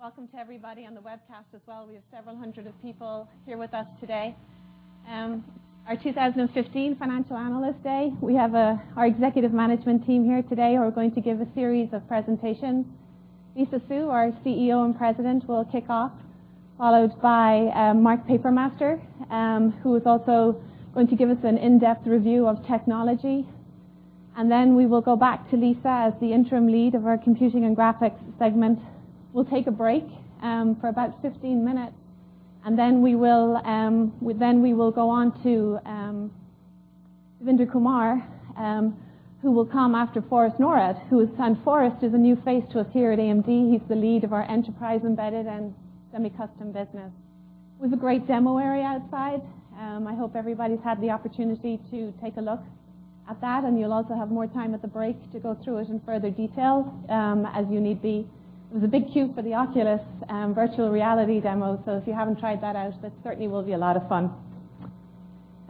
Welcome to everybody on the webcast as well. We have several hundred people here with us today. Our 2015 Financial Analyst Day, we have our executive management team here today who are going to give a series of presentations. Lisa Su, our CEO and President, will kick off, followed by Mark Papermaster, who is also going to give us an in-depth review of technology. Then we will go back to Lisa as the interim lead of our Computing and Graphics segment. We will take a break for about 15 minutes, then we will go on to Devinder Kumar, who will come after Forrest Norrod. Forrest is a new face to us here at AMD. He is the lead of our Enterprise, Embedded and Semi-Custom Business. We have a great demo area outside. I hope everybody has had the opportunity to take a look at that. You will also have more time at the break to go through it in further detail, as you need be. There is a big queue for the Oculus virtual reality demo. If you have not tried that out, that certainly will be a lot of fun.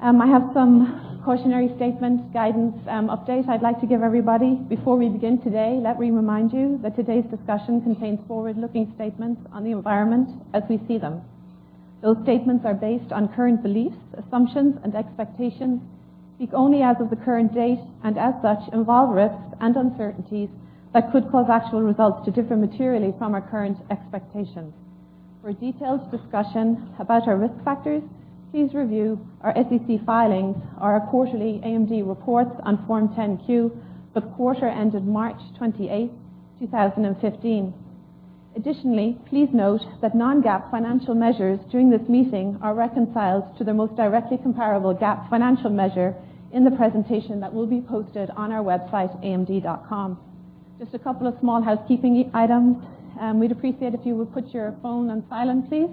I have some cautionary statement guidance update I would like to give everybody. Before we begin today, let me remind you that today's discussion contains forward-looking statements on the environment as we see them. Those statements are based on current beliefs, assumptions, and expectations, speak only as of the current date, as such, involve risks and uncertainties that could cause actual results to differ materially from our current expectations. For a detailed discussion about our risk factors, please review our SEC filings, our quarterly AMD reports on Form 10-Q for the quarter ended March 28th, 2015. Additionally, please note that non-GAAP financial measures during this meeting are reconciled to the most directly comparable GAAP financial measure in the presentation that will be posted on our website, amd.com. Just a couple of small housekeeping items. We would appreciate if you would put your phone on silent, please.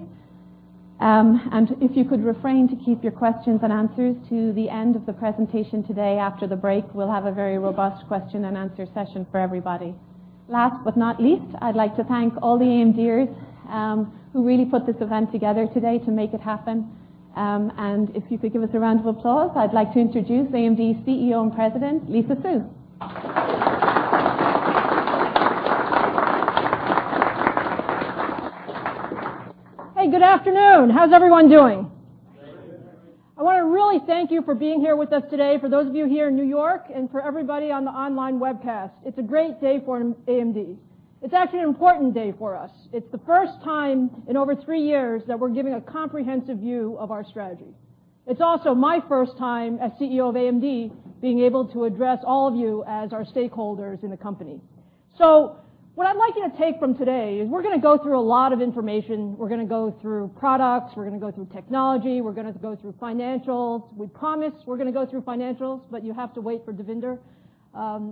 If you could refrain to keep your questions and answers to the end of the presentation today after the break, we will have a very robust question and answer session for everybody. Last but not least, I would like to thank all the AMDers who really put this event together today to make it happen. If you could give us a round of applause, I would like to introduce AMD's CEO and President, Lisa Su. Hey, good afternoon. How is everyone doing? Very good. I want to really thank you for being here with us today, for those of you here in New York and for everybody on the online webcast. It's a great day for AMD. It's actually an important day for us. It's the first time in over 3 years that we're giving a comprehensive view of our strategy. It's also my first time as CEO of AMD being able to address all of you as our stakeholders in the company. What I'd like you to take from today is we're going to go through a lot of information. We're going to go through products. We're going to go through technology. We're going to go through financials. We promise we're going to go through financials, but you have to wait for Devinder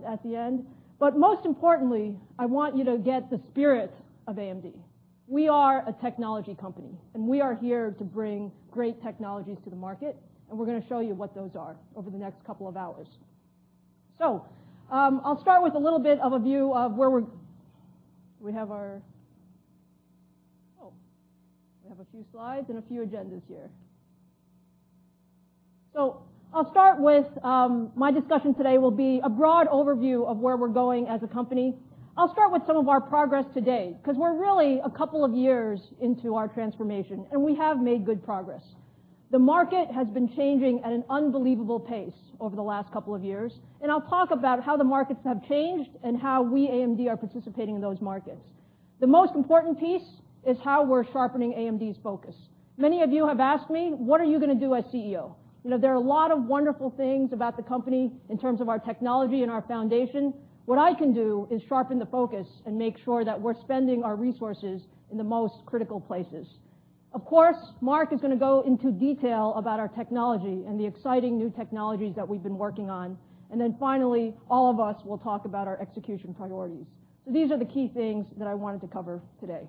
at the end. Most importantly, I want you to get the spirit of AMD. We are a technology company, and we are here to bring great technologies to the market, and we're going to show you what those are over the next couple of hours. I'll start with a little bit of a view of where we're. We have a few slides and a few agendas here. I'll start with my discussion today will be a broad overview of where we're going as a company. I'll start with some of our progress to date, because we're really a couple of years into our transformation, and we have made good progress. The market has been changing at an unbelievable pace over the last couple of years, and I'll talk about how the markets have changed and how we, AMD, are participating in those markets. The most important piece is how we're sharpening AMD's focus. Many of you have asked me, what are you going to do as CEO? There are a lot of wonderful things about the company in terms of our technology and our foundation. What I can do is sharpen the focus and make sure that we're spending our resources in the most critical places. Of course, Mark is going to go into detail about our technology and the exciting new technologies that we've been working on. Finally, all of us will talk about our execution priorities. These are the key things that I wanted to cover today.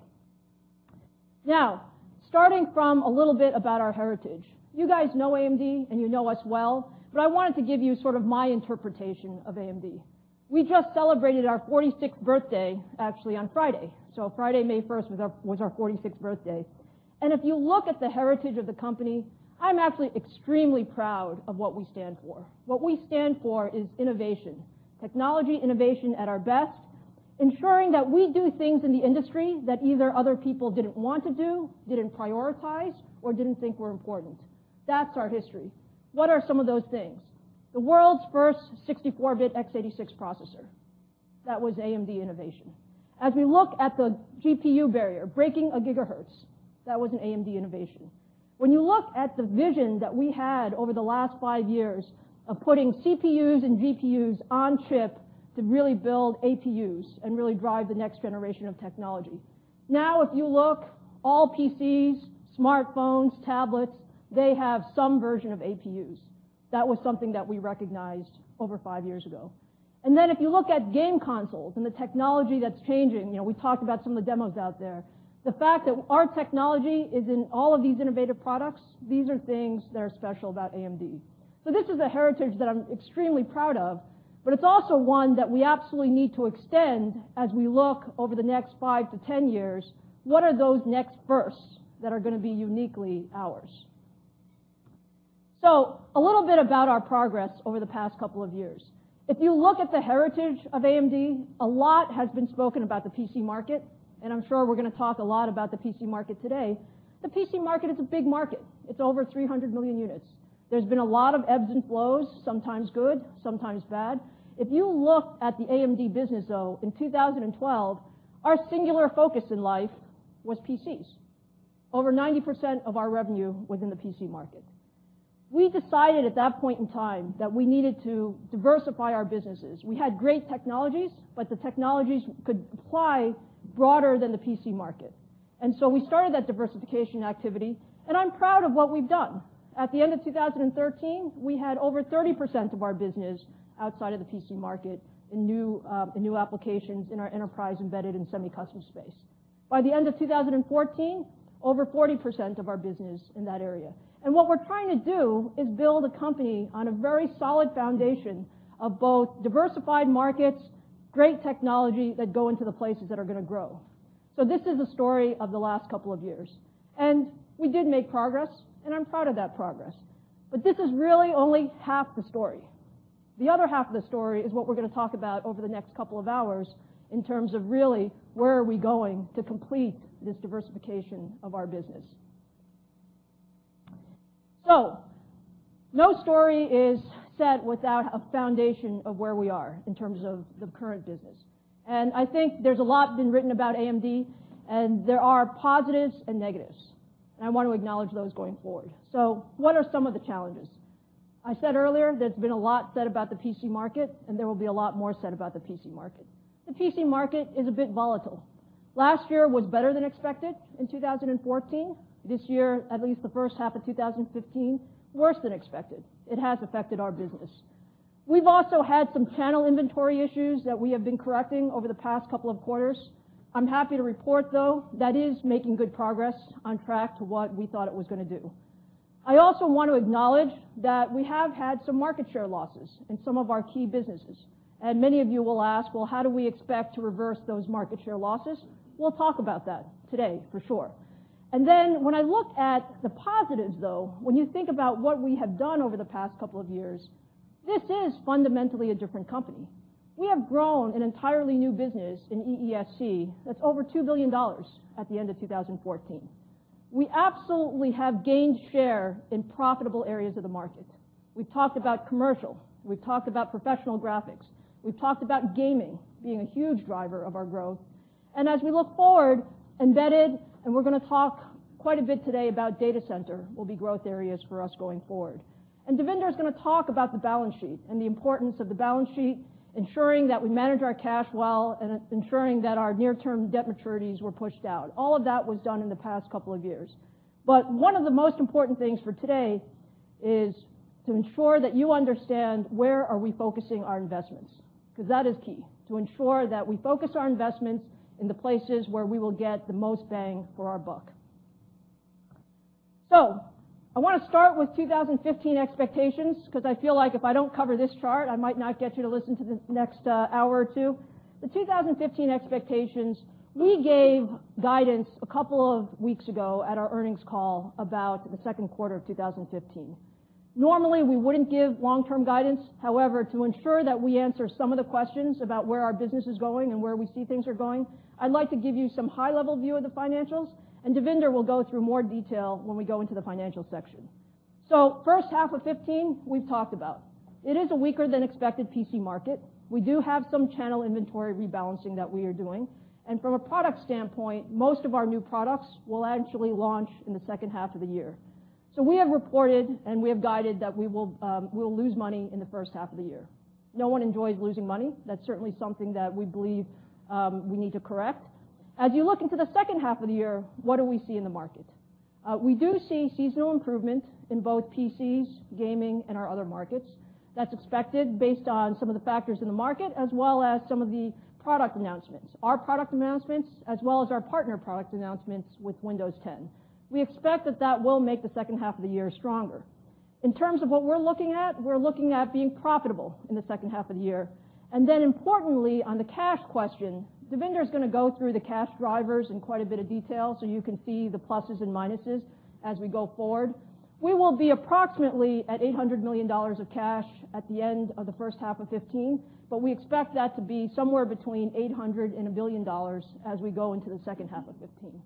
Now, starting from a little bit about our heritage. You guys know AMD, and you know us well, but I wanted to give you sort of my interpretation of AMD. We just celebrated our 46th birthday, actually, on Friday. Friday, May 1st was our 46th birthday. If you look at the heritage of the company, I'm actually extremely proud of what we stand for. What we stand for is innovation, technology innovation at our best, ensuring that we do things in the industry that either other people didn't want to do, didn't prioritize, or didn't think were important. That's our history. What are some of those things? The world's first 64-bit x86 processor. That was AMD innovation. As we look at the GPU barrier, breaking a gigahertz, that was an AMD innovation. When you look at the vision that we had over the last five years of putting CPUs and GPUs on chip to really build APUs and really drive the next generation of technology. Now, if you look, all PCs, smartphones, tablets, they have some version of APUs. That was something that we recognized over five years ago. If you look at game consoles and the technology that's changing, we talked about some of the demos out there. The fact that our technology is in all of these innovative products, these are things that are special about AMD. This is a heritage that I'm extremely proud of, but it's also one that we absolutely need to extend as we look over the next five to 10 years, what are those next firsts that are going to be uniquely ours? A little bit about our progress over the past couple of years. If you look at the heritage of AMD, a lot has been spoken about the PC market, and I'm sure we're going to talk a lot about the PC market today. The PC market is a big market. It's over 300 million units. There's been a lot of ebbs and flows, sometimes good, sometimes bad. If you look at the AMD business, though, in 2012, our singular focus in life was PCs. Over 90% of our revenue was in the PC market. We decided at that point in time that we needed to diversify our businesses. We had great technologies, but the technologies could apply broader than the PC market. We started that diversification activity, and I'm proud of what we've done. At the end of 2013, we had over 30% of our business outside of the PC market in new applications in our Enterprise, Embedded and Semi-Custom space. By the end of 2014, over 40% of our business in that area. What we're trying to do is build a company on a very solid foundation of both diversified markets, great technology that go into the places that are going to grow. This is a story of the last couple of years. We did make progress, and I'm proud of that progress. This is really only half the story. The other half of the story is what we're going to talk about over the next couple of hours in terms of really where are we going to complete this diversification of our business. No story is set without a foundation of where we are in terms of the current business. I think there's a lot been written about AMD, and there are positives and negatives, and I want to acknowledge those going forward. What are some of the challenges? I said earlier there's been a lot said about the PC market, there will be a lot more said about the PC market. The PC market is a bit volatile. Last year was better than expected in 2014. This year, at least the first half of 2015, worse than expected. It has affected our business. We've also had some channel inventory issues that we have been correcting over the past couple of quarters. I'm happy to report, though, that is making good progress on track to what we thought it was going to do. I also want to acknowledge that we have had some market share losses in some of our key businesses. Many of you will ask, "How do we expect to reverse those market share losses?" We'll talk about that today for sure. When I look at the positives, though, when you think about what we have done over the past couple of years, this is fundamentally a different company. We have grown an entirely new business in EESC that's over $2 billion at the end of 2014. We absolutely have gained share in profitable areas of the market. We've talked about commercial. We've talked about professional graphics. We've talked about gaming being a huge driver of our growth. As we look forward, embedded, and we're going to talk quite a bit today about data center will be growth areas for us going forward. Devinder is going to talk about the balance sheet and the importance of the balance sheet, ensuring that we manage our cash well and ensuring that our near-term debt maturities were pushed out. All of that was done in the past couple of years. One of the most important things for today is to ensure that you understand where are we focusing our investments, because that is key. To ensure that we focus our investments in the places where we will get the most bang for our buck. I want to start with 2015 expectations because I feel like if I don't cover this chart, I might not get you to listen to the next hour or two. The 2015 expectations, we gave guidance a couple of weeks ago at our earnings call about the second quarter of 2015. Normally, we wouldn't give long-term guidance. However, to ensure that we answer some of the questions about where our business is going and where we see things are going, I'd like to give you some high-level view of the financials, Devinder will go through more detail when we go into the financial section. First half of 2015, we've talked about. It is a weaker-than-expected PC market. We do have some channel inventory rebalancing that we are doing. From a product standpoint, most of our new products will actually launch in the second half of the year. We have reported, and we have guided that we'll lose money in the first half of the year. No one enjoys losing money. That's certainly something that we believe we need to correct. As you look into the second half of the year, what do we see in the market? We do see seasonal improvement in both PCs, gaming, and our other markets. That's expected based on some of the factors in the market, as well as some of the product announcements, our product announcements, as well as our partner product announcements with Windows 10. We expect that that will make the second half of the year stronger. In terms of what we're looking at, we're looking at being profitable in the second half of the year. Importantly, on the cash question, Devinder is going to go through the cash drivers in quite a bit of detail so you can see the pluses and minuses as we go forward. We will be approximately at $800 million of cash at the end of the first half of 2015, we expect that to be somewhere between $800 million and $1 billion as we go into the second half of 2015.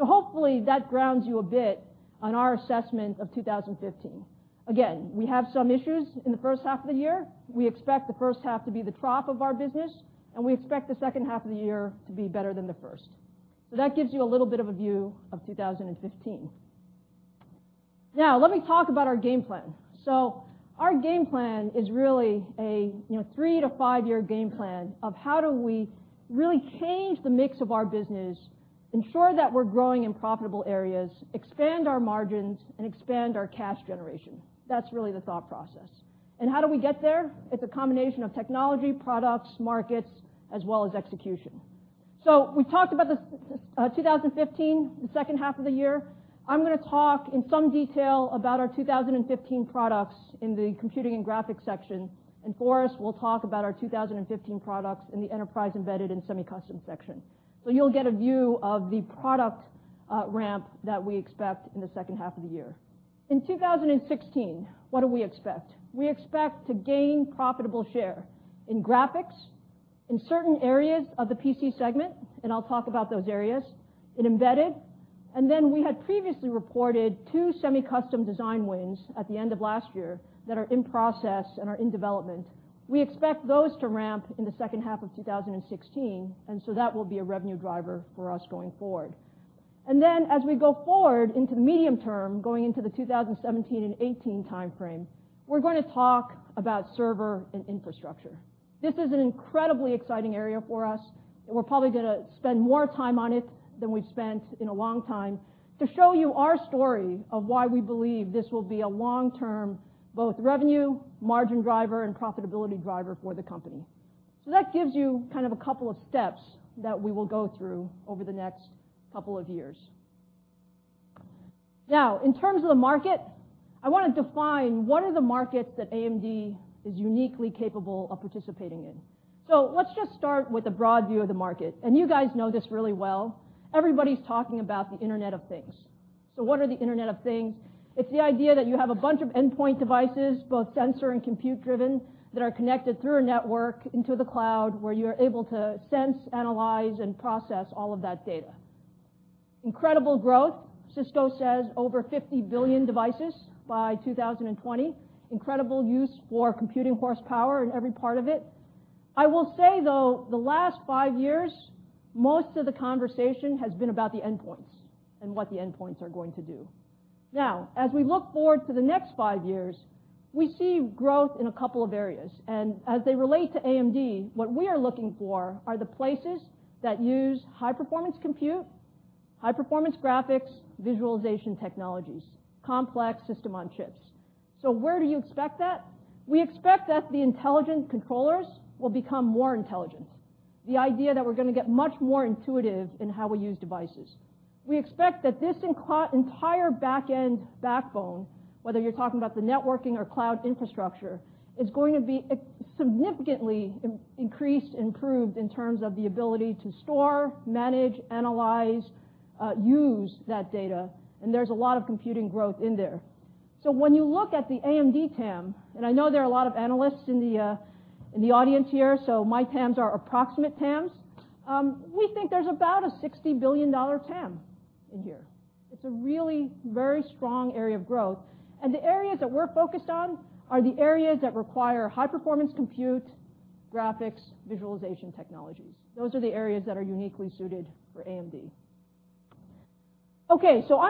Hopefully, that grounds you a bit on our assessment of 2015. Again, we have some issues in the first half of the year. We expect the first half to be the trough of our business, we expect the second half of the year to be better than the first. That gives you a little bit of a view of 2015. Now, let me talk about our game plan. Our game plan is really a three- to five-year game plan of how do we really change the mix of our business, ensure that we're growing in profitable areas, expand our margins, and expand our cash generation. That's really the thought process. How do we get there? It's a combination of technology, products, markets, as well as execution. We've talked about 2015, the second half of the year. I'm going to talk in some detail about our 2015 products in the computing and graphics section, Forrest will talk about our 2015 products in the Enterprise, Embedded and Semi-Custom section. You'll get a view of the product ramp that we expect in the second half of the year. In 2016, what do we expect? We expect to gain profitable share in graphics In certain areas of the PC segment, I'll talk about those areas, in embedded, we had previously reported two semi-custom design wins at the end of last year that are in process and are in development. We expect those to ramp in the second half of 2016, that will be a revenue driver for us going forward. As we go forward into the medium term, going into the 2017 and 2018 timeframe, we're going to talk about server and infrastructure. This is an incredibly exciting area for us, we're probably going to spend more time on it than we've spent in a long time to show you our story of why we believe this will be a long-term both revenue, margin driver, and profitability driver for the company. That gives you a couple of steps that we will go through over the next couple of years. Now, in terms of the market, I want to define what are the markets that AMD is uniquely capable of participating in. Let's just start with a broad view of the market. You guys know this really well. Everybody's talking about the Internet of Things. What are the Internet of Things? It's the idea that you have a bunch of endpoint devices, both sensor and compute driven, that are connected through a network into the cloud, where you're able to sense, analyze, and process all of that data. Incredible growth. Cisco says over 50 billion devices by 2020. Incredible use for computing horsepower in every part of it. I will say, though, the last five years, most of the conversation has been about the endpoints and what the endpoints are going to do. As we look forward to the next five years, we see growth in a couple of areas. As they relate to AMD, what we are looking for are the places that use high-performance compute, high-performance graphics, visualization technologies, complex system on chips. Where do you expect that? We expect that the intelligent controllers will become more intelligent. The idea that we're going to get much more intuitive in how we use devices. We expect that this entire back-end backbone, whether you're talking about the networking or cloud infrastructure, is going to be significantly increased, improved in terms of the ability to store, manage, analyze, use that data, and there's a lot of computing growth in there. When you look at the AMD TAM, and I know there are a lot of analysts in the audience here, my TAMs are approximate TAMs, we think there's about a $60 billion TAM in here. It's a really very strong area of growth. The areas that we're focused on are the areas that require high-performance compute, graphics, visualization technologies. Those are the areas that are uniquely suited for AMD. I'm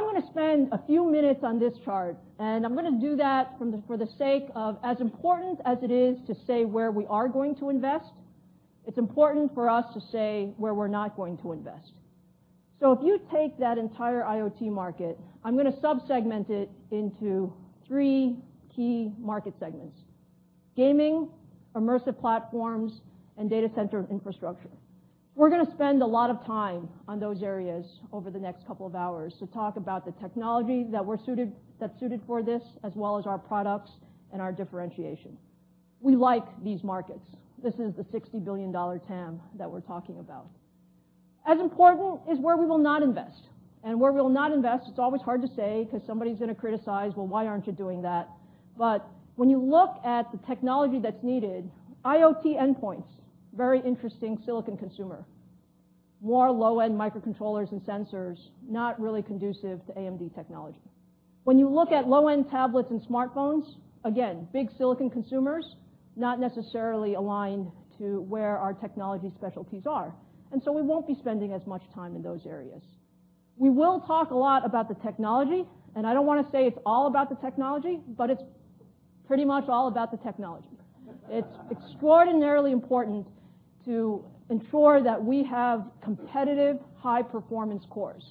going to spend a few minutes on this chart, and I'm going to do that for the sake of as important as it is to say where we are going to invest, it's important for us to say where we're not going to invest. If you take that entire IoT market, I'm going to sub-segment it into three key market segments: gaming, immersive platforms, and data center infrastructure. We're going to spend a lot of time on those areas over the next couple of hours to talk about the technology that's suited for this, as well as our products and our differentiation. We like these markets. This is the $60 billion TAM that we're talking about. As important is where we will not invest. Where we'll not invest, it's always hard to say because somebody's going to criticize, "Well, why aren't you doing that?" When you look at the technology that's needed, IoT endpoints, very interesting silicon consumer. More low-end microcontrollers and sensors, not really conducive to AMD technology. When you look at low-end tablets and smartphones, again, big silicon consumers, not necessarily aligned to where our technology specialties are. We won't be spending as much time in those areas. We will talk a lot about the technology, and I don't want to say it's all about the technology, but it's pretty much all about the technology. It's extraordinarily important to ensure that we have competitive high-performance cores.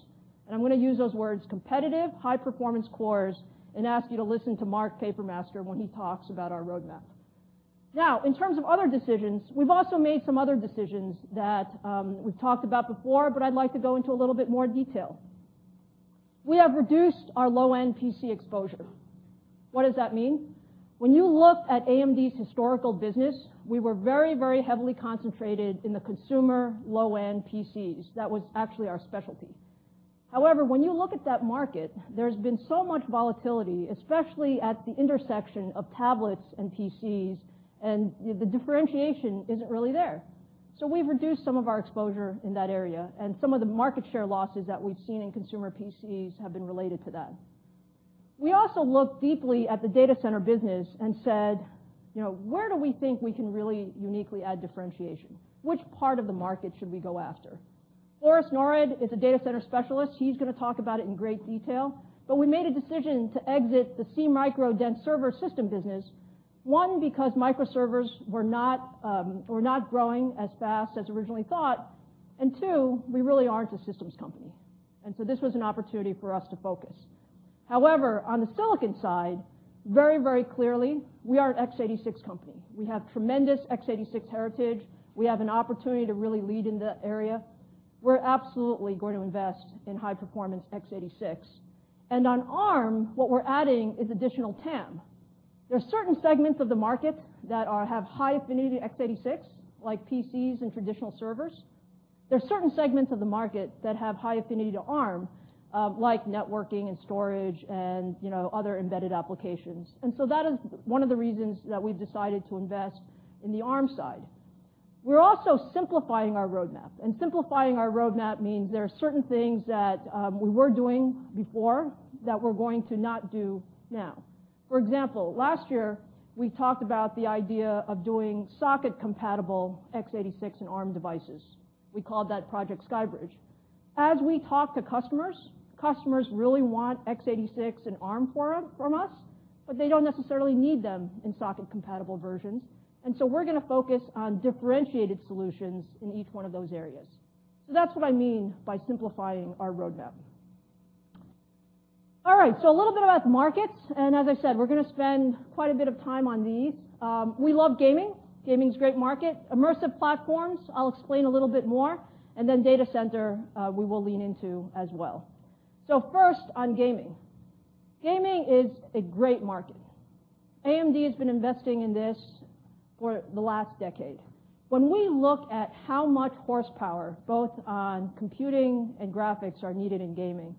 I'm going to use those words, competitive high-performance cores, and ask you to listen to Mark Papermaster when he talks about our roadmap. In terms of other decisions, we've also made some other decisions that we've talked about before, but I'd like to go into a little bit more detail. We have reduced our low-end PC exposure. What does that mean? When you look at AMD's historical business, we were very, very heavily concentrated in the consumer low-end PCs. That was actually our specialty. When you look at that market, there's been so much volatility, especially at the intersection of tablets and PCs, and the differentiation isn't really there. We've reduced some of our exposure in that area, and some of the market share losses that we've seen in consumer PCs have been related to that. We also looked deeply at the data center business and said, "Where do we think we can really uniquely add differentiation? Which part of the market should we go after?" Forrest Norrod is a data center specialist. He's going to talk about it in great detail. We made a decision to exit the SeaMicro dense server system business. One, because microservers were not growing as fast as originally thought, and two, we really aren't a systems company, this was an opportunity for us to focus. On the silicon side, very, very clearly, we are an x86 company. We have tremendous x86 heritage. We have an opportunity to really lead in that area. We're absolutely going to invest in high-performance x86. On Arm, what we're adding is additional TAM. There are certain segments of the market that have high affinity to x86, like PCs and traditional servers. There are certain segments of the market that have high affinity to Arm, like networking and storage and other embedded applications. That is one of the reasons that we've decided to invest in the Arm side. We're also simplifying our roadmap, and simplifying our roadmap means there are certain things that we were doing before that we're going to not do now. For example, last year, we talked about the idea of doing socket-compatible x86 and Arm devices. We called that Project SkyBridge. As we talk to customers really want x86 and Arm from us, but they don't necessarily need them in socket-compatible versions. We're going to focus on differentiated solutions in each one of those areas. That's what I mean by simplifying our roadmap. A little bit about the markets, and as I said, we're going to spend quite a bit of time on these. We love gaming. Gaming's a great market. Immersive platforms, I'll explain a little bit more, data center, we will lean into as well. First on gaming. Gaming is a great market. AMD has been investing in this for the last decade. When we look at how much horsepower, both on computing and graphics, are needed in gaming,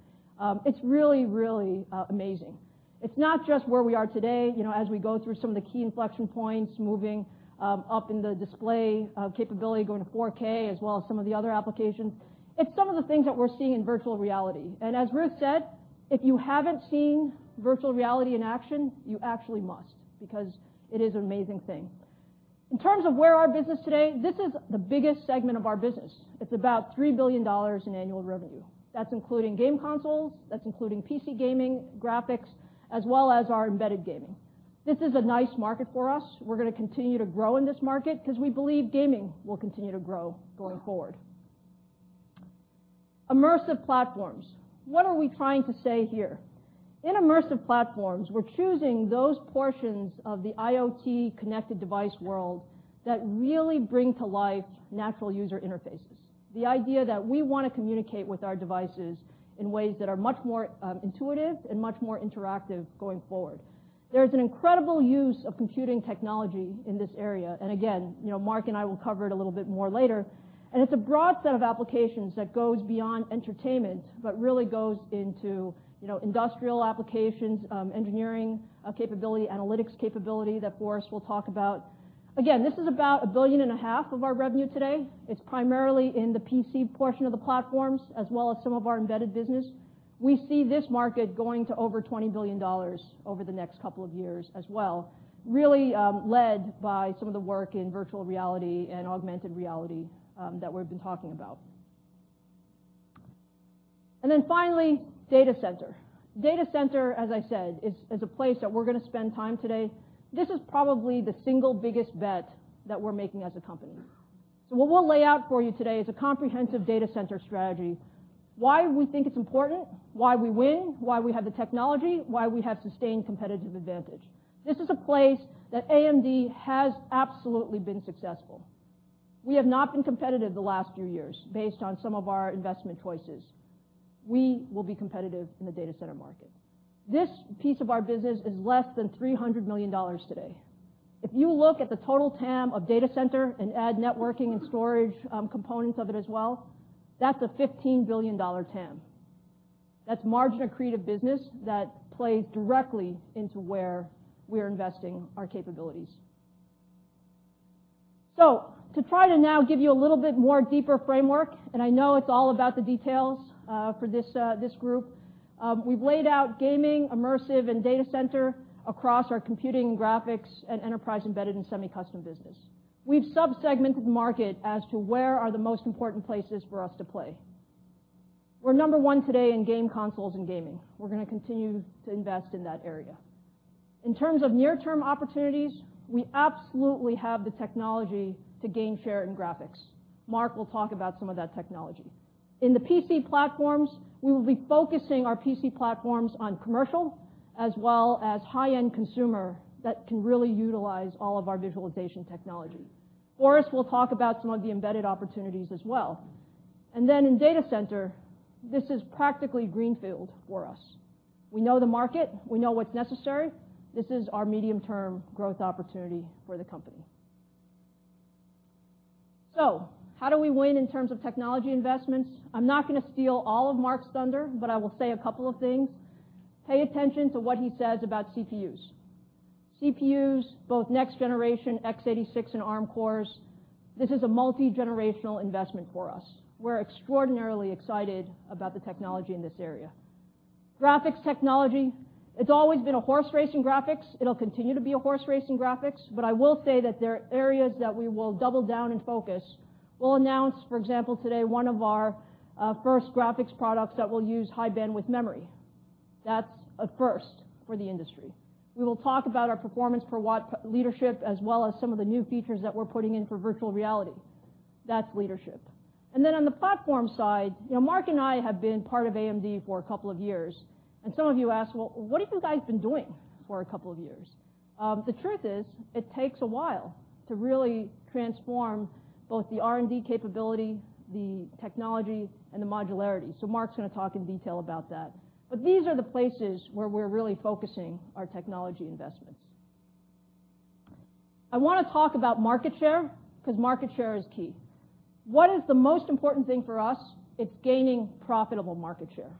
it's really, really amazing. It's not just where we are today as we go through some of the key inflection points, moving up in the display capability, going to 4K, as well as some of the other applications. It's some of the things that we're seeing in virtual reality. As Ruth said, if you haven't seen virtual reality in action, you actually must because it is an amazing thing. In terms of where our business is today, this is the biggest segment of our business. It's about $3 billion in annual revenue. That's including game consoles, that's including PC gaming, graphics, as well as our embedded gaming. This is a nice market for us. We're going to continue to grow in this market because we believe gaming will continue to grow going forward. Immersive platforms. What are we trying to say here? In immersive platforms, we're choosing those portions of the IoT connected device world that really bring to life natural user interfaces. The idea that we want to communicate with our devices in ways that are much more intuitive and much more interactive going forward. There is an incredible use of computing technology in this area. Again, Mark and I will cover it a little bit more later. It's a broad set of applications that goes beyond entertainment, but really goes into industrial applications, engineering capability, analytics capability that Forrest will talk about. Again, this is about a billion and a half of our revenue today. It's primarily in the PC portion of the platforms, as well as some of our embedded business. We see this market going to over $20 billion over the next couple of years as well, really led by some of the work in virtual reality and augmented reality that we've been talking about. Finally, data center. Data center, as I said, is a place that we're going to spend time today. This is probably the single biggest bet that we're making as a company. What we'll lay out for you today is a comprehensive data center strategy. Why we think it's important, why we win, why we have the technology, why we have sustained competitive advantage. This is a place that AMD has absolutely been successful. We have not been competitive the last few years based on some of our investment choices. We will be competitive in the data center market. This piece of our business is less than $300 million today. If you look at the total TAM of data center and add networking and storage components of it as well, that's a $15 billion TAM. That's margin accretive business that plays directly into where we're investing our capabilities. To try to now give you a little bit more deeper framework, and I know it's all about the details for this group, we've laid out gaming, immersive, and data center across our computing, graphics, and Enterprise, Embedded, and Semi-Custom business. We've sub-segmented the market as to where are the most important places for us to play. We're number one today in game consoles and gaming. We're going to continue to invest in that area. In terms of near-term opportunities, we absolutely have the technology to gain share in graphics. Mark will talk about some of that technology. In the PC platforms, we will be focusing our PC platforms on commercial as well as high-end consumer that can really utilize all of our visualization technology. Forrest will talk about some of the embedded opportunities as well. In data center, this is practically greenfield for us. We know the market. We know what's necessary. This is our medium-term growth opportunity for the company. How do we win in terms of technology investments? I'm not going to steal all of Mark's thunder, but I will say a couple of things. Pay attention to what he says about CPUs. CPUs, both next-generation x86 and Arm cores, this is a multi-generational investment for us. We're extraordinarily excited about the technology in this area. Graphics technology, it's always been a horse race in graphics. It'll continue to be a horse race in graphics, but I will say that there are areas that we will double down and focus. We'll announce, for example, today, one of our first graphics products that will use high-bandwidth memory. That's a first for the industry. We will talk about our performance per watt leadership, as well as some of the new features that we're putting in for virtual reality. That's leadership. On the platform side, Mark and I have been part of AMD for a couple of years, and some of you ask, "Well, what have you guys been doing for a couple of years?" The truth is, it takes a while to really transform both the R&D capability, the technology, and the modularity. Mark's going to talk in detail about that. These are the places where we're really focusing our technology investments. I want to talk about market share because market share is key. What is the most important thing for us? It's gaining profitable market share.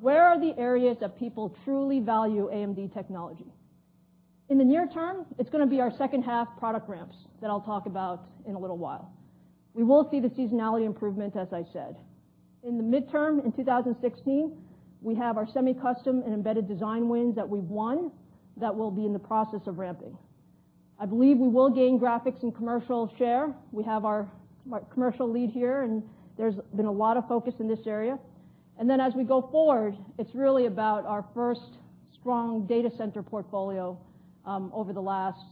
Where are the areas that people truly value AMD technology? In the near term, it's going to be our second half product ramps that I'll talk about in a little while. We will see the seasonality improvement, as I said. In the midterm, in 2016, we have our semi-custom and embedded design wins that we've won that will be in the process of ramping. I believe we will gain graphics and commercial share. We have our commercial lead here, and there's been a lot of focus in this area. As we go forward, it's really about our first strong data center portfolio over the last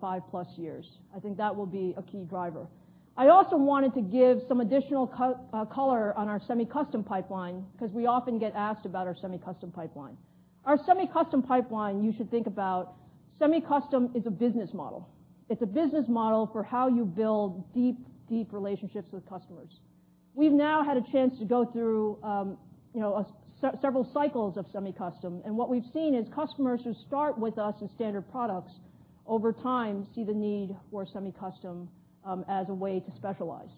five-plus years. I think that will be a key driver. I also wanted to give some additional color on our semi-custom pipeline because we often get asked about our semi-custom pipeline. Our semi-custom pipeline, you should think about semi-custom is a business model. It's a business model for how you build deep relationships with customers. We've now had a chance to go through several cycles of semi-custom, and what we've seen is customers who start with us as standard products over time see the need for semi-custom as a way to specialize.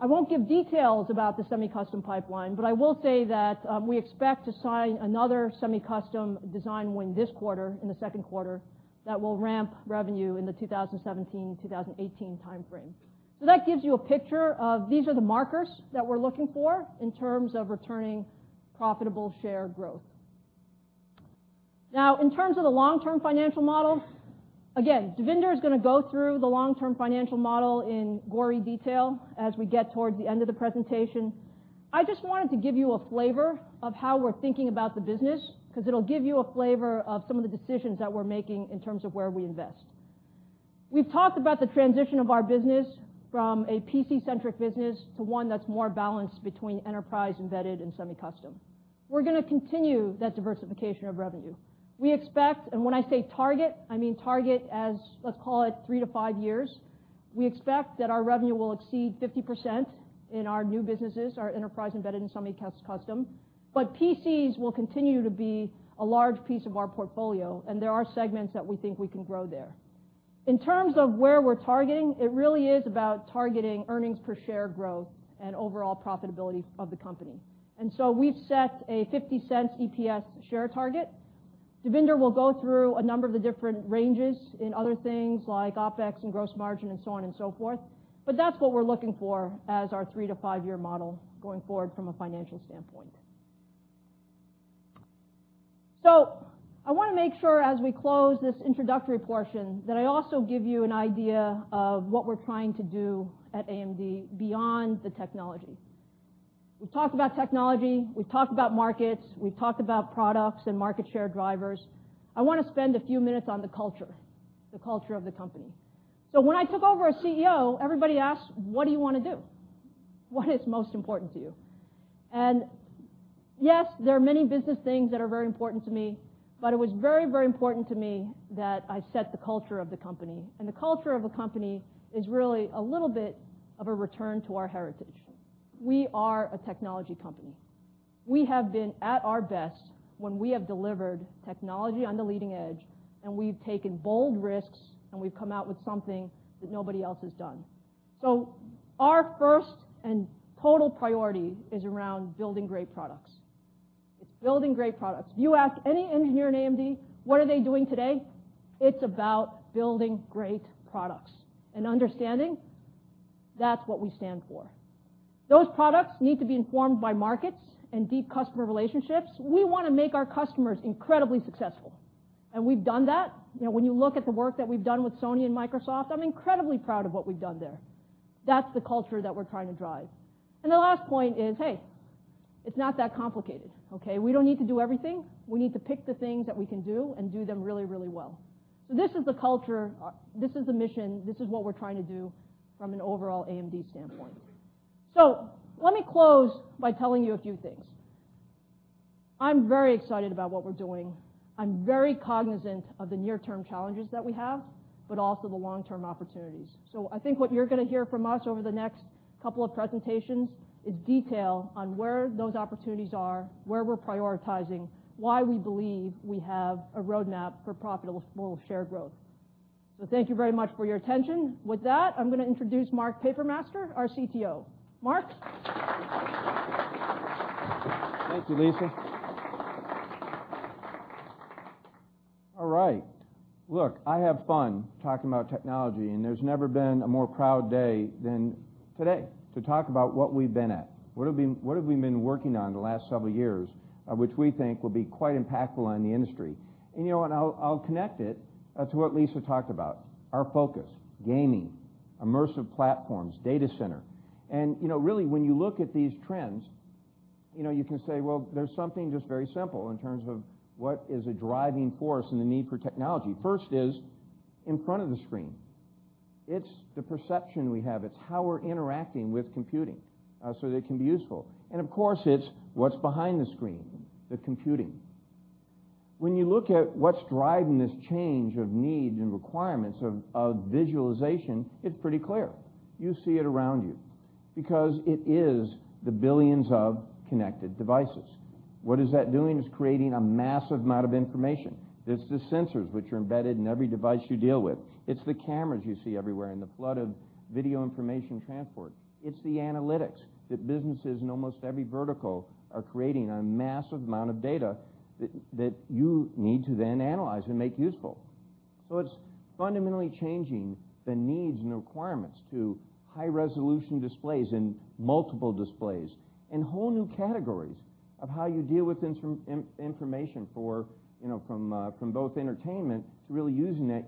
I won't give details about the semi-custom pipeline, but I will say that we expect to sign another semi-custom design win this quarter, in the second quarter, that will ramp revenue in the 2017-2018 timeframe. That gives you a picture of these are the markers that we're looking for in terms of returning profitable share growth. Now, in terms of the long-term financial model, again, Devinder is going to go through the long-term financial model in gory detail as we get towards the end of the presentation. I just wanted to give you a flavor of how we're thinking about the business because it'll give you a flavor of some of the decisions that we're making in terms of where we invest. We've talked about the transition of our business from a PC-centric business to one that's more balanced between enterprise, embedded, and semi-custom. We're going to continue that diversification of revenue. We expect, and when I say target, I mean target as, let's call it, 3 to 5 years. We expect that our revenue will exceed 50% in our new businesses, our enterprise, embedded, and semi-custom. PCs will continue to be a large piece of our portfolio, and there are segments that we think we can grow there. In terms of where we're targeting, it really is about targeting earnings per share growth and overall profitability of the company. We've set a $0.50 EPS share target. Devinder will go through a number of the different ranges in other things like OpEx and gross margin and so on and so forth. That's what we're looking for as our 3-to-5-year model going forward from a financial standpoint. I want to make sure as we close this introductory portion, that I also give you an idea of what we're trying to do at AMD beyond the technology. We've talked about technology, we've talked about markets, we've talked about products and market share drivers. I want to spend a few minutes on the culture, the culture of the company. When I took over as CEO, everybody asked, "What do you want to do? What is most important to you?" Yes, there are many business things that are very important to me, but it was very important to me that I set the culture of the company. The culture of a company is really a little bit of a return to our heritage. We are a technology company. We have been at our best when we have delivered technology on the leading edge, and we've taken bold risks, and we've come out with something that nobody else has done. Our first and total priority is around building great products. It's building great products. If you ask any engineer in AMD what are they doing today, it's about building great products and understanding that's what we stand for. Those products need to be informed by markets and deep customer relationships. We want to make our customers incredibly successful, and we've done that. When you look at the work that we've done with Sony and Microsoft, I'm incredibly proud of what we've done there. That's the culture that we're trying to drive. The last point is, hey, it's not that complicated. Okay? We don't need to do everything. We need to pick the things that we can do and do them really well. This is the culture, this is the mission, this is what we're trying to do from an overall AMD standpoint. Let me close by telling you a few things. I'm very excited about what we're doing. I'm very cognizant of the near-term challenges that we have, but also the long-term opportunities. I think what you're going to hear from us over the next couple of presentations is detail on where those opportunities are, where we're prioritizing, why we believe we have a roadmap for profitable share growth. Thank you very much for your attention. With that, I'm going to introduce Mark Papermaster, our CTO. Mark? Thank you, Lisa. All right. Look, I have fun talking about technology, there's never been a more proud day than today to talk about what we've been at, what have we been working on the last several years, which we think will be quite impactful on the industry. You know what? I'll connect it to what Lisa talked about, our focus, gaming, immersive platforms, data center. Really, when you look at these trends, you can say, well, there's something just very simple in terms of what is a driving force and the need for technology. First is in front of the screen. It's the perception we have. It's how we're interacting with computing so that it can be useful. Of course, it's what's behind the screen, the computing. When you look at what's driving this change of need and requirements of visualization, it's pretty clear. You see it around you because it is the billions of connected devices. What is that doing? It's creating a massive amount of information. It's the sensors which are embedded in every device you deal with. It's the cameras you see everywhere and the flood of video information transport. It's the analytics that businesses in almost every vertical are creating a massive amount of data that you need to then analyze and make useful. It's fundamentally changing the needs and the requirements to high-resolution displays and multiple displays, and whole new categories of how you deal with information from both entertainment to really using that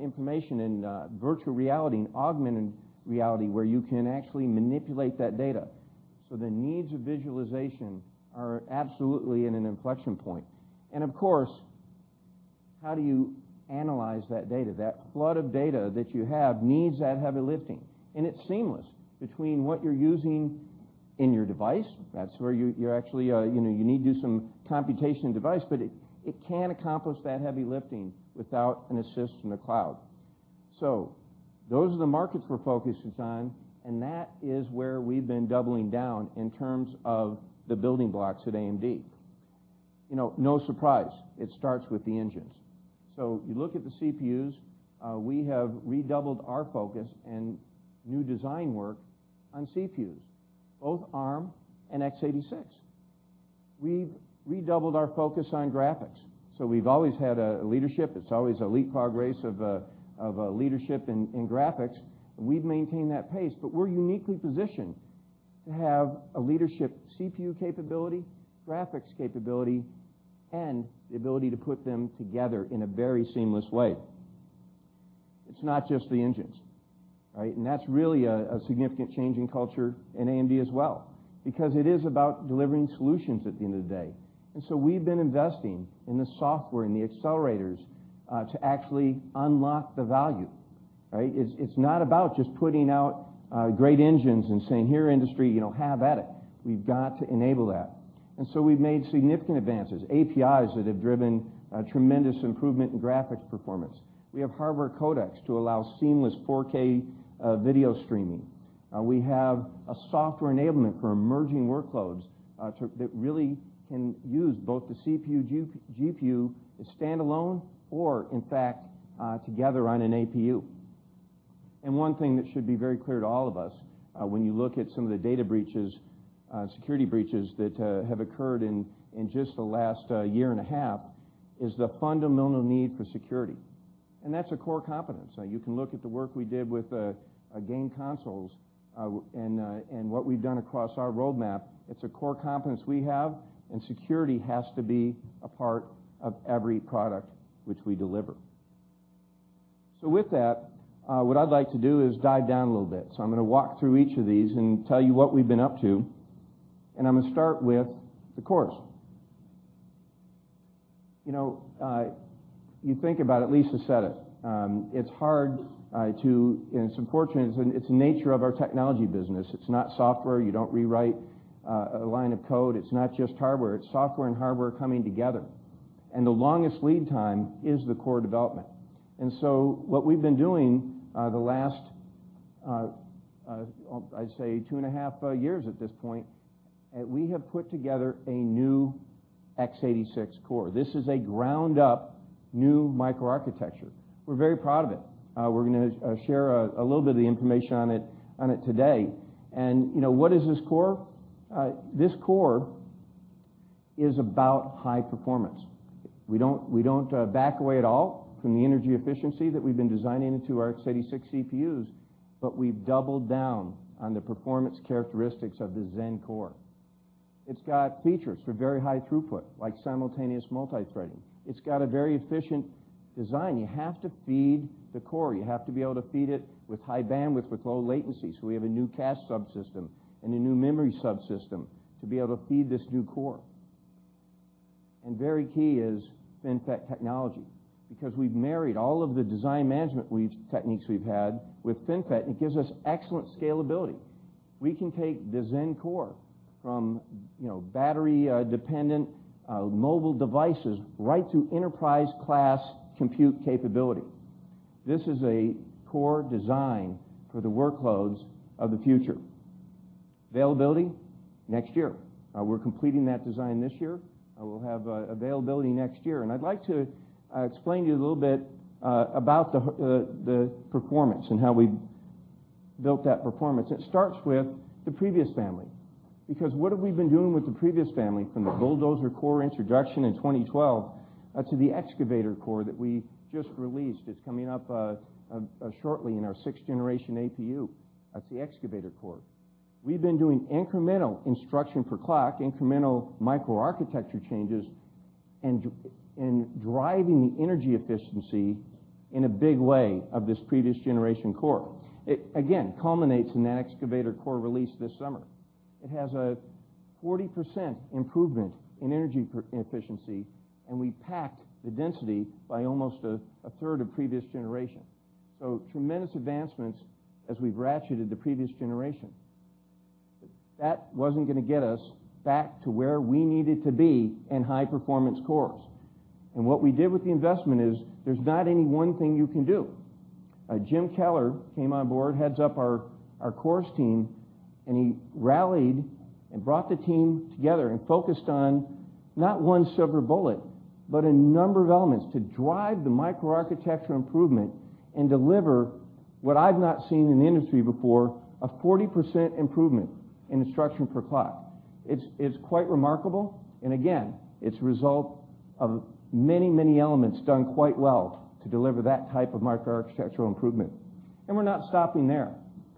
information in virtual reality and augmented reality, where you can actually manipulate that data. The needs of visualization are absolutely in an inflection point. Of course, how do you analyze that data? That flood of data that you have needs that heavy lifting, and it's seamless between what you're using in your device. That's where you need to do some computation device, but it can't accomplish that heavy lifting without an assist from the cloud. Those are the markets we're focusing on, and that is where we've been doubling down in terms of the building blocks at AMD. No surprise, it starts with the engines. You look at the CPUs, we have redoubled our focus and new design work on CPUs, both Arm and x86. We've redoubled our focus on graphics. We've always had leadership. It's always a leapfrog race of leadership in graphics, and we've maintained that pace. We're uniquely positioned to have a leadership CPU capability, graphics capability, and the ability to put them together in a very seamless way. It's not just the engines, right? That's really a significant change in culture in AMD as well, because it is about delivering solutions at the end of the day. We've been investing in the software and the accelerators, to actually unlock the value, right? It's not about just putting out great engines and saying, "Here, industry, have at it." We've got to enable that. We've made significant advances, APIs that have driven a tremendous improvement in graphics performance. We have hardware codecs to allow seamless 4K video streaming. We have a software enablement for emerging workloads, that really can use both the CPU, GPU as standalone or in fact, together on an APU. One thing that should be very clear to all of us, when you look at some of the data breaches, security breaches that have occurred in just the last year and a half, is the fundamental need for security. That's a core competence. You can look at the work we did with game consoles, and what we've done across our roadmap. It's a core competence we have, and security has to be a part of every product which we deliver. With that, what I'd like to do is dive down a little bit. I'm going to walk through each of these and tell you what we've been up to, and I'm going to start with the cores. You think about it, Lisa said it. It's hard to, and it's unfortunate, it's the nature of our technology business. It's not software. You don't rewrite a line of code. It's not just hardware. It's software and hardware coming together, and the longest lead time is the core development. What we've been doing the last, I'd say two and a half years at this point, we have put together a new x86 core. This is a ground-up new microarchitecture. We're very proud of it. We're going to share a little bit of the information on it today. What is this core? This core is about high performance. We don't back away at all from the energy efficiency that we've been designing into our x86 CPUs, but we've doubled down on the performance characteristics of the Zen core. It's got features for very high throughput, like simultaneous multithreading. It's got a very efficient design. You have to feed the core. You have to be able to feed it with high bandwidth, with low latency. We have a new cache subsystem and a new memory subsystem to be able to feed this new core. Very key is FinFET technology, because we've married all of the design management techniques we've had with FinFET, and it gives us excellent scalability. We can take the Zen core from battery-dependent mobile devices right to enterprise-class compute capability. This is a core design for the workloads of the future. Availability, next year. We're completing that design this year. We'll have availability next year. I'd like to explain to you a little bit about the performance and how we built that performance. It starts with the previous family, because what have we been doing with the previous family from the Bulldozer core introduction in 2012 to the Excavator core that we just released? It's coming up shortly in our 6th-generation APU. That's the Excavator core. We've been doing incremental instruction per clock, incremental microarchitecture changes, and driving the energy efficiency in a big way of this previous generation core. It again culminates in that Excavator core release this summer. It has a 40% improvement in energy efficiency, and we packed the density by almost a third of previous generation. Tremendous advancements as we've ratcheted the previous generation. That wasn't going to get us back to where we needed to be in high-performance cores. What we did with the investment is there's not any one thing you can do. Jim Keller came on board, heads up our cores team, he rallied and brought the team together and focused on not one silver bullet, but a number of elements to drive the microarchitecture improvement and deliver what I've not seen in the industry before, a 40% improvement in instruction per clock. It's quite remarkable, it's a result of many elements done quite well to deliver that type of microarchitectural improvement. We're not stopping there.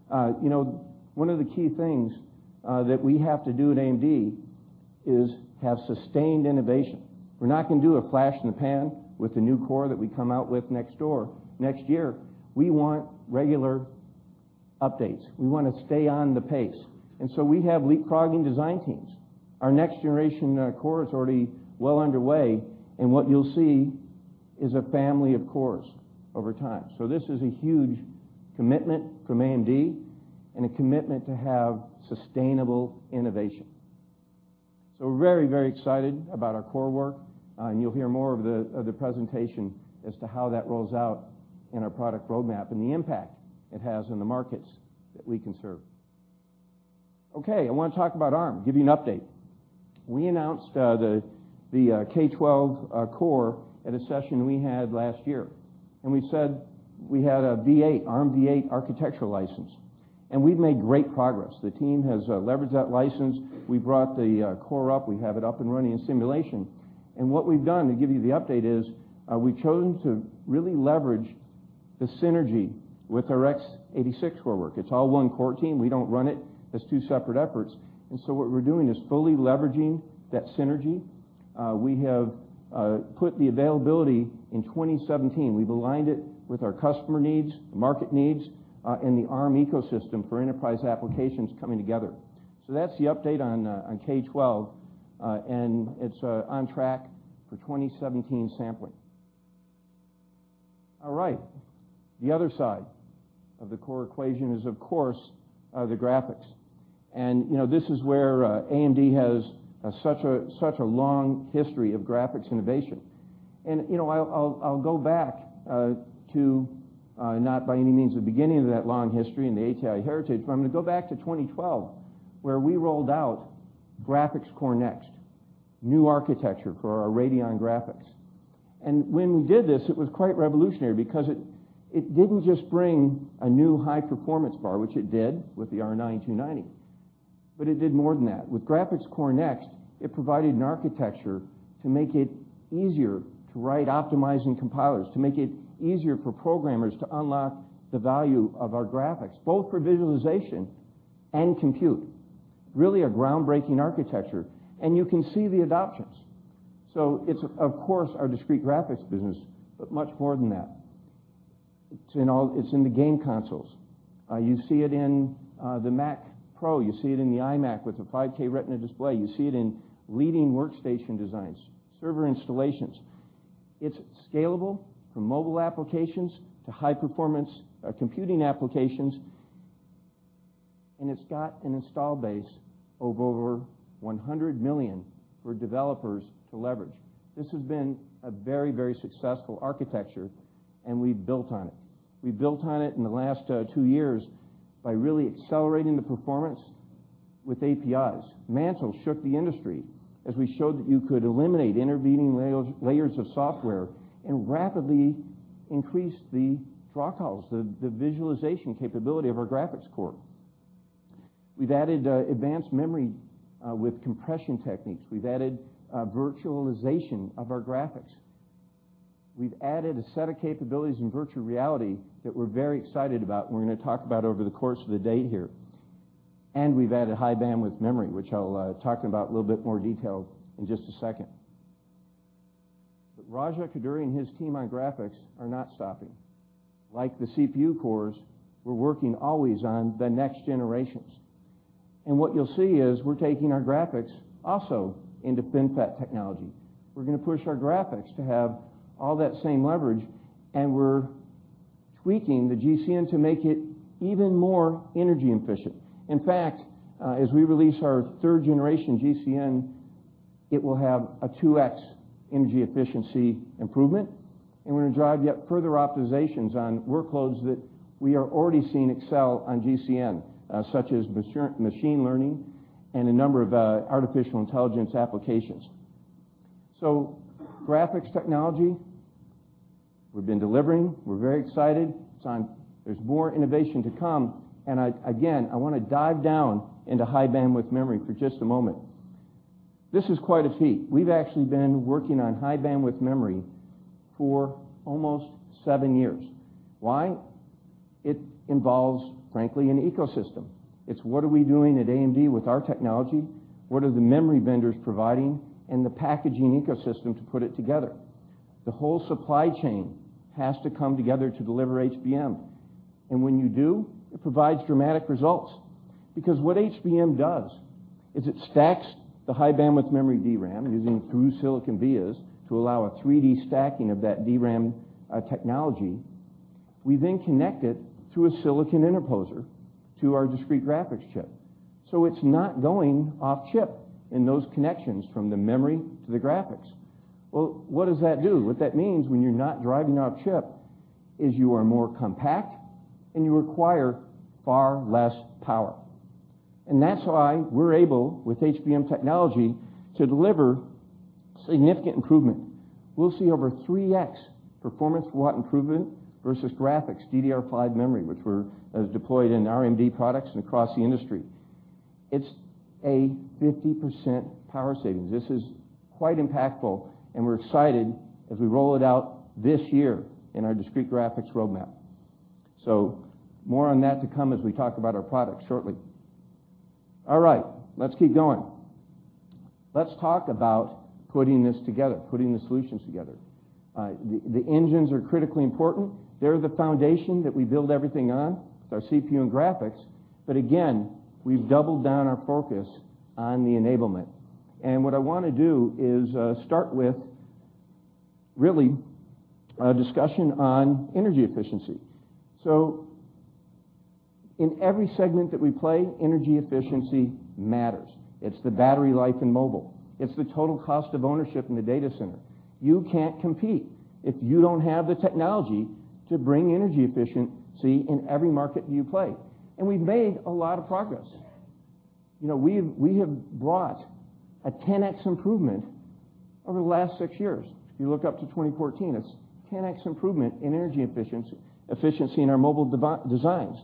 One of the key things that we have to do at AMD is have sustained innovation. We're not going to do a flash in the pan with the new core that we come out with next door next year. We want regular updates. We want to stay on the pace. We have leapfrogging design teams. Our next-generation core is already well underway, what you'll see is a family of cores over time. This is a huge commitment from AMD and a commitment to have sustainable innovation. We're very excited about our core work, you'll hear more of the presentation as to how that rolls out in our product roadmap and the impact it has on the markets that we can serve. Okay, I want to talk about Arm, give you an update. We announced the K12 core at a session we had last year. We said we had a ARM v8 architectural license. We've made great progress. The team has leveraged that license. We brought the core up. We have it up and running in simulation. What we've done, to give you the update, is we've chosen to really leverage the synergy with our x86 core work. It's all one core team. We don't run it as two separate efforts. What we're doing is fully leveraging that synergy. We have put the availability in 2017. We've aligned it with our customer needs, the market needs, and the Arm ecosystem for enterprise applications coming together. That's the update on K12, it's on track for 2017 sampling. All right. The other side of the core equation is, of course, the graphics. This is where AMD has such a long history of graphics innovation. I'll go back to, not by any means the beginning of that long history and the ATI heritage, but I'm going to go back to 2012, where we rolled out Graphics Core Next, new architecture for our Radeon graphics. When we did this, it was quite revolutionary because it didn't just bring a new high-performance bar, which it did with the R9 290, but it did more than that. With Graphics Core Next, it provided an architecture to make it easier to write optimizing compilers, to make it easier for programmers to unlock the value of our graphics, both for visualization and compute. Really a groundbreaking architecture. You can see the adoptions. It's, of course, our discrete graphics business, but much more than that. It's in the game consoles. You see it in the Mac Pro. You see it in the iMac with a 5K Retina display. You see it in leading workstation designs, server installations. It's scalable from mobile applications to high-performance computing applications, and it's got an install base of over 100 million for developers to leverage. This has been a very successful architecture, we've built on it. We built on it in the last 2 years by really accelerating the performance with APIs. Mantle shook the industry as we showed that you could eliminate intervening layers of software and rapidly increase the draw calls, the visualization capability of our graphics core. We've added advanced memory with compression techniques. We've added virtualization of our graphics. We've added a set of capabilities in virtual reality that we're very excited about, and we're going to talk about over the course of the day here. We've added high-bandwidth memory, which I'll talk about in a little bit more detail in just a second. But Raja Koduri and his team on graphics are not stopping. Like the CPU cores, we're working always on the next generations. What you'll see is we're taking our graphics also into FinFET technology. We're going to push our graphics to have all that same leverage, we're tweaking the GCN to make it even more energy efficient. In fact, as we release our third-generation GCN, it will have a 2X energy efficiency improvement, we're going to drive yet further optimizations on workloads that we are already seeing excel on GCN, such as machine learning and a number of artificial intelligence applications. Graphics technology, we've been delivering. We're very excited. There's more innovation to come, again, I want to dive down into high-bandwidth memory for just a moment. This is quite a feat. We've actually been working on high-bandwidth memory for almost 7 years. Why? It involves, frankly, an ecosystem. It's what are we doing at AMD with our technology, what are the memory vendors providing, and the packaging ecosystem to put it together. The whole supply chain has to come together to deliver HBM. When you do, it provides dramatic results because what HBM does is it stacks the high-bandwidth memory DRAM using through-silicon vias to allow a 3D stacking of that DRAM technology. We then connect it to a silicon interposer to our discrete graphics chip. It's not going off-chip in those connections from the memory to the graphics. Well, what does that do? What that means when you're not driving off-chip is you are more compact and you require far less power. That's why we're able, with HBM technology, to deliver significant improvement. We'll see over 3X performance watt improvement versus graphics DDR5 memory, which was deployed in our AMD products and across the industry. It's a 50% power savings. This is quite impactful. We're excited as we roll it out this year in our discrete graphics roadmap. More on that to come as we talk about our products shortly. All right. Let's keep going. Let's talk about putting this together, putting the solutions together. The engines are critically important. They're the foundation that we build everything on with our CPU and graphics. Again, we've doubled down our focus on the enablement. What I want to do is start with, really, a discussion on energy efficiency. In every segment that we play, energy efficiency matters. It's the battery life in mobile. It's the total cost of ownership in the data center. You can't compete if you don't have the technology to bring energy efficiency in every market you play. We've made a lot of progress. We have brought a 10x improvement over the last six years. If you look up to 2014, it's 10x improvement in energy efficiency in our mobile designs.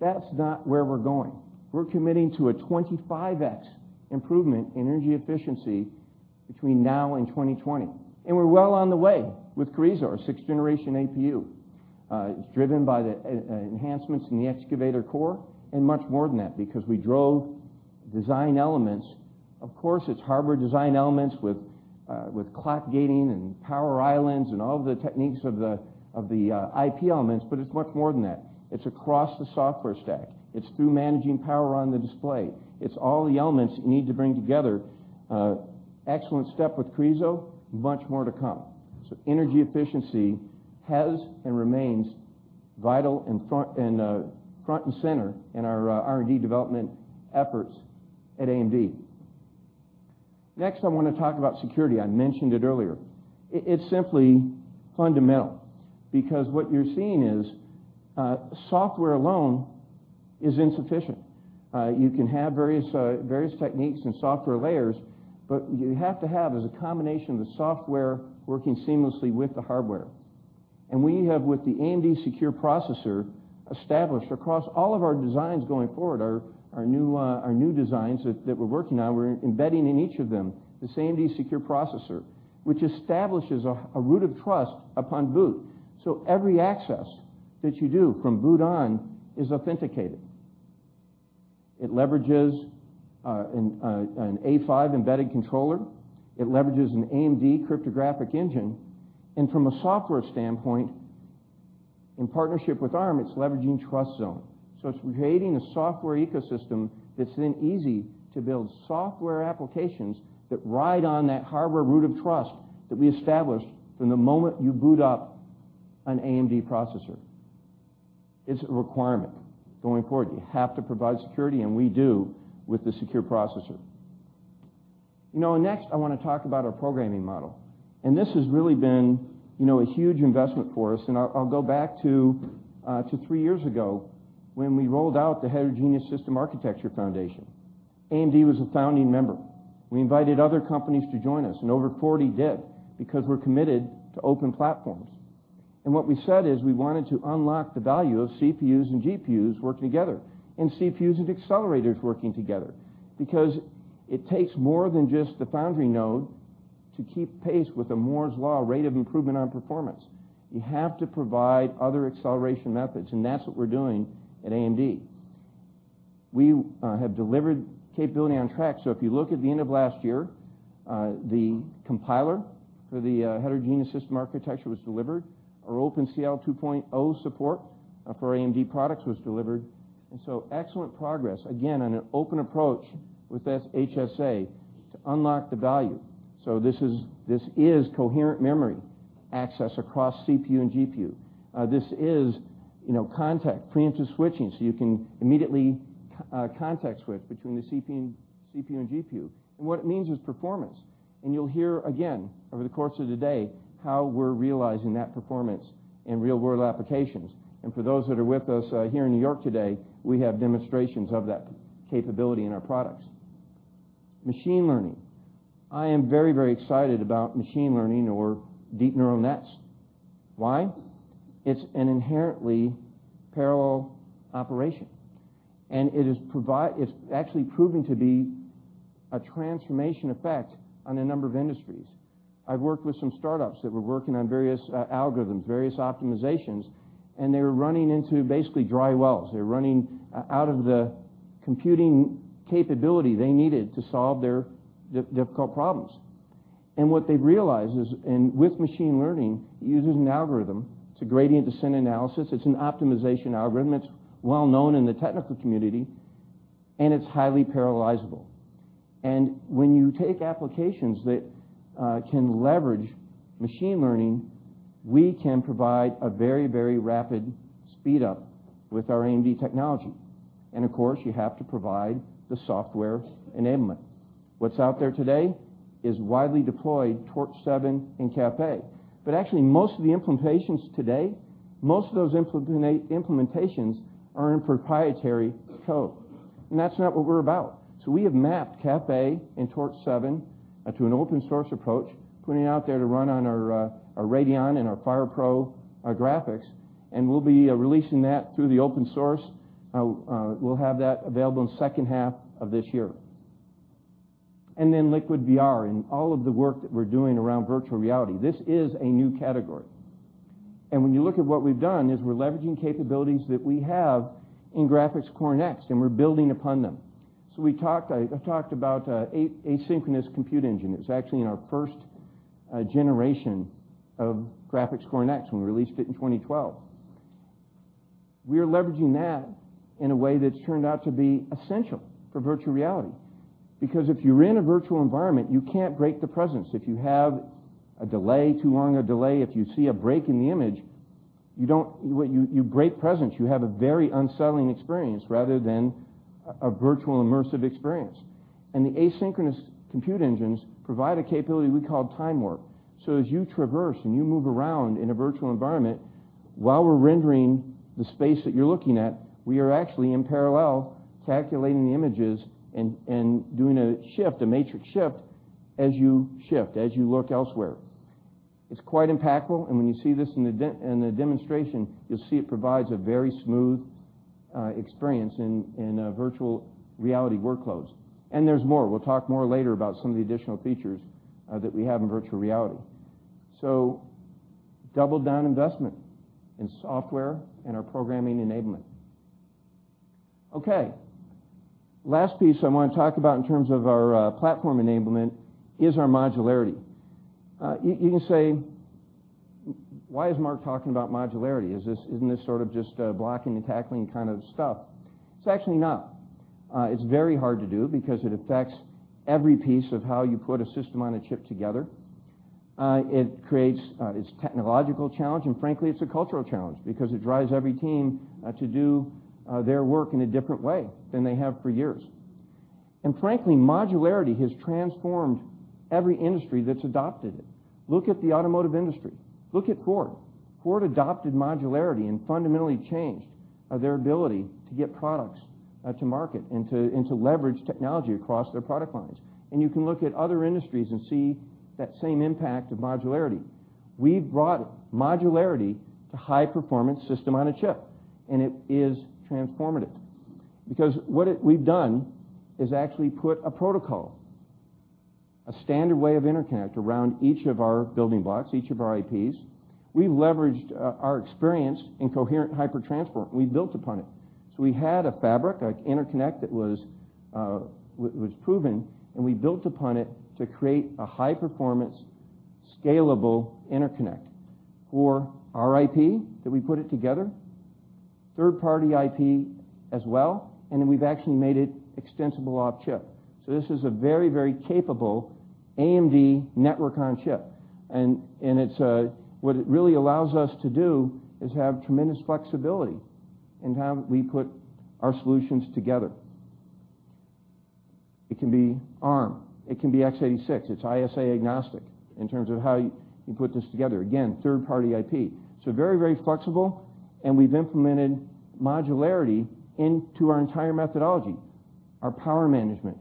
That's not where we're going. We're committing to a 25x improvement in energy efficiency between now and 2020. We're well on the way with Carrizo, our sixth-generation APU. It's driven by the enhancements in the Excavator core and much more than that because we drove design elements. Of course, it's hardware design elements with clock gating and power islands and all the techniques of the IP elements, but it's much more than that. It's across the software stack. It's through managing power on the display. It's all the elements you need to bring together. Excellent step with Carrizo, much more to come. Energy efficiency has and remains vital and front and center in our R&D development efforts at AMD. Next, I want to talk about security. I mentioned it earlier. It's simply fundamental because what you're seeing is software alone is insufficient. You can have various techniques and software layers, but you have to have is a combination of the software working seamlessly with the hardware. We have with the AMD Secure Processor established across all of our designs going forward, our new designs that we're working on. We're embedding in each of them the same AMD Secure Processor which establishes a root of trust upon boot. Every access that you do from boot on is authenticated. It leverages a Cortex-A5 embedded controller. It leverages an AMD cryptographic engine. From a software standpoint, in partnership with Arm, it's leveraging TrustZone. It's creating a software ecosystem that's then easy to build software applications that ride on that hardware root of trust that we established from the moment you boot up an AMD processor. It's a requirement going forward. You have to provide security. We do with the secure processor. Next, I want to talk about our programming model. This has really been a huge investment for us. I'll go back to three years ago when we rolled out the Heterogeneous System Architecture Foundation. AMD was a founding member. We invited other companies to join us. Over 40 did because we're committed to open platforms. What we said is we wanted to unlock the value of CPUs and GPUs working together and CPUs and accelerators working together because it takes more than just the foundry node to keep pace with the Moore's Law rate of improvement on performance. You have to provide other acceleration methods, and that's what we're doing at AMD. We have delivered capability on track. If you look at the end of last year, the compiler for the Heterogeneous System Architecture was delivered. Our OpenCL 2.0 support for AMD products was delivered. Excellent progress, again, on an open approach with HSA to unlock the value. This is coherent memory access across CPU and GPU. This is context, preemptive switching, so you can immediately context switch between the CPU and GPU. What it means is performance. You'll hear again over the course of today how we're realizing that performance in real-world applications. For those that are with us here in New York today, we have demonstrations of that capability in our products. Machine learning. I am very, very excited about machine learning or deep neural nets. Why? It's an inherently parallel operation, and it's actually proving to be a transformation effect on a number of industries. I've worked with some startups that were working on various algorithms, various optimizations, and they were running into basically dry wells. They were running out of the computing capability they needed to solve their difficult problems. What they've realized is, with machine learning, it uses an algorithm. It's a gradient descent analysis. It's an optimization algorithm. It's well-known in the technical community, and it's highly parallelizable. When you take applications that can leverage machine learning, we can provide a very rapid speed up with our AMD technology. Of course, you have to provide the software enablement. What's out there today is widely deployed Torch7 and Caffe. Actually most of the implementations today are in proprietary code, and that's not what we're about. We have mapped Caffe and Torch7 to an open-source approach, putting it out there to run on our Radeon and our FirePro graphics, and we'll be releasing that through the open source. We'll have that available in the second half of this year. LiquidVR and all of the work that we're doing around virtual reality. This is a new category. When you look at what we've done, is we're leveraging capabilities that we have in Graphics Core Next, and we're building upon them. I talked about asynchronous compute engine. It was actually in our first generation of Graphics Core Next when we released it in 2012. We are leveraging that in a way that's turned out to be essential for virtual reality. If you're in a virtual environment, you can't break the presence. If you have too long a delay, if you see a break in the image, you break presence. You have a very unsettling experience rather than a virtual immersive experience. The asynchronous compute engines provide a capability we call TimeWarp. As you traverse and you move around in a virtual environment, while we're rendering the space that you're looking at, we are actually, in parallel, calculating the images and doing a matrix shift as you shift, as you look elsewhere. It's quite impactful, when you see this in the demonstration, you'll see it provides a very smooth experience in virtual reality workloads. There's more. We'll talk more later about some of the additional features that we have in virtual reality. Double down investment in software and our programming enablement. Okay. Last piece I want to talk about in terms of our platform enablement is our modularity. You can say, "Why is Mark Papermaster talking about modularity? Isn't this sort of just blocking and tackling kind of stuff?" It's actually not. It's very hard to do because it affects every piece of how you put a system on a chip together. It's a technological challenge, frankly, it's a cultural challenge because it drives every team to do their work in a different way than they have for years. Frankly, modularity has transformed every industry that's adopted it. Look at the automotive industry. Look at Ford. Ford adopted modularity fundamentally changed their ability to get products to market and to leverage technology across their product lines. You can look at other industries and see that same impact of modularity. We've brought modularity to high-performance system on a chip, it is transformative because what we've done is actually put a protocol, a standard way of interconnect around each of our building blocks, each of our IPs. We leveraged our experience in coherent HyperTransport, we built upon it. We had a fabric, an interconnect that was proven, we built upon it to create a high-performance, scalable interconnect for our IP, that we put it together, third-party IP as well, then we've actually made it extensible off chip. This is a very capable AMD Network on Chip. What it really allows us to do is have tremendous flexibility in how we put our solutions together. It can be Arm, it can be x86, it's ISA-agnostic in terms of how you put this together. Again, third-party IP. Very flexible we've implemented modularity into our entire methodology, our power management,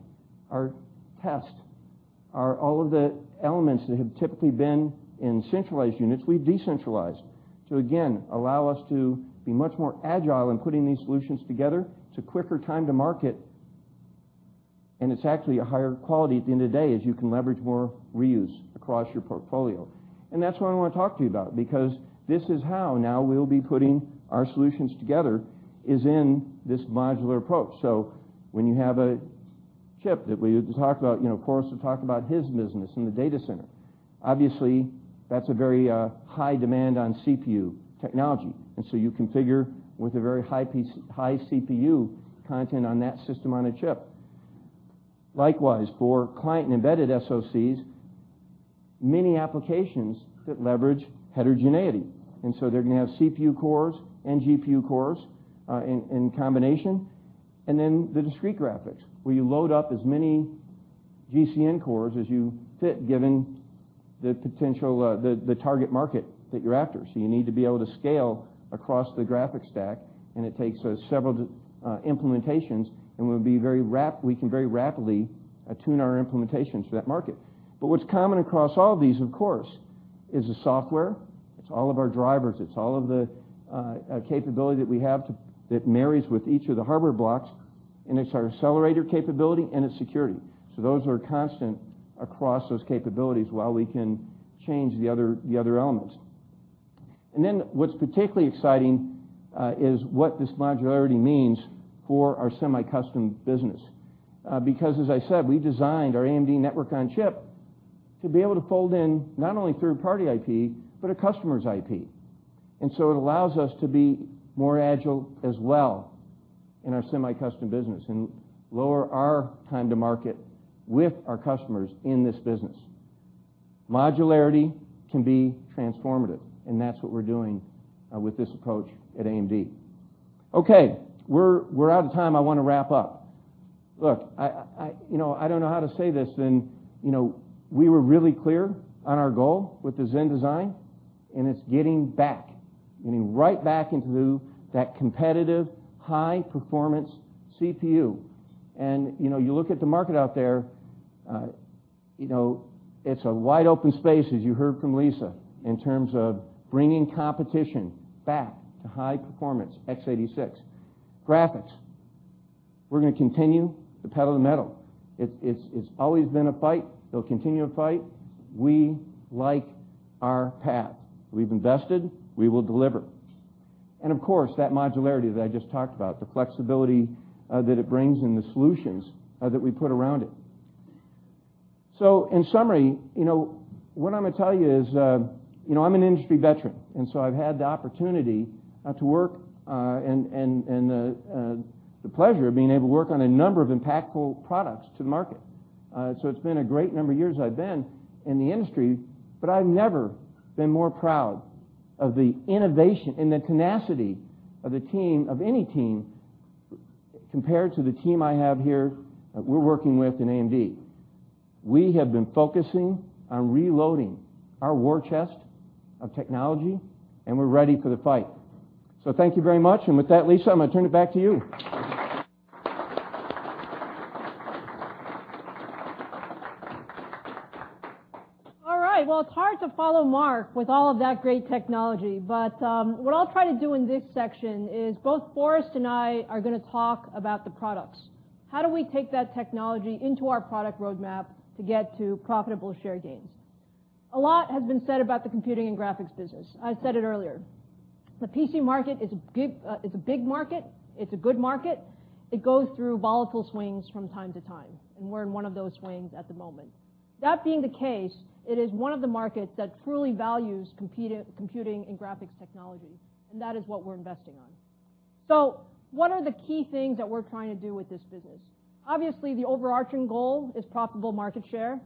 our test. All of the elements that have typically been in centralized units, we've decentralized to, again, allow us to be much more agile in putting these solutions together. It's a quicker time to market, it's actually a higher quality at the end of the day, as you can leverage more reuse across your portfolio. That's what I want to talk to you about because this is how now we'll be putting our solutions together, is in this modular approach. When you have a chip that we talk about, Forrest Norrod will talk about his business in the data center. Obviously, that's a very high demand on CPU technology, you configure with a very high CPU content on that system on a chip. Likewise, for client and embedded SoCs, many applications that leverage heterogeneity, they're going to have CPU cores and GPU cores in combination. Then the discrete graphics, where you load up as many GCN cores as you fit, given the target market that you're after. You need to be able to scale across the graphics stack, it takes several implementations, we can very rapidly attune our implementations for that market. What's common across all these, of course, is the software. It's all of our drivers. It's all of the capability that we have that marries with each of the hardware blocks, and its accelerator capability and its security. Those are constant across those capabilities while we can change the other elements. What's particularly exciting is what this modularity means for our semi-custom business. As I said, we designed our AMD Network on Chip to be able to fold in not only third-party IP, but a customer's IP. It allows us to be more agile as well in our semi-custom business, and lower our time to market with our customers in this business. Modularity can be transformative, and that's what we're doing with this approach at AMD. Okay. We're out of time. I want to wrap up. Look, I don't know how to say this other than, we were really clear on our goal with the Zen design, and it's getting right back into that competitive high performance CPU. You look at the market out there, it's a wide-open space as you heard from Lisa, in terms of bringing competition back to high performance x86. Graphics, we're going to continue to pedal to the metal. It's always been a fight. It'll continue to fight. We like our path. We've invested, we will deliver. Of course, that modularity that I just talked about, the flexibility that it brings, and the solutions that we put around it. In summary, what I'm going to tell you is, I'm an industry veteran, I've had the opportunity to work, and the pleasure of being able to work on a number of impactful products to the market. It's been a great number of years I've been in the industry, I've never been more proud of the innovation and the tenacity of any team compared to the team I have here that we're working with in AMD. We have been focusing on reloading our war chest of technology, we're ready for the fight. Thank you very much. With that, Lisa, I'm going to turn it back to you. All right. Well, it's hard to follow Mark with all of that great technology, what I'll try to do in this section is both Forrest and I are going to talk about the products. How do we take that technology into our product roadmap to get to profitable share gains? A lot has been said about the computing and graphics business. I said it earlier. The PC market is a big market. It's a good market. It goes through volatile swings from time to time, we're in one of those swings at the moment. That being the case, it is one of the markets that truly values computing and graphics technology, that is what we're investing on. What are the key things that we're trying to do with this business? The overarching goal is profitable market share,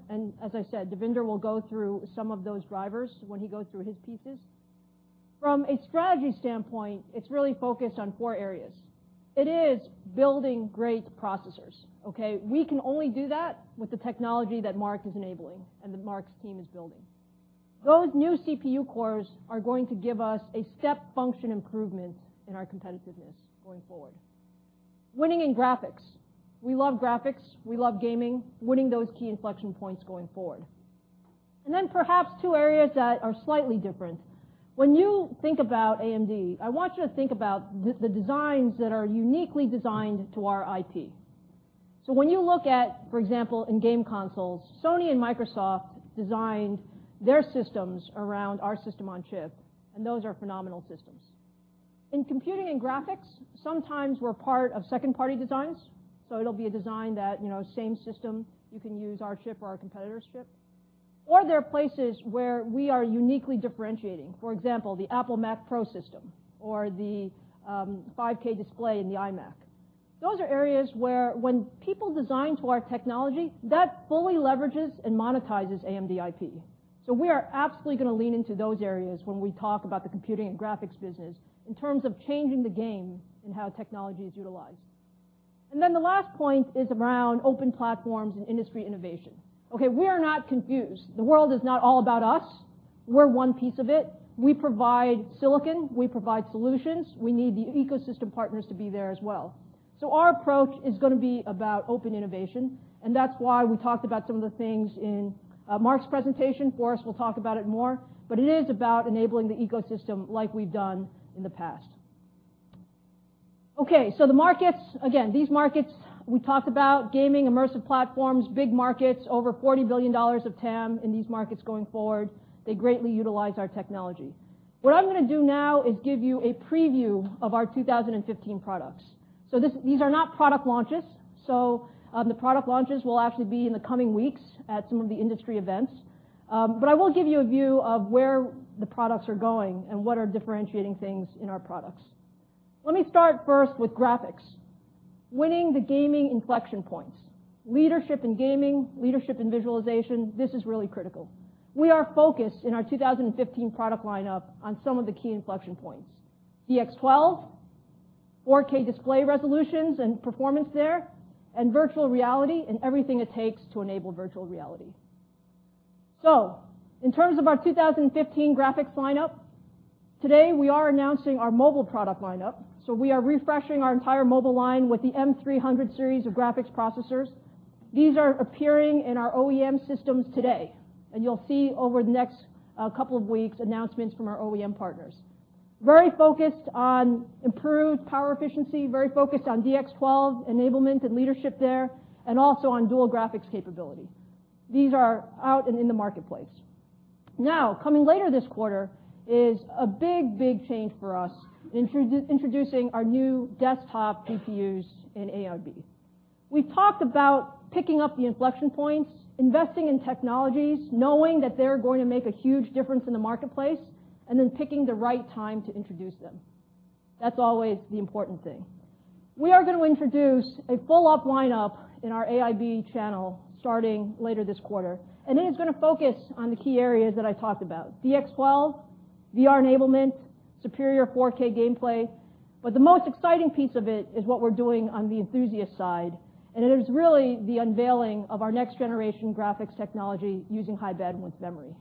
as I said, Devinder will go through some of those drivers when he goes through his pieces. From a strategy standpoint, it's really focused on four areas. It is building great processors, okay? We can only do that with the technology that Mark is enabling and that Mark's team is building. Those new CPU cores are going to give us a step function improvement in our competitiveness going forward. Winning in graphics. We love graphics, we love gaming, winning those key inflection points going forward. Perhaps two areas that are slightly different. When you think about AMD, I want you to think about the designs that are uniquely designed to our IP. When you look at, for example, in game consoles, Sony and Microsoft designed their systems around our system-on-chip, and those are phenomenal systems. In computing and graphics, sometimes we're part of second-party designs, so it'll be a design that same system, you can use our chip or our competitor's chip. Or there are places where we are uniquely differentiating. For example, the Apple Mac Pro system or the 5K display in the iMac. Those are areas where when people design to our technology, that fully leverages and monetizes AMD IP. We are absolutely going to lean into those areas when we talk about the computing and graphics business in terms of changing the game and how technology is utilized. The last point is around open platforms and industry innovation. Okay, we are not confused. The world is not all about us. We're one piece of it. We provide silicon, we provide solutions. We need the ecosystem partners to be there as well. Our approach is going to be about open innovation, and that's why we talked about some of the things in Mark's presentation. Forrest will talk about it more, but it is about enabling the ecosystem like we've done in the past. Okay, the markets, again, these markets we talked about, gaming, immersive platforms, big markets, over $40 billion of TAM in these markets going forward. They greatly utilize our technology. What I'm going to do now is give you a preview of our 2015 products. These are not product launches. The product launches will actually be in the coming weeks at some of the industry events. I will give you a view of where the products are going and what are differentiating things in our products. Let me start first with graphics. Winning the gaming inflection points. Leadership in gaming, leadership in visualization, this is really critical. We are focused in our 2015 product lineup on some of the key inflection points: DX12, 4K display resolutions and performance there, and virtual reality and everything it takes to enable virtual reality. In terms of our 2015 graphics lineup, today we are announcing our mobile product lineup. We are refreshing our entire mobile line with the M300 Series of graphics processors. These are appearing in our OEM systems today, and you'll see over the next couple of weeks announcements from our OEM partners. Very focused on improved power efficiency, very focused on DX12 enablement and leadership there, and also on dual graphics capability. These are out and in the marketplace. Coming later this quarter is a big change for us, introducing our new desktop GPUs in AIB. We talked about picking up the inflection points, investing in technologies, knowing that they're going to make a huge difference in the marketplace, and then picking the right time to introduce them. That's always the important thing. We are going to introduce a full lineup in our AIB channel starting later this quarter, and it is going to focus on the key areas that I talked about: DX12, VR enablement, superior 4K gameplay. But the most exciting piece of it is what we're doing on the enthusiast side, and it is really the unveiling of our next-generation graphics technology using high-bandwidth memory.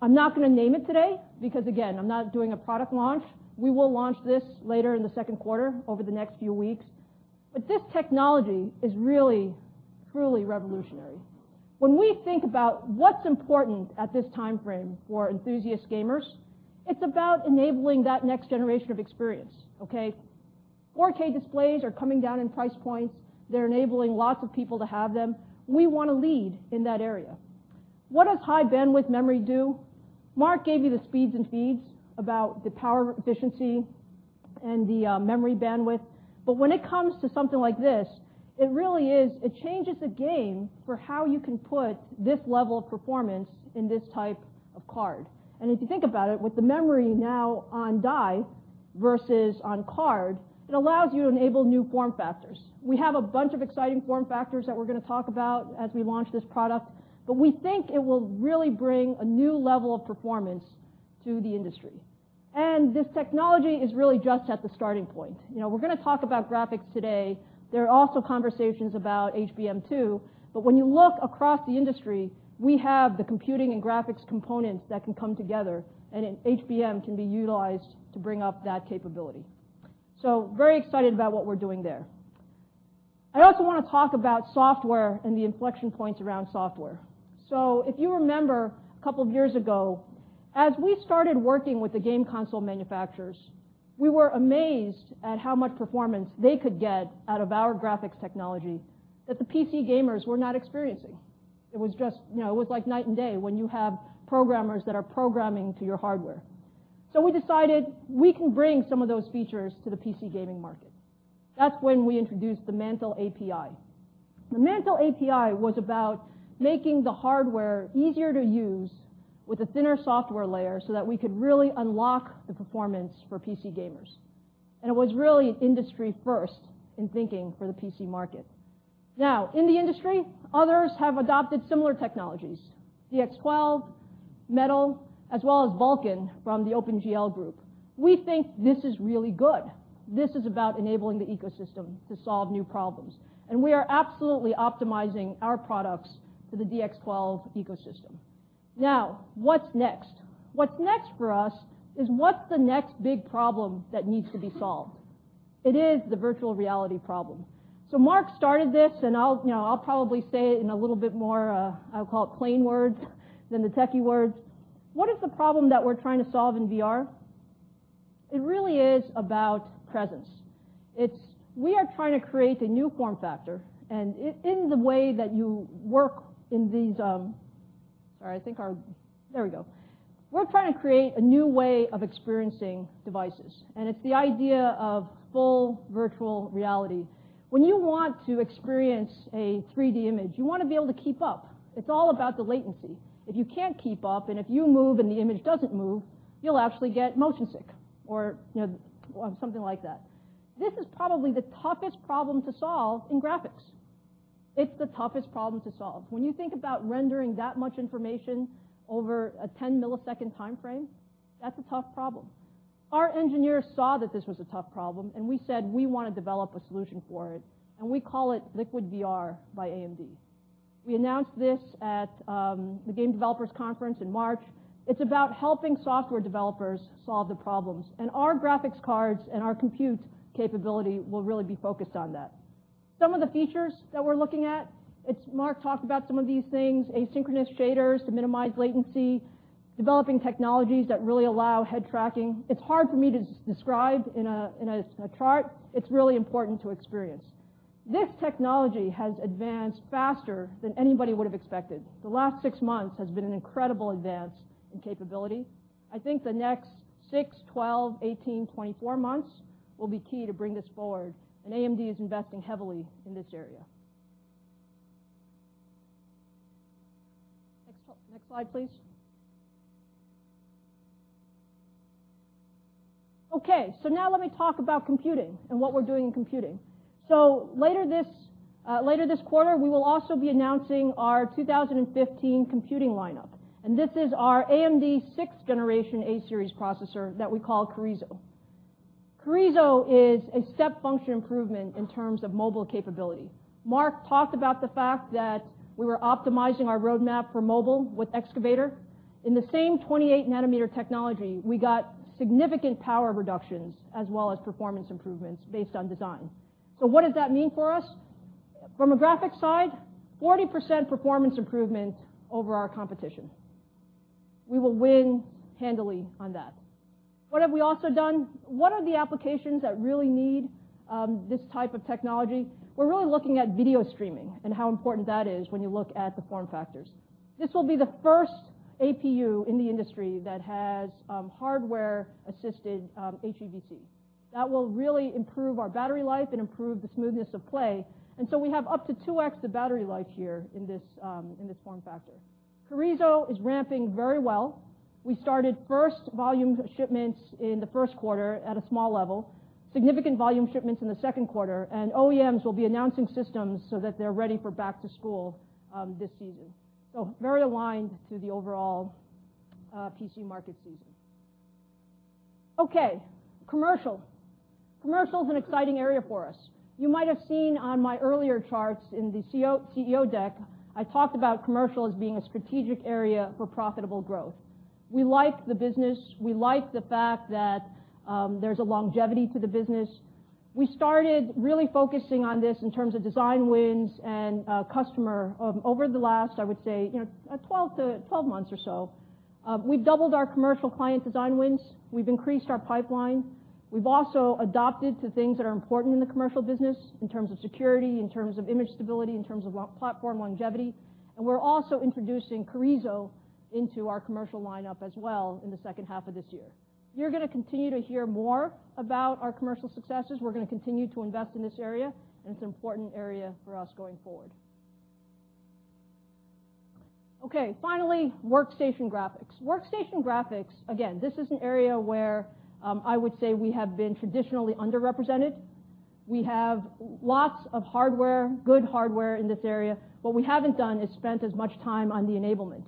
I'm not going to name it today because, again, I'm not doing a product launch. We will launch this later in the second quarter over the next few weeks. But this technology is really truly revolutionary. When we think about what's important at this timeframe for enthusiast gamers, it's about enabling that next generation of experience. Okay? 4K displays are coming down in price points. They're enabling lots of people to have them. We want to lead in that area. What does high-bandwidth memory do? Mark gave you the speeds and feeds about the power efficiency and the memory bandwidth. But when it comes to something like this, it changes the game for how you can put this level of performance in this type of card. And if you think about it, with the memory now on die versus on card, it allows you to enable new form factors. We have a bunch of exciting form factors that we're going to talk about as we launch this product, but we think it will really bring a new level of performance to the industry. This technology is really just at the starting point. We're going to talk about graphics today. There are also conversations about HBM2. But when you look across the industry, we have the computing and graphics components that can come together, and HBM can be utilized to bring up that capability. So, very excited about what we're doing there. I also want to talk about software and the inflection points around software. If you remember, a couple of years ago, as we started working with the game console manufacturers, we were amazed at how much performance they could get out of our graphics technology that the PC gamers were not experiencing. It was like night and day when you have programmers that are programming to your hardware. We decided we can bring some of those features to the PC gaming market. That's when we introduced the Mantle API. The Mantle API was about making the hardware easier to use with a thinner software layer so that we could really unlock the performance for PC gamers. It was really an industry first in thinking for the PC market. Now, in the industry, others have adopted similar technologies: DX12, Metal, as well as Vulkan from the OpenGL group. We think this is really good. This is about enabling the ecosystem to solve new problems, and we are absolutely optimizing our products for the DX12 ecosystem. What's next? What's next for us is what's the next big problem that needs to be solved? It is the virtual reality problem. Mark started this, and I'll probably say it in a little bit more, I'll call it plain words than the techie words. What is the problem that we're trying to solve in VR? It really is about presence. We are trying to create the new form factor. We're trying to create a new way of experiencing devices, and it's the idea of full virtual reality. When you want to experience a 3D image, you want to be able to keep up. It's all about the latency. If you can't keep up, and if you move and the image doesn't move, you'll actually get motion sick or something like that. This is probably the toughest problem to solve in graphics. It's the toughest problem to solve. When you think about rendering that much information over a 10-millisecond timeframe, that's a tough problem. Our engineers saw that this was a tough problem, and we said we want to develop a solution for it, and we call it LiquidVR by AMD. We announced this at the Game Developers Conference in March. It's about helping software developers solve the problems. Our graphics cards and our compute capability will really be focused on that. Some of the features that we're looking at, Mark talked about some of these things: asynchronous shaders to minimize latency, developing technologies that really allow head tracking. It's hard for me to describe in a chart. It's really important to experience. This technology has advanced faster than anybody would have expected. The last six months has been an incredible advance in capability. I think the next 6, 12, 18, 24 months will be key to bring this forward, and AMD is investing heavily in this area. Next slide, please. Let me talk about computing and what we're doing in computing. Later this quarter, we will also be announcing our 2015 computing lineup, and this is our AMD sixth-generation A-series processor that we call Carrizo. Carrizo is a step function improvement in terms of mobile capability. Mark talked about the fact that we were optimizing our roadmap for mobile with Excavator. In the same 28-nanometer technology, we got significant power reductions as well as performance improvements based on design. What does that mean for us? From a graphics side, 40% performance improvement over our competition. We will win handily on that. What have we also done? What are the applications that really need this type of technology? We're really looking at video streaming and how important that is when you look at the form factors. This will be the first APU in the industry that has hardware-assisted HEVC. That will really improve our battery life and improve the smoothness of play. We have up to 2x the battery life here in this form factor. Carrizo is ramping very well. We started first volume shipments in the first quarter at a small level, significant volume shipments in the second quarter, and OEMs will be announcing systems so that they're ready for back to school this season. Very aligned to the overall PC market season. Commercial. Commercial is an exciting area for us. You might have seen on my earlier charts in the CEO deck, I talked about commercial as being a strategic area for profitable growth. We like the business. We like the fact that there's a longevity to the business. We started really focusing on this in terms of design wins and customer over the last, I would say, 12 months or so. We've doubled our commercial client design wins. We've increased our pipeline. We've also adopted to things that are important in the commercial business in terms of security, in terms of image stability, in terms of platform longevity. We're also introducing Carrizo into our commercial lineup as well in the second half of this year. You're going to continue to hear more about our commercial successes. We're going to continue to invest in this area, and it's an important area for us going forward. Finally, workstation graphics. Workstation graphics, again, this is an area where I would say we have been traditionally underrepresented. We have lots of hardware, good hardware in this area. What we haven't done is spent as much time on the enablement.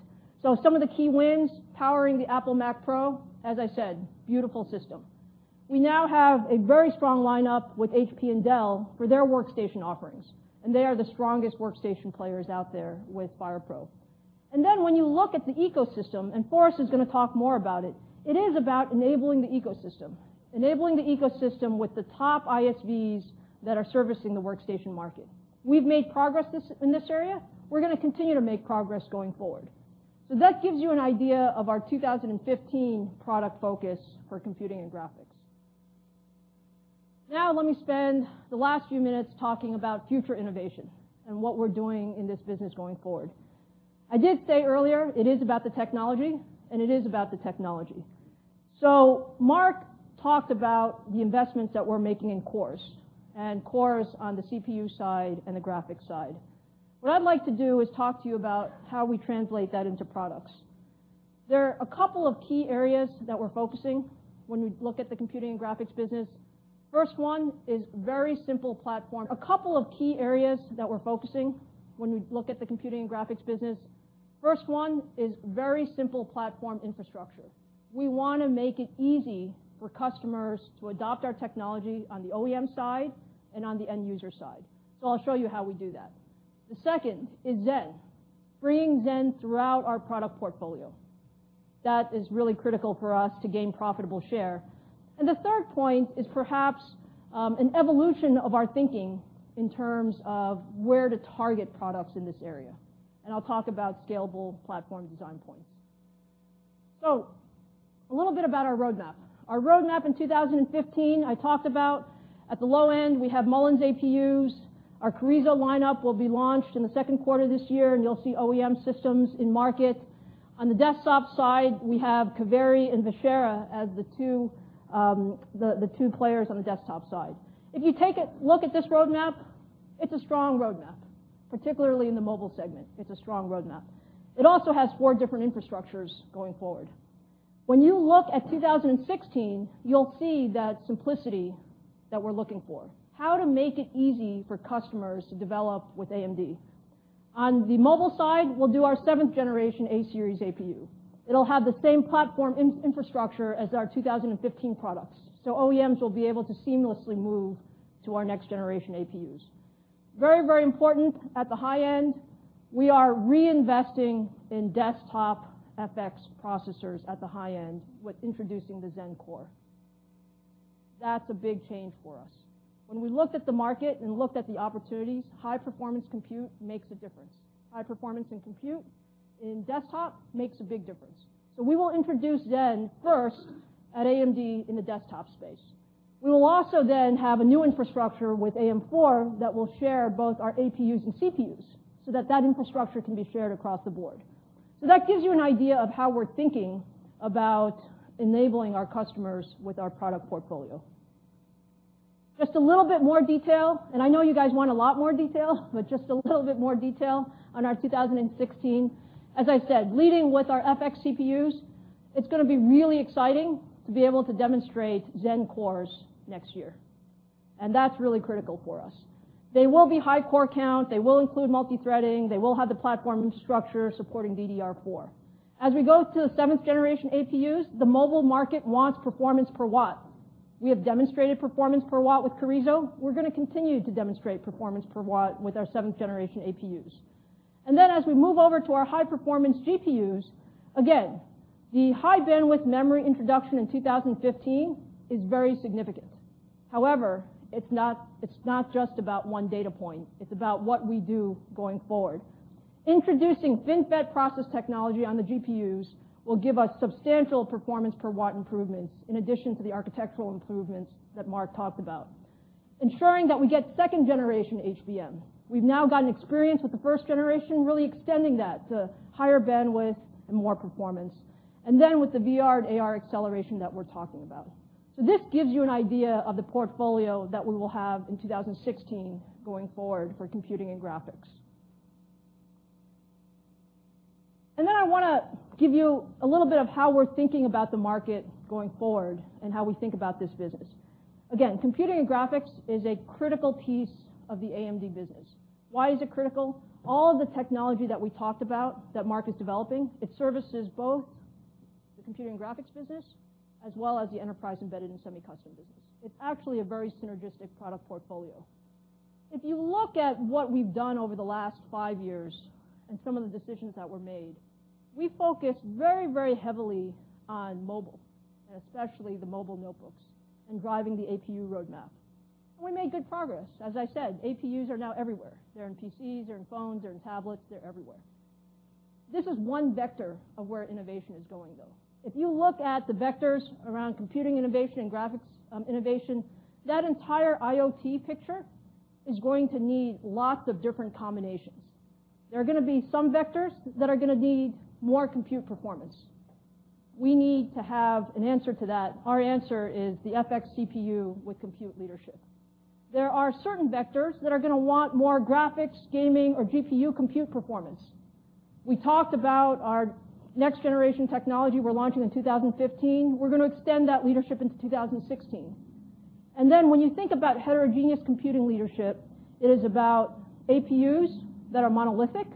Some of the key wins powering the Apple Mac Pro, as I said, beautiful system. We now have a very strong lineup with HP and Dell for their workstation offerings, and they are the strongest workstation players out there with FirePro. When you look at the ecosystem, and Forrest is going to talk more about it is about enabling the ecosystem. Enabling the ecosystem with the top ISVs that are servicing the workstation market. We've made progress in this area. We're going to continue to make progress going forward. That gives you an idea of our 2015 product focus for computing and graphics. Let me spend the last few minutes talking about future innovation and what we're doing in this business going forward. I did say earlier it is about the technology, and it is about the technology. Mark talked about the investments that we're making in cores, and cores on the CPU side and the graphics side. What I'd like to do is talk to you about how we translate that into products. There are a couple of key areas that we're focusing when we look at the computing and graphics business. First one is very simple platform infrastructure. We want to make it easy for customers to adopt our technology on the OEM side and on the end-user side. I'll show you how we do that. The second is Zen, bringing Zen throughout our product portfolio. That is really critical for us to gain profitable share. The third point is perhaps an evolution of our thinking in terms of where to target products in this area. I'll talk about scalable platform design points. A little bit about our roadmap. Our roadmap in 2015, I talked about at the low end, we have Mullins APUs. Our Carrizo lineup will be launched in the second quarter this year, and you'll see OEM systems in market. On the desktop side, we have Kaveri and Vishera as the two players on the desktop side. If you take a look at this roadmap, it's a strong roadmap, particularly in the mobile segment. It's a strong roadmap. It also has four different infrastructures going forward. When you look at 2016, you'll see that simplicity that we're looking for, how to make it easy for customers to develop with AMD. On the mobile side, we'll do our seventh generation A-series APU. It'll have the same platform infrastructure as our 2015 products, so OEMs will be able to seamlessly move to our next generation APUs. Very, very important at the high end, we are reinvesting in desktop FX processors at the high end with introducing the Zen core. That's a big change for us. When we looked at the market and looked at the opportunities, high-performance compute makes a difference. High performance and compute in desktop makes a big difference. We will introduce Zen first at AMD in the desktop space. We will also have a new infrastructure with AM4 that will share both our APUs and CPUs so that that infrastructure can be shared across the board. That gives you an idea of how we're thinking about enabling our customers with our product portfolio. Just a little bit more detail, and I know you guys want a lot more detail, just a little bit more detail on our 2016. As I said, leading with our FX CPUs, it's going to be really exciting to be able to demonstrate Zen cores next year, and that's really critical for us. They will be high core count. They will include multithreading. They will have the platform infrastructure supporting DDR4. As we go to the 7th generation APUs, the mobile market wants performance per watt. We have demonstrated performance per watt with Carrizo. We're going to continue to demonstrate performance per watt with our 7th generation APUs. As we move over to our high-performance GPUs, again, the high-bandwidth memory introduction in 2015 is very significant. However, it's not just about one data point. It's about what we do going forward. Introducing FinFET process technology on the GPUs will give us substantial performance per watt improvements in addition to the architectural improvements that Mark talked about. Ensuring that we get 2nd generation HBM. We've now gotten experience with the 1st generation, really extending that to higher bandwidth and more performance. With the VR and AR acceleration that we're talking about. This gives you an idea of the portfolio that we will have in 2016 going forward for computing and graphics. I want to give you a little bit of how we're thinking about the market going forward and how we think about this business. Again, computing and graphics is a critical piece of the AMD business. Why is it critical? All the technology that we talked about that Mark is developing, it services both the computing and graphics business as well as the Enterprise, Embedded and Semi-Custom business. It's actually a very synergistic product portfolio. If you look at what we've done over the last five years and some of the decisions that were made, we focused very heavily on mobile, and especially the mobile notebooks and driving the APU roadmap. We made good progress. As I said, APUs are now everywhere. They're in PCs, they're in phones, they're in tablets, they're everywhere. This is one vector of where innovation is going, though. If you look at the vectors around computing innovation and graphics innovation, that entire IoT picture is going to need lots of different combinations. There are going to be some vectors that are going to need more compute performance. We need to have an answer to that. Our answer is the FX CPU with compute leadership. There are certain vectors that are going to want more graphics, gaming, or GPU compute performance. We talked about our next-generation technology we're launching in 2015. We're going to extend that leadership into 2016. When you think about heterogeneous computing leadership, it is about APUs that are monolithic.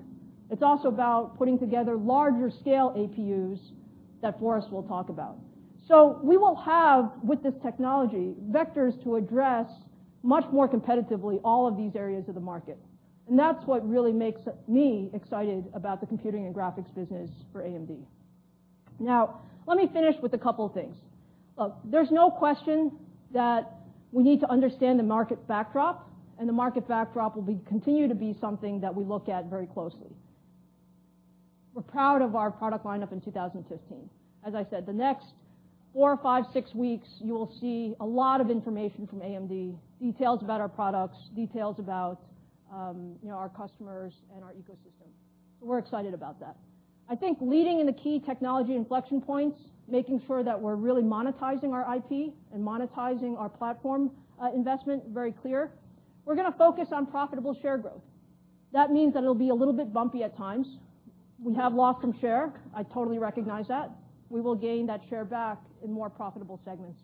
It is also about putting together larger scale APUs that Forrest will talk about. We will have, with this technology, vectors to address much more competitively all of these areas of the market. That is what really makes me excited about the computing and graphics business for AMD. Let me finish with a couple of things. There is no question that we need to understand the market backdrop, the market backdrop will continue to be something that we look at very closely. We are proud of our product lineup in 2015. As I said, the next four, five, six weeks, you will see a lot of information from AMD, details about our products, details about our customers and our ecosystem. We are excited about that. I think leading in the key technology inflection points, making sure that we are really monetizing our IP and monetizing our platform investment, very clear. We are going to focus on profitable share growth. That means that it will be a little bit bumpy at times. We have lost some share. I totally recognize that. We will gain that share back in more profitable segments.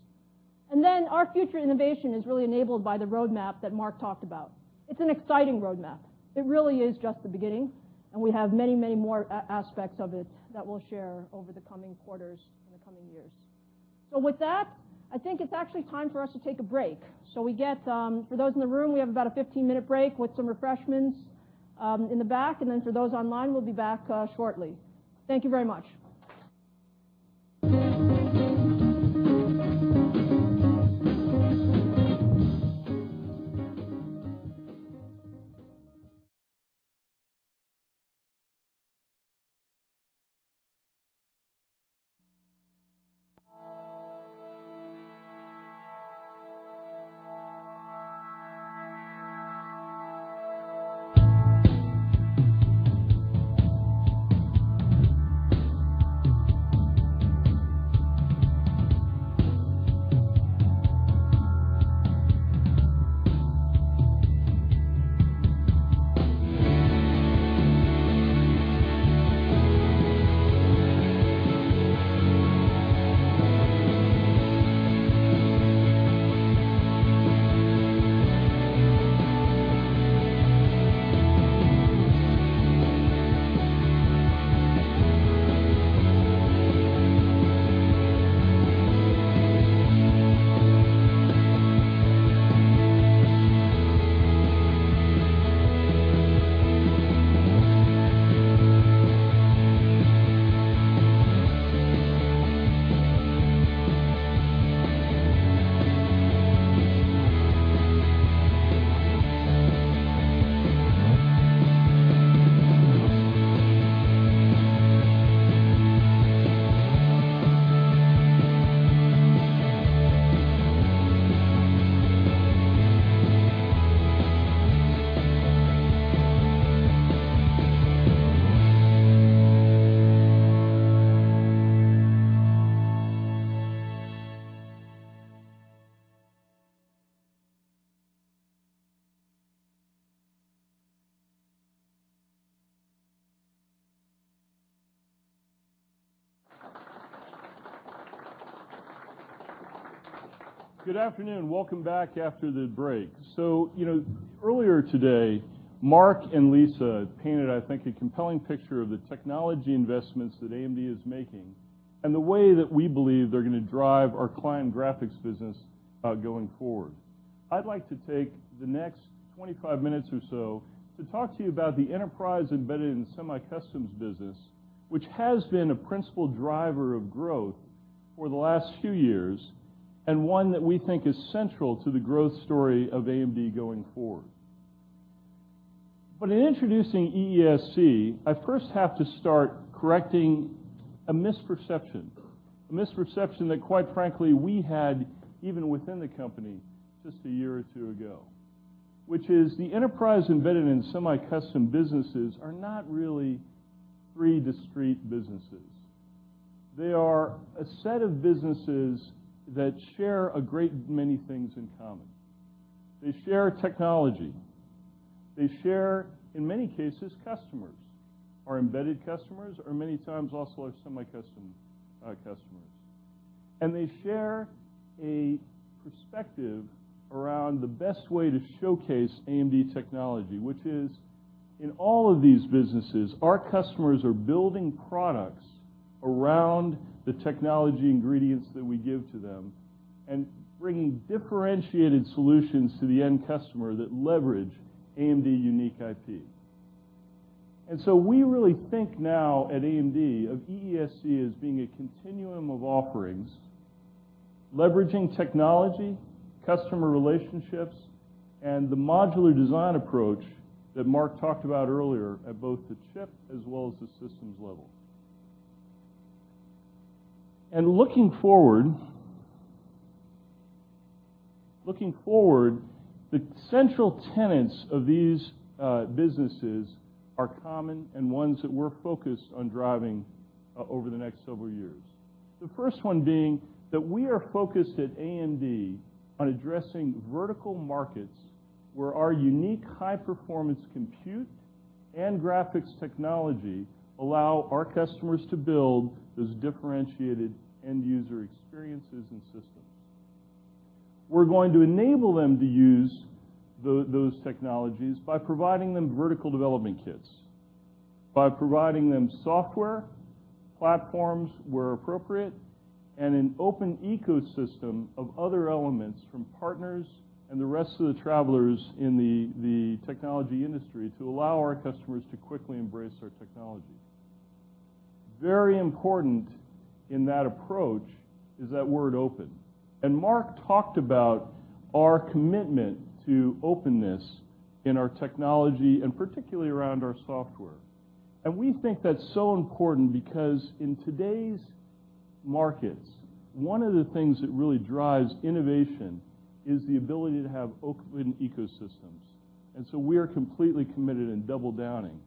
Our future innovation is really enabled by the roadmap that Mark talked about. It is an exciting roadmap. It really is just the beginning, we have many more aspects of it that we will share over the coming quarters and the coming years. With that, I think it is actually time for us to take a break. For those in the room, we have about a 15-minute break with some refreshments in the back. For those online, we will be back shortly. Thank you very much. Good afternoon. Welcome back after the break. Earlier today, Mark and Lisa painted, I think, a compelling picture of the technology investments that AMD is making and the way that we believe they are going to drive our client graphics business going forward. I would like to take the next 25 minutes or so to talk to you about the Enterprise Embedded in Semi-Customs business, which has been a principal driver of growth for the last few years, and one that we think is central to the growth story of AMD going forward. In introducing EESC, I first have to start correcting a misperception. A misperception that quite frankly, we had even within the company just a year or two ago. The Enterprise, Embedded and Semi-Custom businesses are not really three discrete businesses. They are a set of businesses that share a great many things in common. They share technology. They share, in many cases, customers. Our embedded customers are many times also our semi-custom customers. They share a perspective around the best way to showcase AMD technology, which is in all of these businesses, our customers are building products around the technology ingredients that we give to them and bringing differentiated solutions to the end customer that leverage AMD unique IP. We really think now at AMD of EESC as being a continuum of offerings, leveraging technology, customer relationships, and the modular design approach that Mark talked about earlier at both the chip as well as the systems level. Looking forward, the central tenets of these businesses are common and ones that we are focused on driving over the next several years. The first one being that we are focused at AMD on addressing vertical markets where our unique high-performance compute and graphics technology allow our customers to build those differentiated end-user experiences and systems. We're going to enable them to use those technologies by providing them vertical development kits, by providing them software, platforms where appropriate, and an open ecosystem of other elements from partners and the rest of the travelers in the technology industry to allow our customers to quickly embrace our technology. Very important in that approach is that word open. Mark talked about our commitment to openness in our technology, and particularly around our software. We think that's so important because in today's markets, one of the things that really drives innovation is the ability to have open ecosystems. We are completely committed and double downing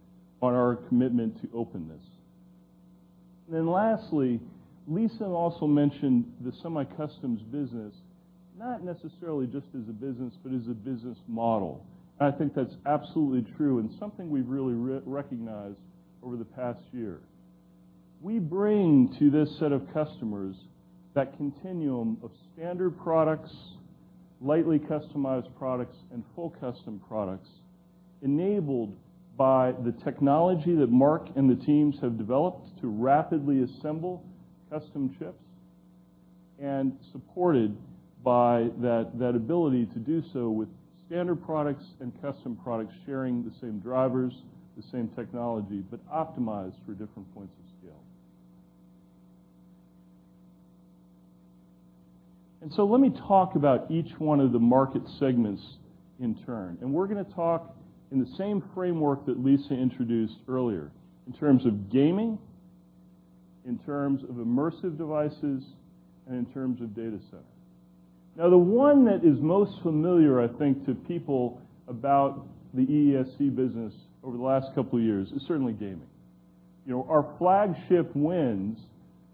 on our commitment to openness. Lastly, Lisa also mentioned the semi-customs business, not necessarily just as a business, but as a business model. I think that's absolutely true and something we've really recognized over the past year. We bring to this set of customers that continuum of standard products, lightly customized products, and full custom products, enabled by the technology that Mark and the teams have developed to rapidly assemble custom chips, and supported by that ability to do so with standard products and custom products sharing the same drivers, the same technology, but optimized for different points of scale. Let me talk about each one of the market segments in turn. We're going to talk in the same framework that Lisa introduced earlier in terms of gaming, in terms of immersive devices, and in terms of data center. The one that is most familiar, I think, to people about the EESC business over the last couple of years is certainly gaming. Our flagship wins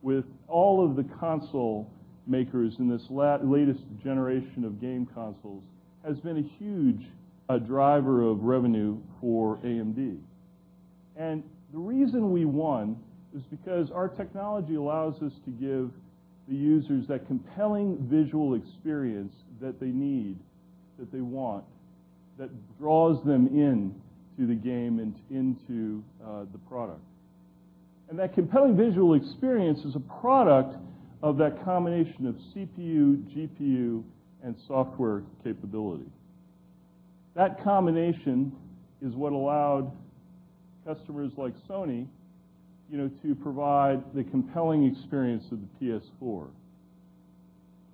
with all of the console makers in this latest generation of game consoles has been a huge driver of revenue for AMD. The reason we won is because our technology allows us to give the users that compelling visual experience that they need, that they want, that draws them in to the game and into the product. That compelling visual experience is a product of that combination of CPU, GPU, and software capability. That combination is what allowed customers like Sony to provide the compelling experience of the PS4.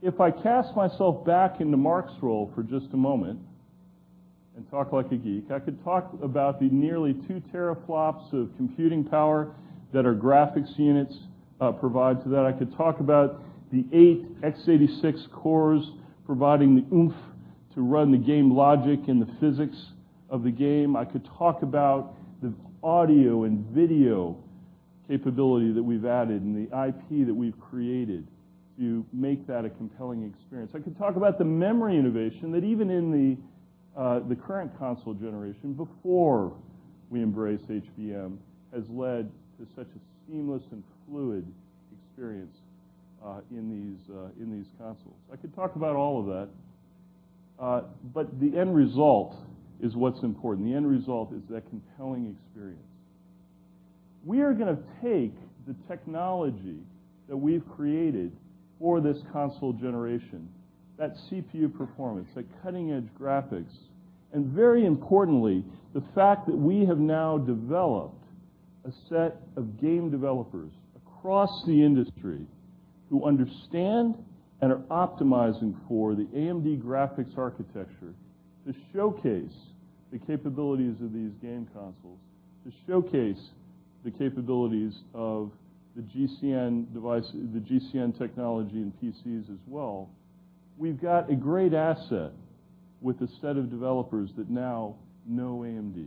If I cast myself back into Mark's role for just a moment and talk like a geek, I could talk about the nearly two teraflops of computing power that our graphics units provide. I could talk about the eight x86 cores providing the oomph to run the game logic and the physics of the game. I could talk about the audio and video capability that we've added and the IP that we've created to make that a compelling experience. I could talk about the memory innovation that even in the current console generation, before we embrace HBM, has led to such a seamless and fluid experience in these consoles. I could talk about all of that. The end result is what's important. The end result is that compelling experience. We are going to take the technology that we've created for this console generation, that CPU performance, that cutting-edge graphics, and very importantly, the fact that we have now developed a set of game developers across the industry who understand and are optimizing for the AMD graphics architecture to showcase the capabilities of these game consoles, to showcase the capabilities of the GCN technology in PCs as well. We've got a great asset with a set of developers that now know AMD.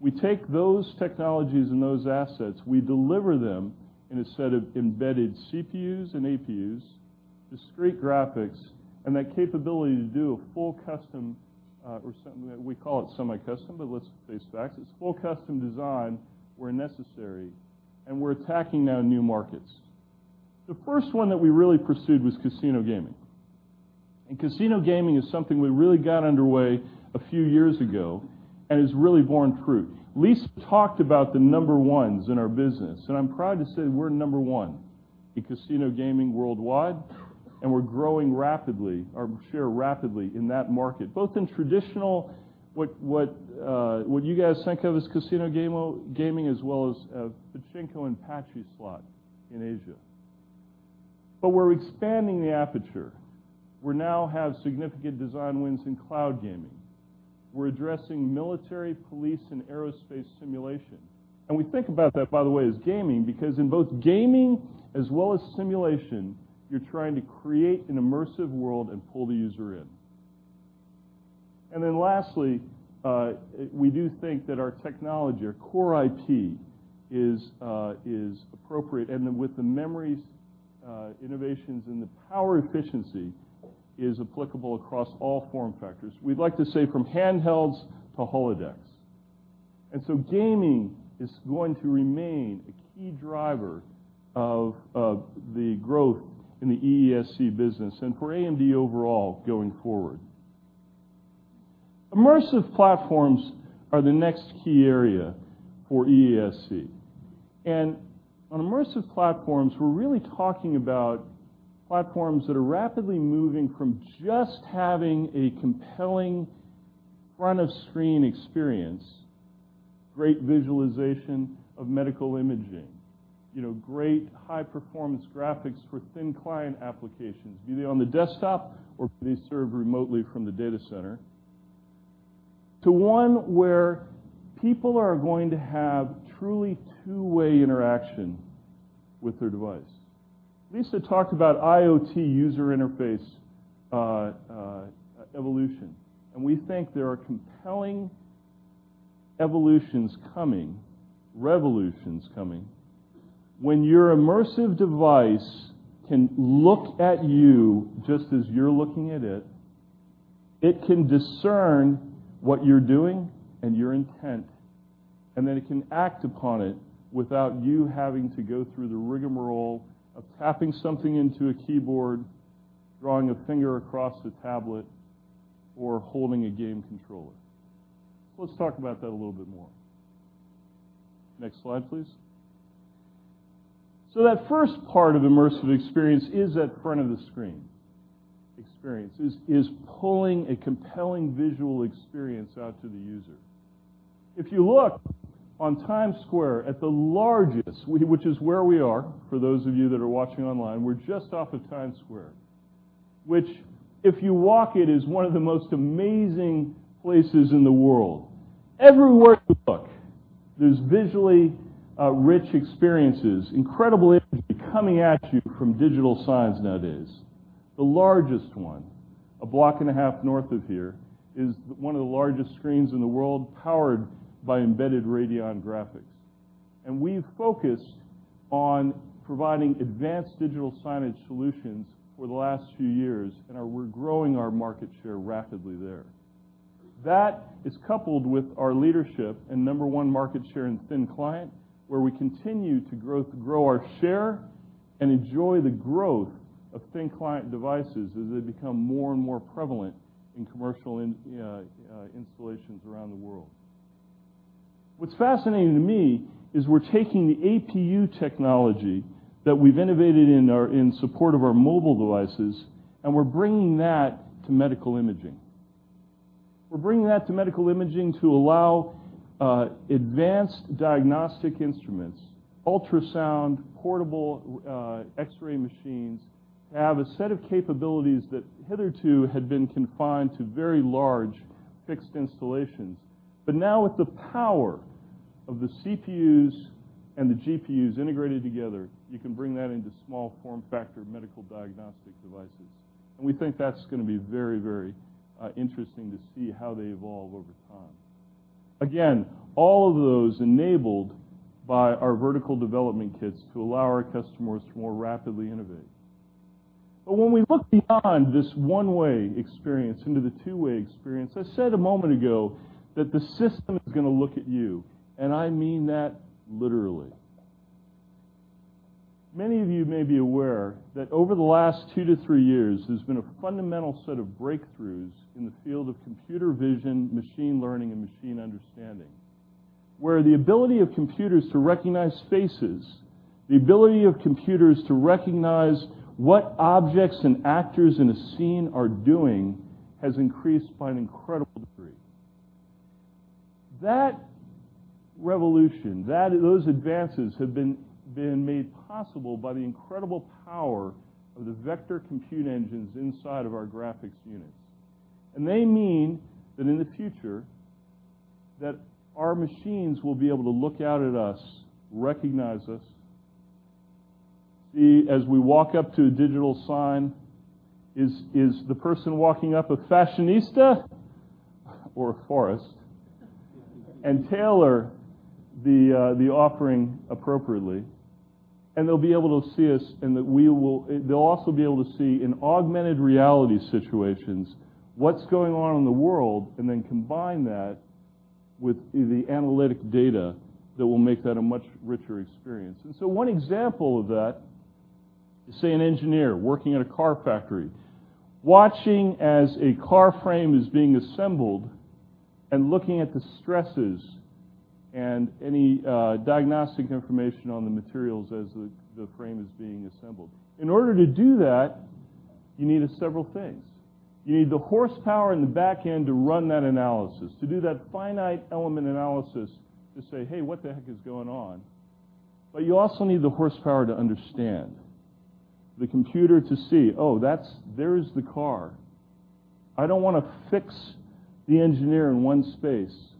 We take those technologies and those assets, we deliver them in a set of embedded CPUs and APUs, discrete graphics, and that capability to do a full custom, or we call it semi-custom, but let's face facts, it's full custom design where necessary, and we're attacking now new markets. The first one that we really pursued was casino gaming. Casino gaming is something we really got underway a few years ago and has really borne fruit. Lisa talked about the number ones in our business, and I'm proud to say we're number one in casino gaming worldwide, and we're growing our share rapidly in that market, both in traditional, what you guys think of as casino gaming, as well as pachinko and pachislo in Asia. We're expanding the aperture. We now have significant design wins in cloud gaming. We're addressing military, police, and aerospace simulation. We think about that, by the way, as gaming, because in both gaming as well as simulation, you're trying to create an immersive world and pull the user in. Lastly, we do think that our technology, our core IP, is appropriate. With the memories, innovations, and the power efficiency is applicable across all form factors. We'd like to say from handhelds to holodecks. Gaming is going to remain a key driver of the growth in the EESC business and for AMD overall going forward. Immersive platforms are the next key area for EESC. On immersive platforms, we're really talking about platforms that are rapidly moving from just having a compelling front-of-screen experience, great visualization of medical imaging, great high-performance graphics for thin client applications, be they on the desktop or be they served remotely from the data center, to one where people are going to have truly two-way interaction with their device. Lisa talked about IoT user interface evolution, and we think there are compelling evolutions coming, revolutions coming. When your immersive device can look at you just as you're looking at it can discern what you're doing and your intent, and then it can act upon it without you having to go through the rigmarole of tapping something into a keyboard, drawing a finger across a tablet, or holding a game controller. Let's talk about that a little bit more. Next slide, please. That first part of immersive experience is that front of the screen experience, is pulling a compelling visual experience out to the user. If you look on Times Square at the largest, which is where we are, for those of you that are watching online, we're just off of Times Square. Which, if you walk it, is one of the most amazing places in the world. Everywhere you look, there's visually rich experiences, incredible imagery coming at you from digital signs nowadays. The largest one, a block and a half north of here, is one of the largest screens in the world, powered by embedded Radeon graphics. We've focused on providing advanced digital signage solutions for the last few years. We're growing our market share rapidly there. That is coupled with our leadership and number one market share in thin client, where we continue to grow our share and enjoy the growth of thin client devices as they become more and more prevalent in commercial installations around the world. What's fascinating to me is we're taking the APU technology that we've innovated in support of our mobile devices. We're bringing that to medical imaging. We're bringing that to medical imaging to allow advanced diagnostic instruments, ultrasound, portable X-ray machines, to have a set of capabilities that hitherto had been confined to very large fixed installations. Now with the power of the CPUs and the GPUs integrated together, you can bring that into small form factor medical diagnostic devices. We think that's going to be very interesting to see how they evolve over time. Again, all of those enabled by our vertical development kits to allow our customers to more rapidly innovate. When we look beyond this one-way experience into the two-way experience, I said a moment ago that the system is going to look at you, and I mean that literally. Many of you may be aware that over the last two to three years, there's been a fundamental set of breakthroughs in the field of computer vision, machine learning, and machine understanding, where the ability of computers to recognize faces, the ability of computers to recognize what objects and actors in a scene are doing, has increased by an incredible degree. That revolution, those advances have been made possible by the incredible power of the vector compute engines inside of our graphics units. They mean that in the future, that our machines will be able to look out at us, recognize us, see as we walk up to a digital sign, is the person walking up a fashionista or a tourist? Tailor the offering appropriately. They'll be able to see us. They'll also be able to see in augmented reality situations what's going on in the world. Then combine that with the analytic data that will make that a much richer experience. One example of that is, say, an engineer working at a car factory, watching as a car frame is being assembled and looking at the stresses and any diagnostic information on the materials as the frame is being assembled. In order to do that, you need several things. You need the horsepower in the back end to run that analysis, to do that finite element analysis to say, "Hey, what the heck is going on?" You also need the horsepower to understand. The computer to see, oh, there's the car. I don't want to fix the engineer in one space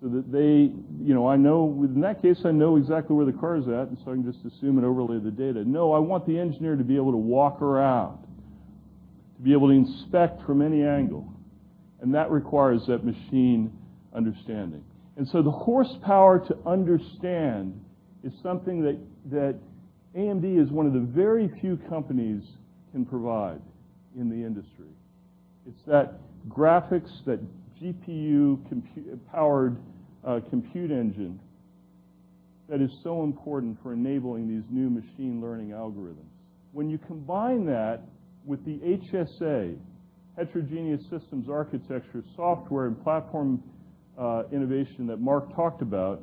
so that they-- In that case, I know exactly where the car is at. So I can just assume and overlay the data. No, I want the engineer to be able to walk around, to be able to inspect from any angle. That requires that machine understanding. The horsepower to understand is something that AMD is one of the very few companies can provide in the industry. It's that graphics, that GPU-powered compute engine that is so important for enabling these new machine learning algorithms. When you combine that with the HSA, Heterogeneous Systems Architecture, software and platform innovation that Mark talked about,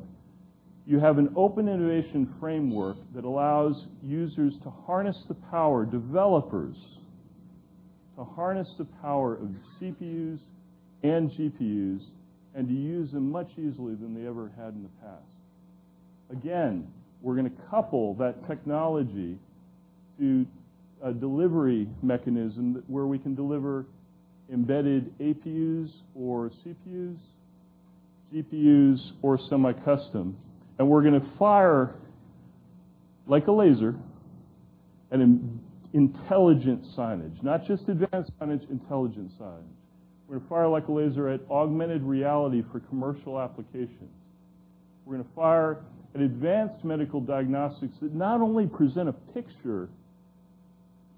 you have an open innovation framework that allows users to harness the power, developers to harness the power of CPUs and GPUs and to use them much easily than they ever had in the past. We're going to couple that technology to a delivery mechanism where we can deliver embedded APUs for CPUs, GPUs, or semi-custom. We're going to fire, like a laser, an intelligent signage. Not just advanced signage, intelligent signage. We're going to fire like a laser at augmented reality for commercial applications. We're going to fire at advanced medical diagnostics that not only present a picture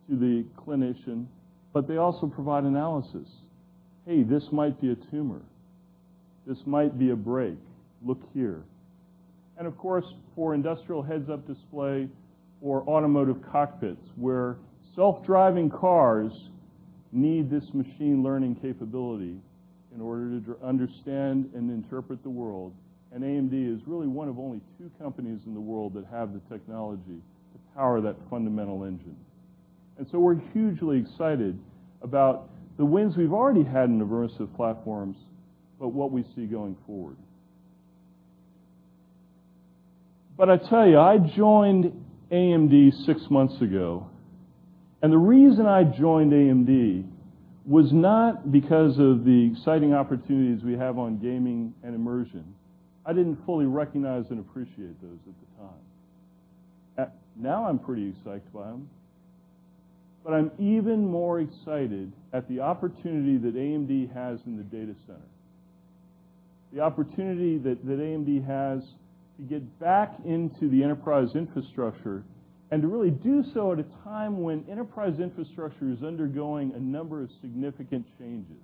to the clinician, but they also provide analysis. Hey, this might be a tumor. This might be a break. Look here. Of course, for industrial heads-up display or automotive cockpits, where self-driving cars need this machine learning capability in order to understand and interpret the world, AMD is really one of only two companies in the world that have the technology to power that fundamental engine. We're hugely excited about the wins we've already had in immersive platforms, but what we see going forward. I tell you, I joined AMD six months ago, and the reason I joined AMD was not because of the exciting opportunities we have on gaming and immersion. I didn't fully recognize and appreciate those at the time. Now I'm pretty psyched by them. I'm even more excited at the opportunity that AMD has in the data center. The opportunity that AMD has to get back into the enterprise infrastructure and to really do so at a time when enterprise infrastructure is undergoing a number of significant changes.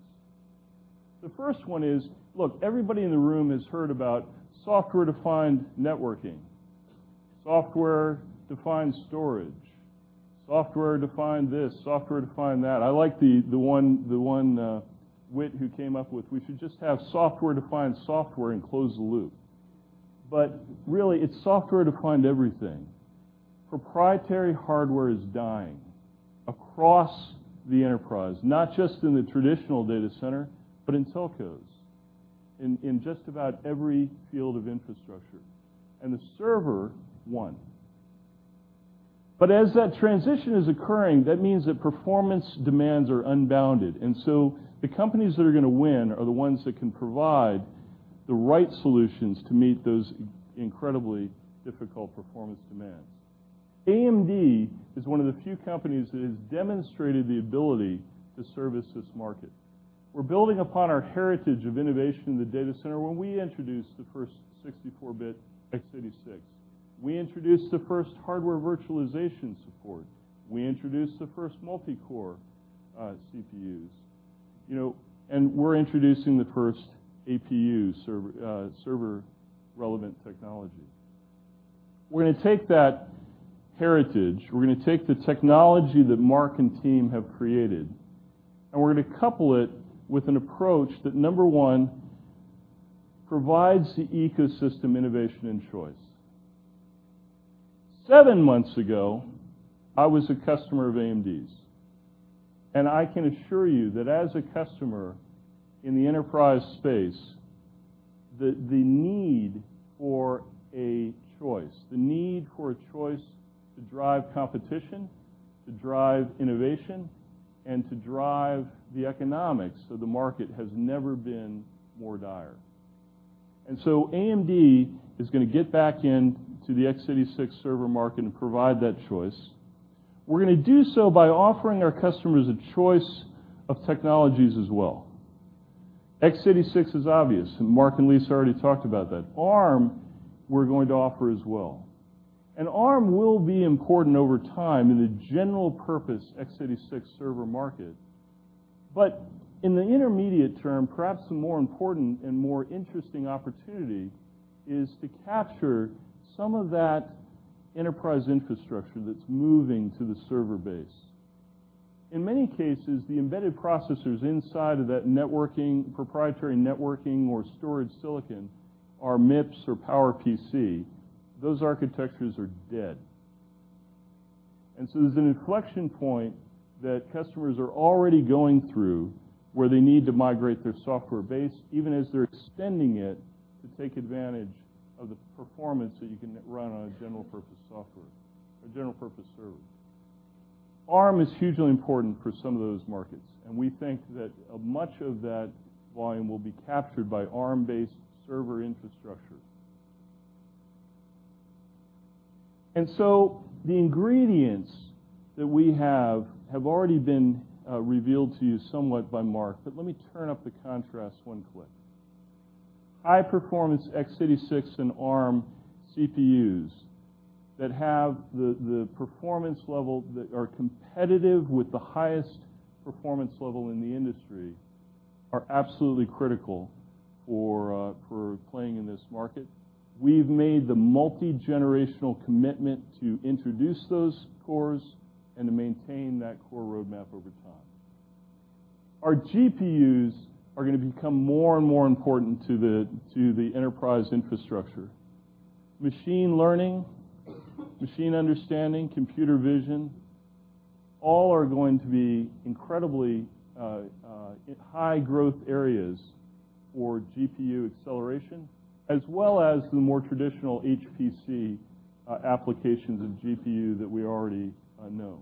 The first one is, look, everybody in the room has heard about software-defined networking, software-defined storage, software-defined this, software-defined that. I like the one wit who came up with, we should just have software-defined software and close the loop. Really, it's software-defined everything. Proprietary hardware is dying across the enterprise, not just in the traditional data center, but in telcos, in just about every field of infrastructure. The server, one. As that transition is occurring, that means that performance demands are unbounded. The companies that are going to win are the ones that can provide the right solutions to meet those incredibly difficult performance demands. AMD is one of the few companies that has demonstrated the ability to service this market. We're building upon our heritage of innovation in the data center when we introduced the first 64-bit x86. We introduced the first hardware virtualization support. We introduced the first multi-core CPUs. We're introducing the first APU server relevant technology. We're going to take that heritage, we're going to take the technology that Mark and team have created, we're going to couple it with an approach that, number 1, provides the ecosystem innovation and choice. Seven months ago, I was a customer of AMD's, I can assure you that as a customer in the enterprise space, the need for a choice to drive competition, to drive innovation, and to drive the economics of the market has never been more dire. AMD is going to get back into the x86 server market and provide that choice. We're going to do so by offering our customers a choice of technologies as well. x86 is obvious, Mark and Lisa already talked about that. Arm, we're going to offer as well. Arm will be important over time in the general purpose x86 server market. In the intermediate term, perhaps the more important and more interesting opportunity is to capture some of that enterprise infrastructure that's moving to the server base. In many cases, the embedded processors inside of that proprietary networking or storage silicon are MIPS or PowerPC. Those architectures are dead. There's an inflection point that customers are already going through where they need to migrate their software base, even as they're extending it to take advantage of the performance that you can run on a general purpose server. Arm is hugely important for some of those markets, we think that much of that volume will be captured by Arm-based server infrastructure. The ingredients that we have already been revealed to you somewhat by Mark. Let me turn up the contrast one click. High performance x86 and Arm CPUs that have the performance level that are competitive with the highest performance level in the industry are absolutely critical for playing in this market. We've made the multi-generational commitment to introduce those cores and to maintain that core roadmap over time. Our GPUs are going to become more and more important to the enterprise infrastructure. Machine learning, machine understanding, computer vision, all are going to be incredibly high growth areas for GPU acceleration, as well as the more traditional HPC applications of GPU that we already know.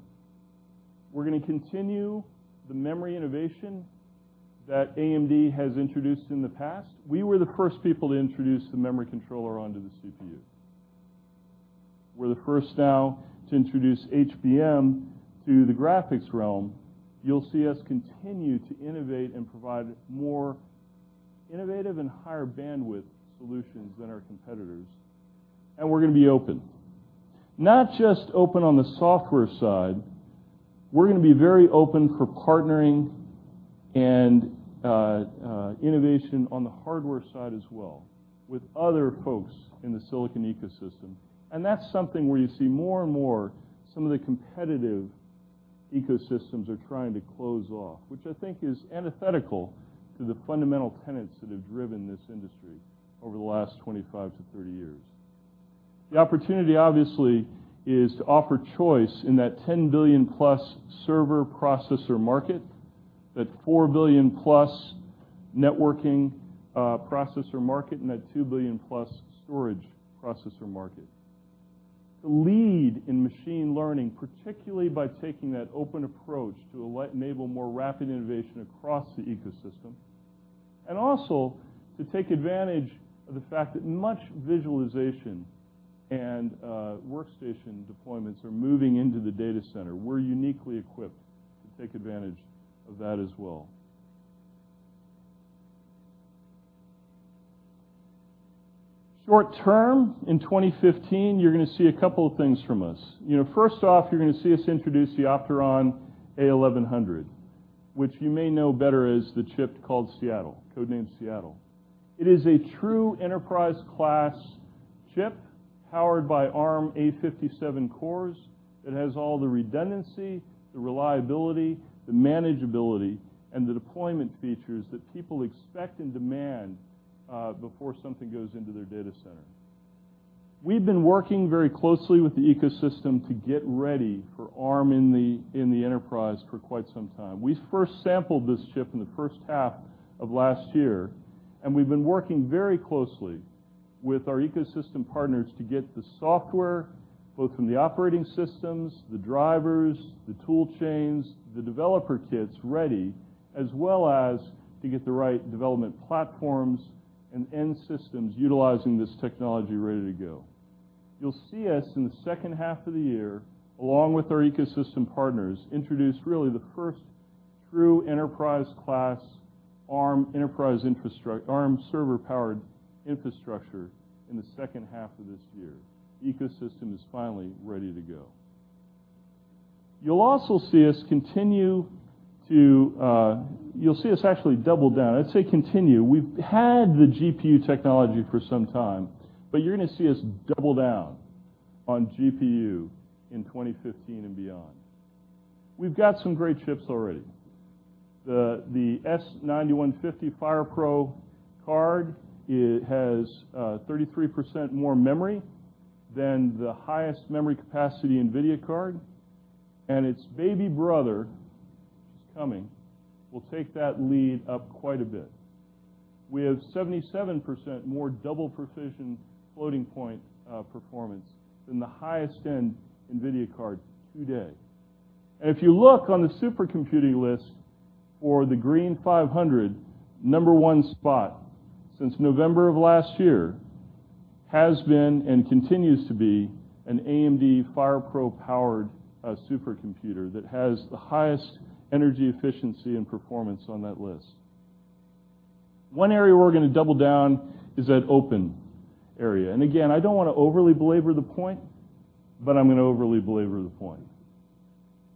We're going to continue the memory innovation that AMD has introduced in the past. We were the first people to introduce the memory controller onto the CPU. We're the first now to introduce HBM to the graphics realm. You'll see us continue to innovate and provide more innovative and higher bandwidth solutions than our competitors. We're going to be open. Not just open on the software side. We're going to be very open for partnering and innovation on the hardware side as well with other folks in the silicon ecosystem. That's something where you see more and more some of the competitive ecosystems are trying to close off, which I think is antithetical to the fundamental tenets that have driven this industry over the last 25 to 30 years. The opportunity, obviously, is to offer choice in that $10 billion-plus server processor market, that $4 billion-plus networking processor market, and that $2 billion-plus storage processor market. To lead in machine learning, particularly by taking that open approach to enable more rapid innovation across the ecosystem, also to take advantage of the fact that much visualization and workstation deployments are moving into the data center. We're uniquely equipped to take advantage of that as well. Short term, in 2015, you're going to see a couple of things from us. First off, you're going to see us introduce the Opteron A1100, which you may know better as the chip called Seattle, code name Seattle. It is a true enterprise class chip powered by Arm A57 cores. It has all the redundancy, the reliability, the manageability, and the deployment features that people expect and demand before something goes into their data center. We've been working very closely with the ecosystem to get ready for Arm in the enterprise for quite some time. We first sampled this chip in the first half of last year, and we've been working very closely with our ecosystem partners to get the software, both from the operating systems, the drivers, the tool chains, the developer kits ready, as well as to get the right development platforms and end systems utilizing this technology ready to go. You'll see us in the second half of the year, along with our ecosystem partners, introduce really the first true enterprise class Arm server powered infrastructure in the second half of this year. The ecosystem is finally ready to go. You'll also see us actually double down. I say continue, we've had the GPU technology for some time, you're going to see us double down on GPU in 2015 and beyond. We've got some great chips already. The S9150 FirePro card has 33% more memory than the highest memory capacity NVIDIA card, and its baby brother, which is coming, will take that lead up quite a bit. We have 77% more double precision floating point performance than the highest end NVIDIA card to date. If you look on the supercomputing list for the Green500, number one spot since November of last year has been and continues to be an AMD FirePro-powered supercomputer that has the highest energy efficiency and performance on that list. One area we're going to double down is that open area. Again, I don't want to overly belabor the point, but I'm going to overly belabor the point.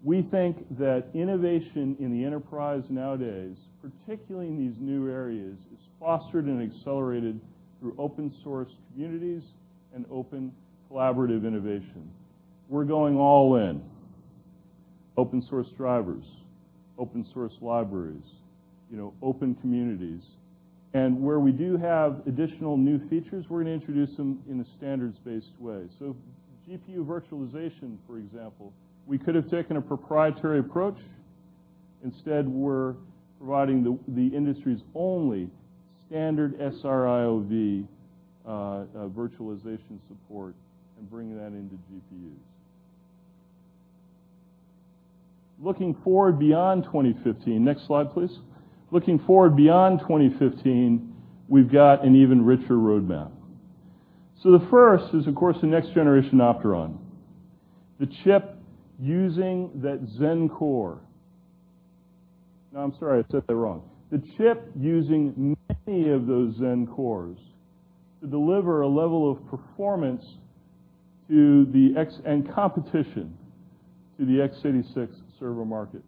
We think that innovation in the enterprise nowadays, particularly in these new areas, is fostered and accelerated through open source communities and open collaborative innovation. We're going all in. Open source drivers, open source libraries, open communities. Where we do have additional new features, we're going to introduce them in a standards-based way. So GPU virtualization, for example, we could have taken a proprietary approach. Instead, we're providing the industry's only standard SR-IOV virtualization support and bringing that into GPUs. Looking forward beyond 2015, next slide, please. Looking forward beyond 2015, we've got an even richer roadmap. The first is, of course, the next generation Opteron, the chip using that Zen core. No, I'm sorry, I said that wrong. The chip using many of those Zen cores to deliver a level of performance and competition to the x86 server market.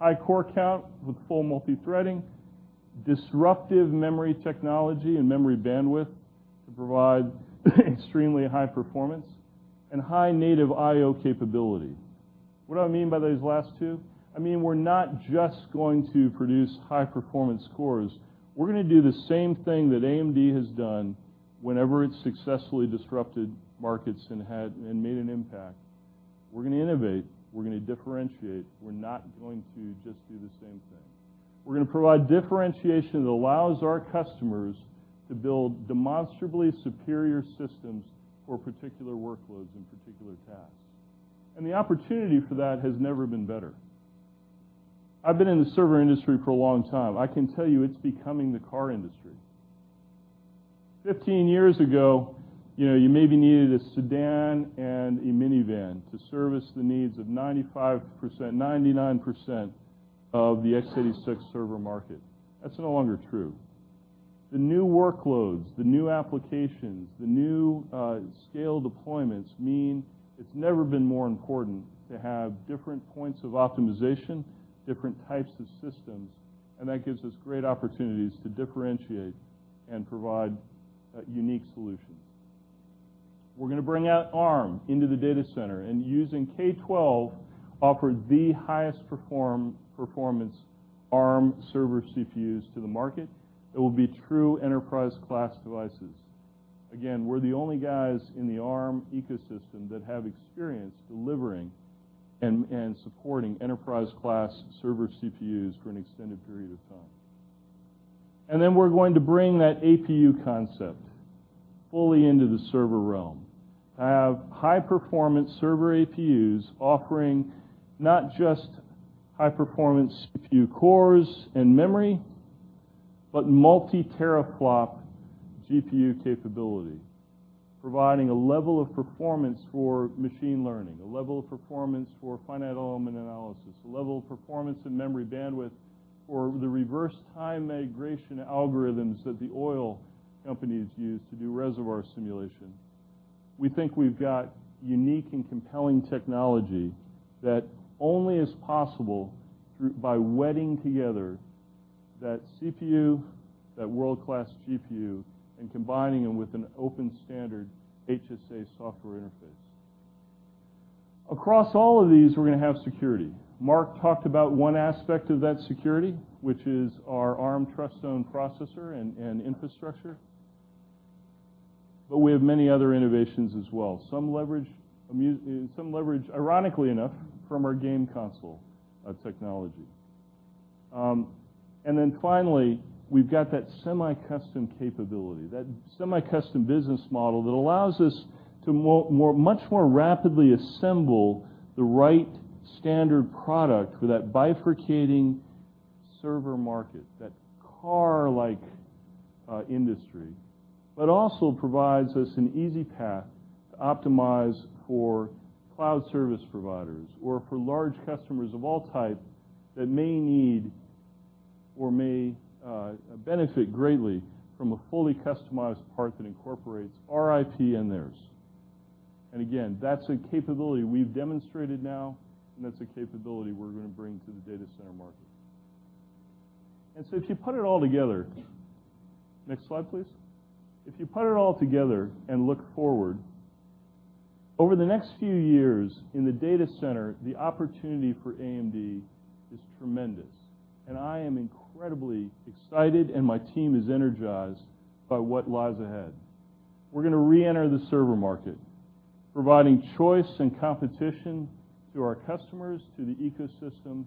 High core count with full multithreading, disruptive memory technology and memory bandwidth to provide extremely high performance, high native IO capability. What do I mean by those last two? I mean we're not just going to produce high performance cores. We're going to do the same thing that AMD has done whenever it successfully disrupted markets and made an impact. We're going to innovate. We're going to differentiate. We're not going to just do the same thing. We're going to provide differentiation that allows our customers to build demonstrably superior systems for particular workloads and particular tasks. The opportunity for that has never been better. I've been in the server industry for a long time. I can tell you it's becoming the car industry. 15 years ago, you maybe needed a sedan and a minivan to service the needs of 99% of the x86 server market. That's no longer true. The new workloads, the new applications, the new scale deployments mean it's never been more important to have different points of optimization, different types of systems, and that gives us great opportunities to differentiate and provide unique solutions. We're going to bring out Arm into the data center, and using K12 offer the highest performance Arm server CPUs to the market. It will be true enterprise-class devices. Again, we're the only guys in the Arm ecosystem that have experience delivering and supporting enterprise-class server CPUs for an extended period of time. We're going to bring that APU concept fully into the server realm, have high-performance server APUs offering not just high performance few cores and memory, but multi-teraflop GPU capability, providing a level of performance for machine learning, a level of performance for finite element analysis, a level of performance and memory bandwidth for the reverse time migration algorithms that the oil companies use to do reservoir simulation. We think we've got unique and compelling technology that only is possible by wedding together that CPU, that world-class GPU, and combining them with an open standard HSA software interface. Across all of these, we're going to have security. Mark talked about one aspect of that security, which is our Arm TrustZone processor and infrastructure. We have many other innovations as well, some leverage, ironically enough, from our game console technology. Finally, we've got that semi-custom capability, that semi-custom business model that allows us to much more rapidly assemble the right standard product for that bifurcating server market, that car-like industry, but also provides us an easy path to optimize for cloud service providers or for large customers of all type that may need or may benefit greatly from a fully customized part that incorporates our IP and theirs. Again, that's a capability we've demonstrated now, and that's a capability we're going to bring to the data center market. If you put it all together. Next slide, please. If you put it all together and look forward, over the next few years in the data center, the opportunity for AMD is tremendous. I am incredibly excited, and my team is energized by what lies ahead. We're going to re-enter the server market, providing choice and competition to our customers, to the ecosystem,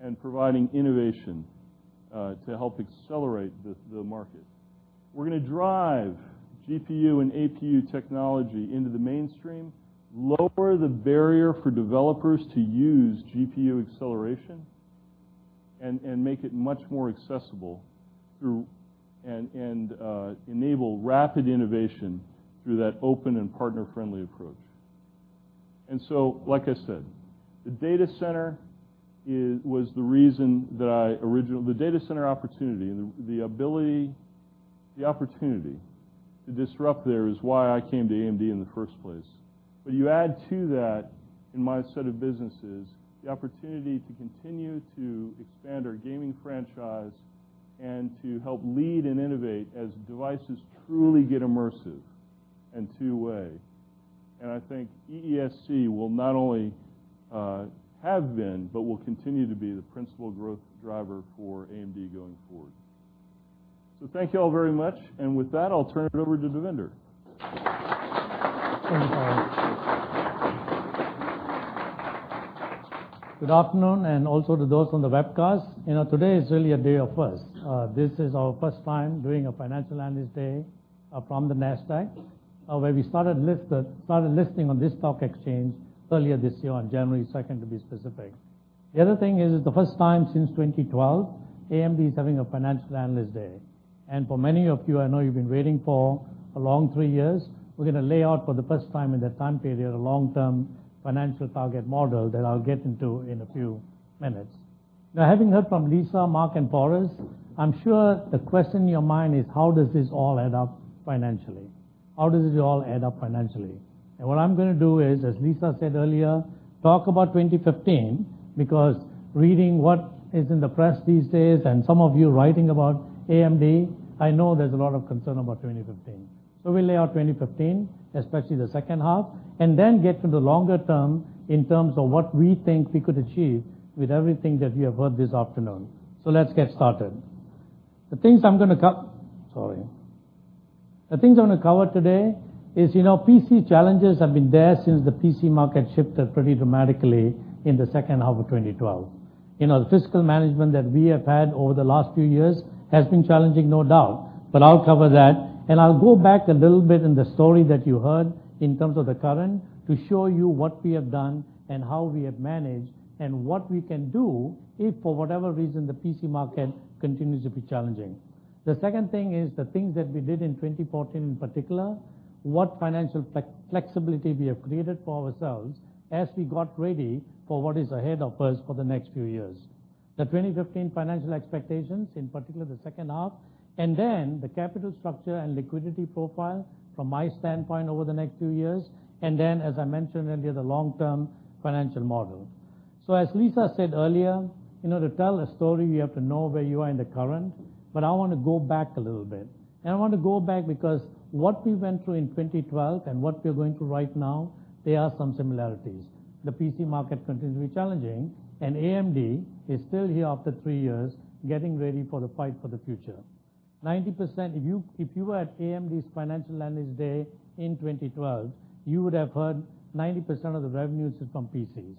and providing innovation to help accelerate the market. We're going to drive GPU and APU technology into the mainstream, lower the barrier for developers to use GPU acceleration, and make it much more accessible and enable rapid innovation through that open and partner-friendly approach. Like I said, the data center opportunity, and the ability, the opportunity to disrupt there is why I came to AMD in the first place. You add to that, in my set of businesses, the opportunity to continue to expand our gaming franchise and to help lead and innovate as devices truly get immersive and two-way. I think EESC will not only have been, but will continue to be the principal growth driver for AMD going forward. Thank you all very much. With that, I'll turn it over to Devinder. Good afternoon, also to those on the webcast. Today is really a day of firsts. This is our first time doing a financial analyst day from the Nasdaq, where we started listing on this stock exchange earlier this year, on January 2nd, to be specific. The other thing is it's the first time since 2012 AMD is having a financial analyst day. For many of you, I know you've been waiting for a long three years. We're going to lay out for the first time in that time period a long-term financial target model that I'll get into in a few minutes. Having heard from Lisa, Mark, and Forrest, I'm sure the question in your mind is: how does this all add up financially? How does this all add up financially? What I'm going to do is, as Lisa said earlier, talk about 2015, because reading what is in the press these days and some of you writing about AMD, I know there's a lot of concern about 2015. We'll lay out 2015, especially the second half, then get to the longer term in terms of what we think we could achieve with everything that you have heard this afternoon. Let's get started. The things I'm going to cover today is PC challenges have been there since the PC market shifted pretty dramatically in the second half of 2012. The fiscal management that we have had over the last few years has been challenging, no doubt, I'll cover that, I'll go back a little bit in the story that you heard in terms of the current to show you what we have done and how we have managed and what we can do if, for whatever reason, the PC market continues to be challenging. The second thing is the things that we did in 2014 in particular, what financial flexibility we have created for ourselves as we got ready for what is ahead of us for the next few years. The 2015 financial expectations, in particular the second half, the capital structure and liquidity profile from my standpoint over the next few years, as I mentioned earlier, the long-term financial model. As Lisa said earlier, to tell a story, you have to know where you are in the current, I want to go back a little bit. I want to go back because what we went through in 2012 and what we're going through right now, there are some similarities. The PC market continues to be challenging, AMD is still here after three years, getting ready for the fight for the future. If you were at AMD's Financial Analyst Day in 2012, you would have heard 90% of the revenues is from PCs.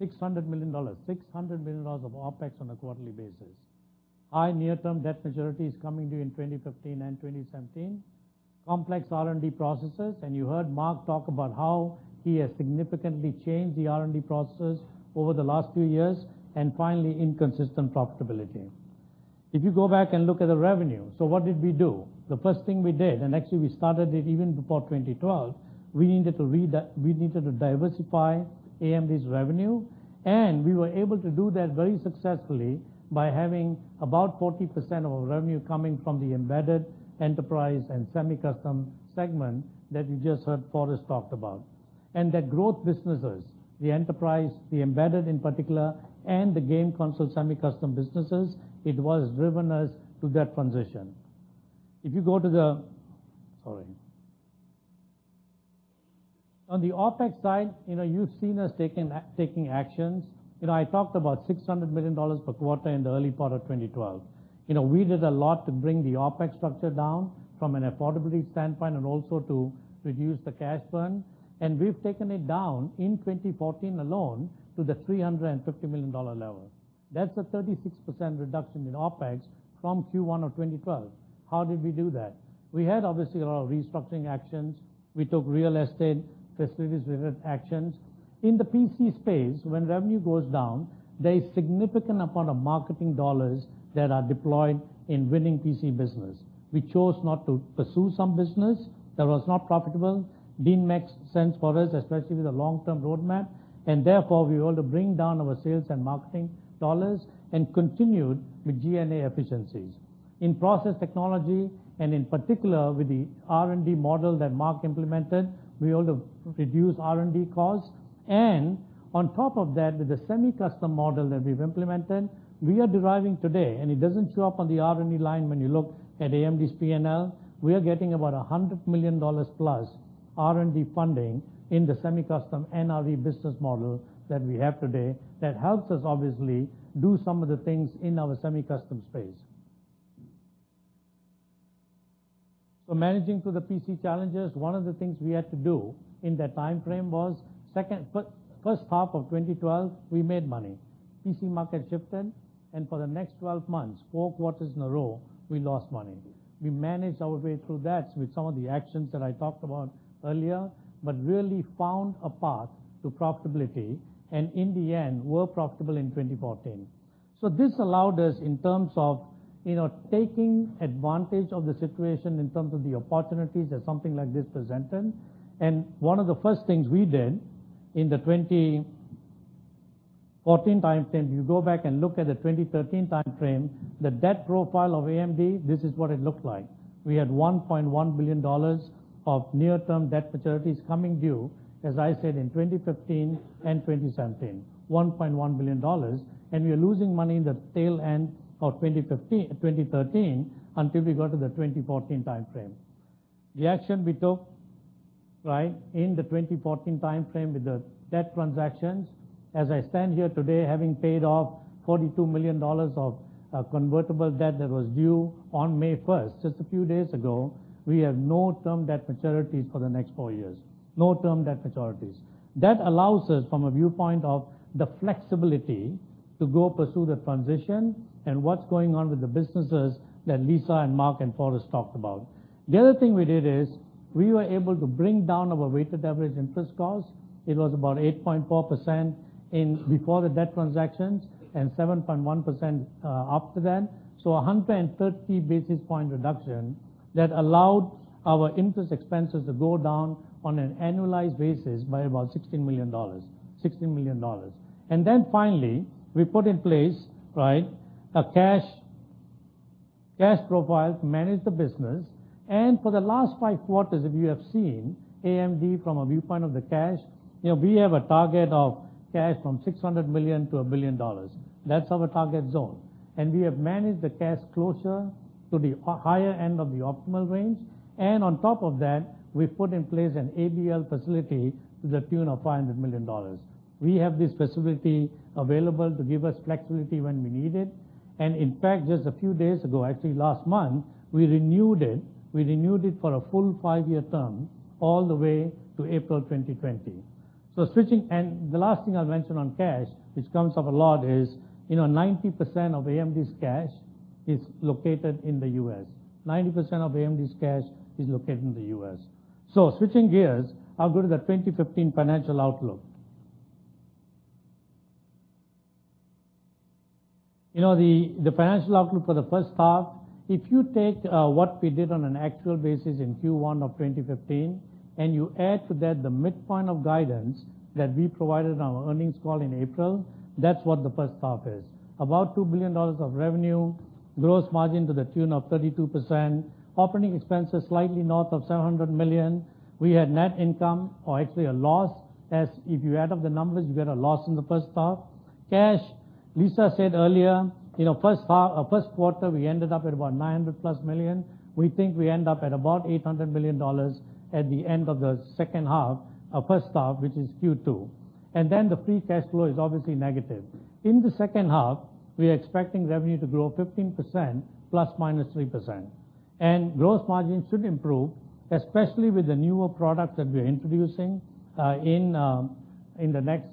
$600 million of OpEx on a quarterly basis. High near-term debt maturities coming due in 2015 and 2017. Complex R&D processes, you heard Mark talk about how he has significantly changed the R&D processes over the last few years. Finally, inconsistent profitability. If you go back and look at the revenue, what did we do? The first thing we did, actually, we started it even before 2012, we needed to diversify AMD's revenue, we were able to do that very successfully by having about 40% of our revenue coming from the Embedded, Enterprise and Semi-Custom segment that you just heard Forrest talked about. That growth businesses, the Enterprise, the Embedded in particular, and the game console semi-custom businesses, it was driven us to that transition. On the OpEx side, you've seen us taking actions. I talked about $600 million per quarter in the early part of 2012. We did a lot to bring the OpEx structure down from an affordability standpoint and also to reduce the cash burn. We've taken it down in 2014 alone to the $350 million level. That's a 36% reduction in OpEx from Q1 of 2012. How did we do that? We had, obviously, a lot of restructuring actions. We took real estate facilities-related actions. In the PC space, when revenue goes down, there is significant amount of marketing dollars that are deployed in winning PC business. We chose not to pursue some business that was not profitable, didn't make sense for us, especially with the long-term roadmap, therefore, we were able to bring down our sales and marketing dollars and continued with SG&A efficiencies. In process technology, in particular with the R&D model that Mark implemented, we were able to reduce R&D costs. On top of that, with the semi-custom model that we've implemented, we are deriving today, it doesn't show up on the R&D line when you look at AMD's P&L, we are getting about $100 million plus R&D funding in the semi-custom NRE business model that we have today that helps us obviously do some of the things in our semi-custom space. Managing through the PC challenges, one of the things we had to do in that timeframe was first half of 2012, we made money. PC market shifted, for the next 12 months, four quarters in a row, we lost money. We managed our way through that with some of the actions that I talked about earlier, really found a path to profitability, in the end, were profitable in 2014. This allowed us in terms of taking advantage of the situation in terms of the opportunities as something like this presented. One of the first things we did in the 2014 timeframe, you go back and look at the 2013 timeframe, the debt profile of AMD, this is what it looked like. We had $1.1 billion of near-term debt maturities coming due, as I said, in 2015 and 2017. $1.1 billion. We were losing money in the tail end of 2013 until we got to the 2014 timeframe. The action we took in the 2014 timeframe with the debt transactions, as I stand here today, having paid off $42 million of convertible debt that was due on May 1st, just a few days ago. We have no term debt maturities for the next four years. No term debt maturities. That allows us from a viewpoint of the flexibility to go pursue the transition and what's going on with the businesses that Lisa and Mark and Forrest talked about. The other thing we did is we were able to bring down our weighted average interest cost. It was about 8.4% before the debt transactions and 7.1% after that. 130 basis point reduction that allowed our interest expenses to go down on an annualized basis by about $16 million. Finally, we put in place a cash profile to manage the business. For the last five quarters, if you have seen AMD from a viewpoint of the cash, we have a target of cash from $600 million-$1 billion. That's our target zone. We have managed the cash closer to the higher end of the optimal range. On top of that, we've put in place an ABL facility to the tune of $500 million. We have this facility available to give us flexibility when we need it. In fact, just a few days ago, actually last month, we renewed it. We renewed it for a full five-year term all the way to April 2020. The last thing I'll mention on cash, which comes up a lot, is 90% of AMD's cash is located in the U.S. Switching gears, I'll go to the 2015 financial outlook. The financial outlook for the first half, if you take what we did on an actual basis in Q1 of 2015, and you add to that the midpoint of guidance that we provided on our earnings call in April, that's what the first half is. About $2 billion of revenue, gross margin to the tune of 32%, operating expenses slightly north of $700 million. We had net income, or actually a loss, as if you add up the numbers, you get a loss in the first half. Cash, Lisa said earlier, first quarter, we ended up at about $900-plus million. We think we end up at about $800 million at the end of the first half, which is Q2. The free cash flow is obviously negative. In the second half, we are expecting revenue to grow 15% ±3%. Gross margins should improve, especially with the newer products that we're introducing in the next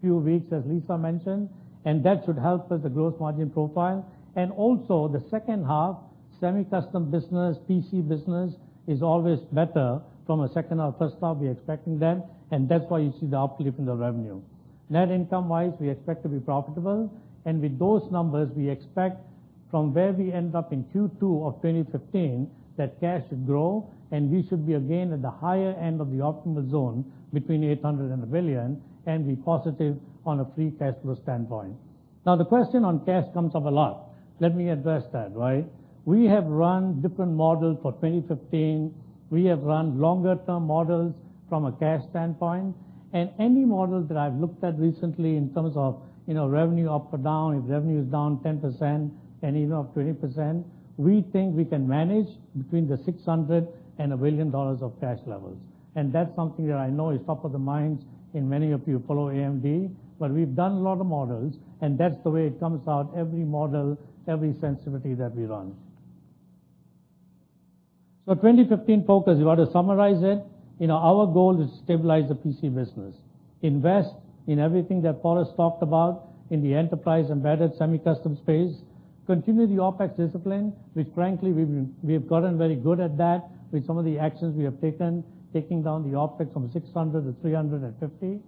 few weeks, as Lisa mentioned, and that should help with the gross margin profile. Also the second half, semi-custom business, PC business is always better from a second or first half. We are expecting that's why you see the uplift in the revenue. Net income-wise, we expect to be profitable. With those numbers, we expect from where we end up in Q2 of 2015, that cash should grow, and we should be again at the higher end of the optimal zone between $800 and $1 billion and be positive on a free cash flow standpoint. The question on cash comes up a lot. Let me address that. We have run different models for 2015. We have run longer-term models from a cash standpoint. Any models that I've looked at recently in terms of revenue up or down, if revenue is down 10% and even up 20%, we think we can manage between the $600 and $1 billion of cash levels. That's something that I know is top of the minds in many of you who follow AMD. We've done a lot of models, that's the way it comes out, every model, every sensitivity that we run. 2015 focus, if you were to summarize it, our goal is to stabilize the PC business, invest in everything that Forrest talked about in the enterprise embedded semi-custom space. Continue the OpEx discipline, which frankly, we have gotten very good at that with some of the actions we have taken, taking down the OpEx from $600 to $350.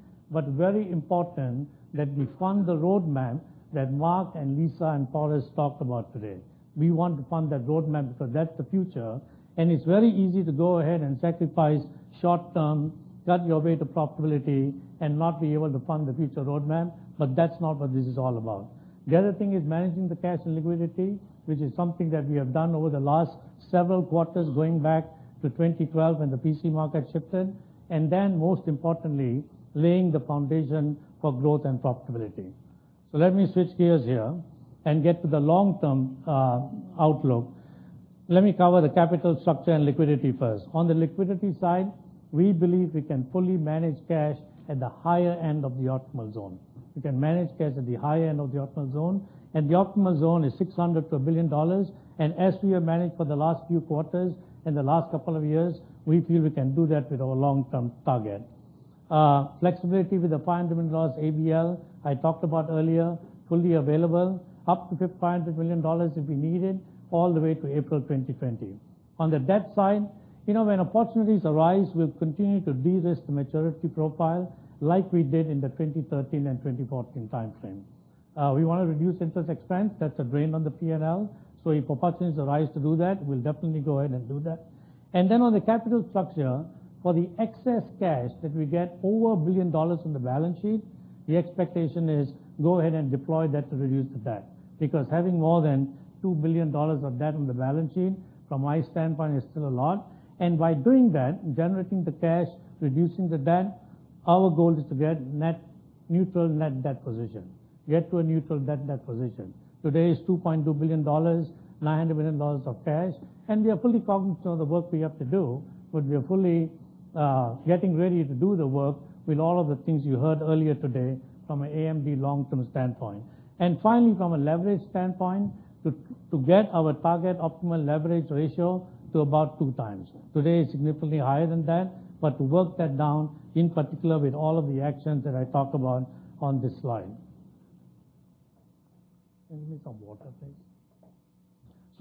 Very important that we fund the roadmap that Mark and Lisa and Forrest talked about today. We want to fund that roadmap because that's the future. It's very easy to go ahead and sacrifice short-term, cut your way to profitability, and not be able to fund the future roadmap, that's not what this is all about. The other thing is managing the cash and liquidity, which is something that we have done over the last several quarters, going back to 2012 when the PC market shifted. Then most importantly, laying the foundation for growth and profitability. Let me switch gears here and get to the long-term outlook. Let me cover the capital structure and liquidity first. On the liquidity side, we believe we can fully manage cash at the higher end of the optimal zone. We can manage cash at the higher end of the optimal zone. The optimal zone is $600 to $1 billion. As we have managed for the last few quarters in the last couple of years, we feel we can do that with our long-term target. Flexibility with the fine demand laws ABL, I talked about earlier, fully available up to $500 million if we needed all the way to April 2020. On the debt side, when opportunities arise, we'll continue to de-risk the maturity profile like we did in the 2013 and 2014 timeframe. We want to reduce interest expense. That's a drain on the P&L. If opportunities arise to do that, we'll definitely go ahead and do that. Then on the capital structure, for the excess cash that we get over $1 billion on the balance sheet, the expectation is go ahead and deploy that to reduce the debt. Because having more than $2 billion of debt on the balance sheet, from my standpoint, is still a lot. By doing that, generating the cash, reducing the debt, our goal is to get net neutral net debt position, get to a neutral net debt position. Today is $2.2 billion, $900 million of cash, we are fully cognizant of the work we have to do, we are fully getting ready to do the work with all of the things you heard earlier today from an AMD long-term standpoint. Finally, from a leverage standpoint, to get our target optimal leverage ratio to about 2 times. Today is significantly higher than that, to work that down, in particular, with all of the actions that I talk about on this slide. Can you get me some water, please?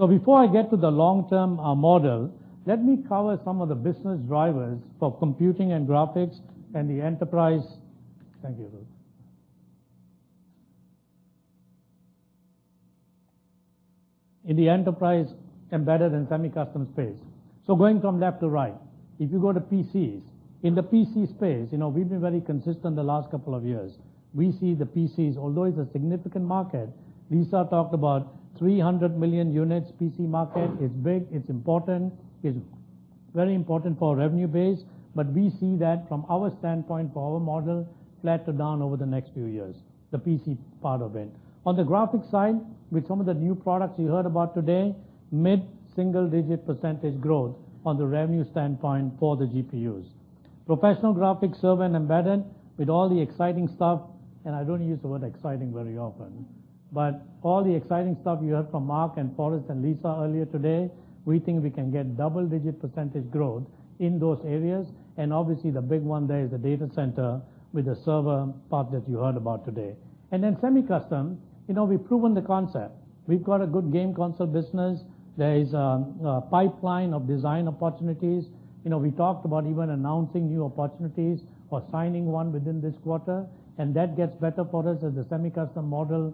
Before I get to the long-term model, let me cover some of the business drivers for computing and graphics and the enterprise. Thank you, Ruth. In the Enterprise, Embedded, and Semi-Custom space. Going from left to right, if you go to PCs, in the PC space, we've been very consistent the last couple of years. We see the PCs, although it's a significant market, Lisa talked about 300 million units PC market. It's big, it's important. It's very important for revenue base, we see that from our standpoint for our model, flatter down over the next few years, the PC part of it. On the graphics side, with some of the new products you heard about today, mid-single-digit percentage growth on the revenue standpoint for the GPUs. Professional graphics, server, and embedded with all the exciting stuff, I don't use the word exciting very often, all the exciting stuff you heard from Mark and Forrest and Lisa earlier today, we think we can get double-digit percentage growth in those areas. Obviously, the big one there is the data center with the server part that you heard about today. Then semi-custom, we've proven the concept. We've got a good game console business. There is a pipeline of design opportunities. We talked about even announcing new opportunities or signing one within this quarter, that gets better for us as the semi-custom model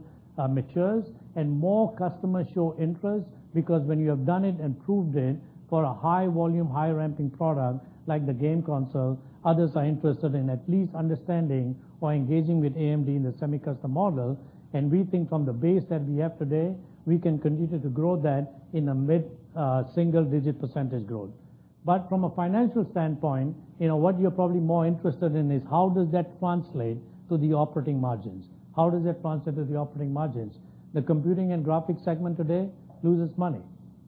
matures and more customers show interest. Because when you have done it and proved it for a high volume, high ramping product like the game console, others are interested in at least understanding or engaging with AMD in the semi-custom model. We think from the base that we have today, we can continue to grow that in a mid-single-digit percentage growth. From a financial standpoint, what you're probably more interested in is how does that translate to the operating margins? How does that translate to the operating margins? The Computing and Graphics segment today loses money.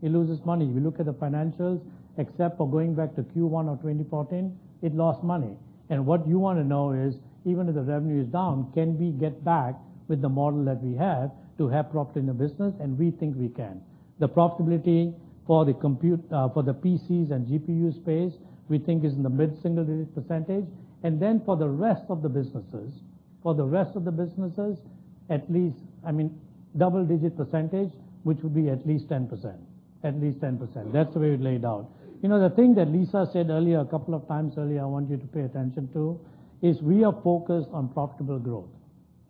It loses money. If you look at the financials, except for going back to Q1 of 2014, it lost money. What you want to know is, even if the revenue is down, can we get back with the model that we have to have profit in the business? We think we can. The profitability for the PCs and GPU space, we think is in the mid-single-digit percentage. Then for the rest of the businesses, at least double-digit percentage, which would be at least 10%. At least 10%. That's the way we laid out. The thing that Lisa said earlier, a couple of times earlier, I want you to pay attention to, is we are focused on profitable growth.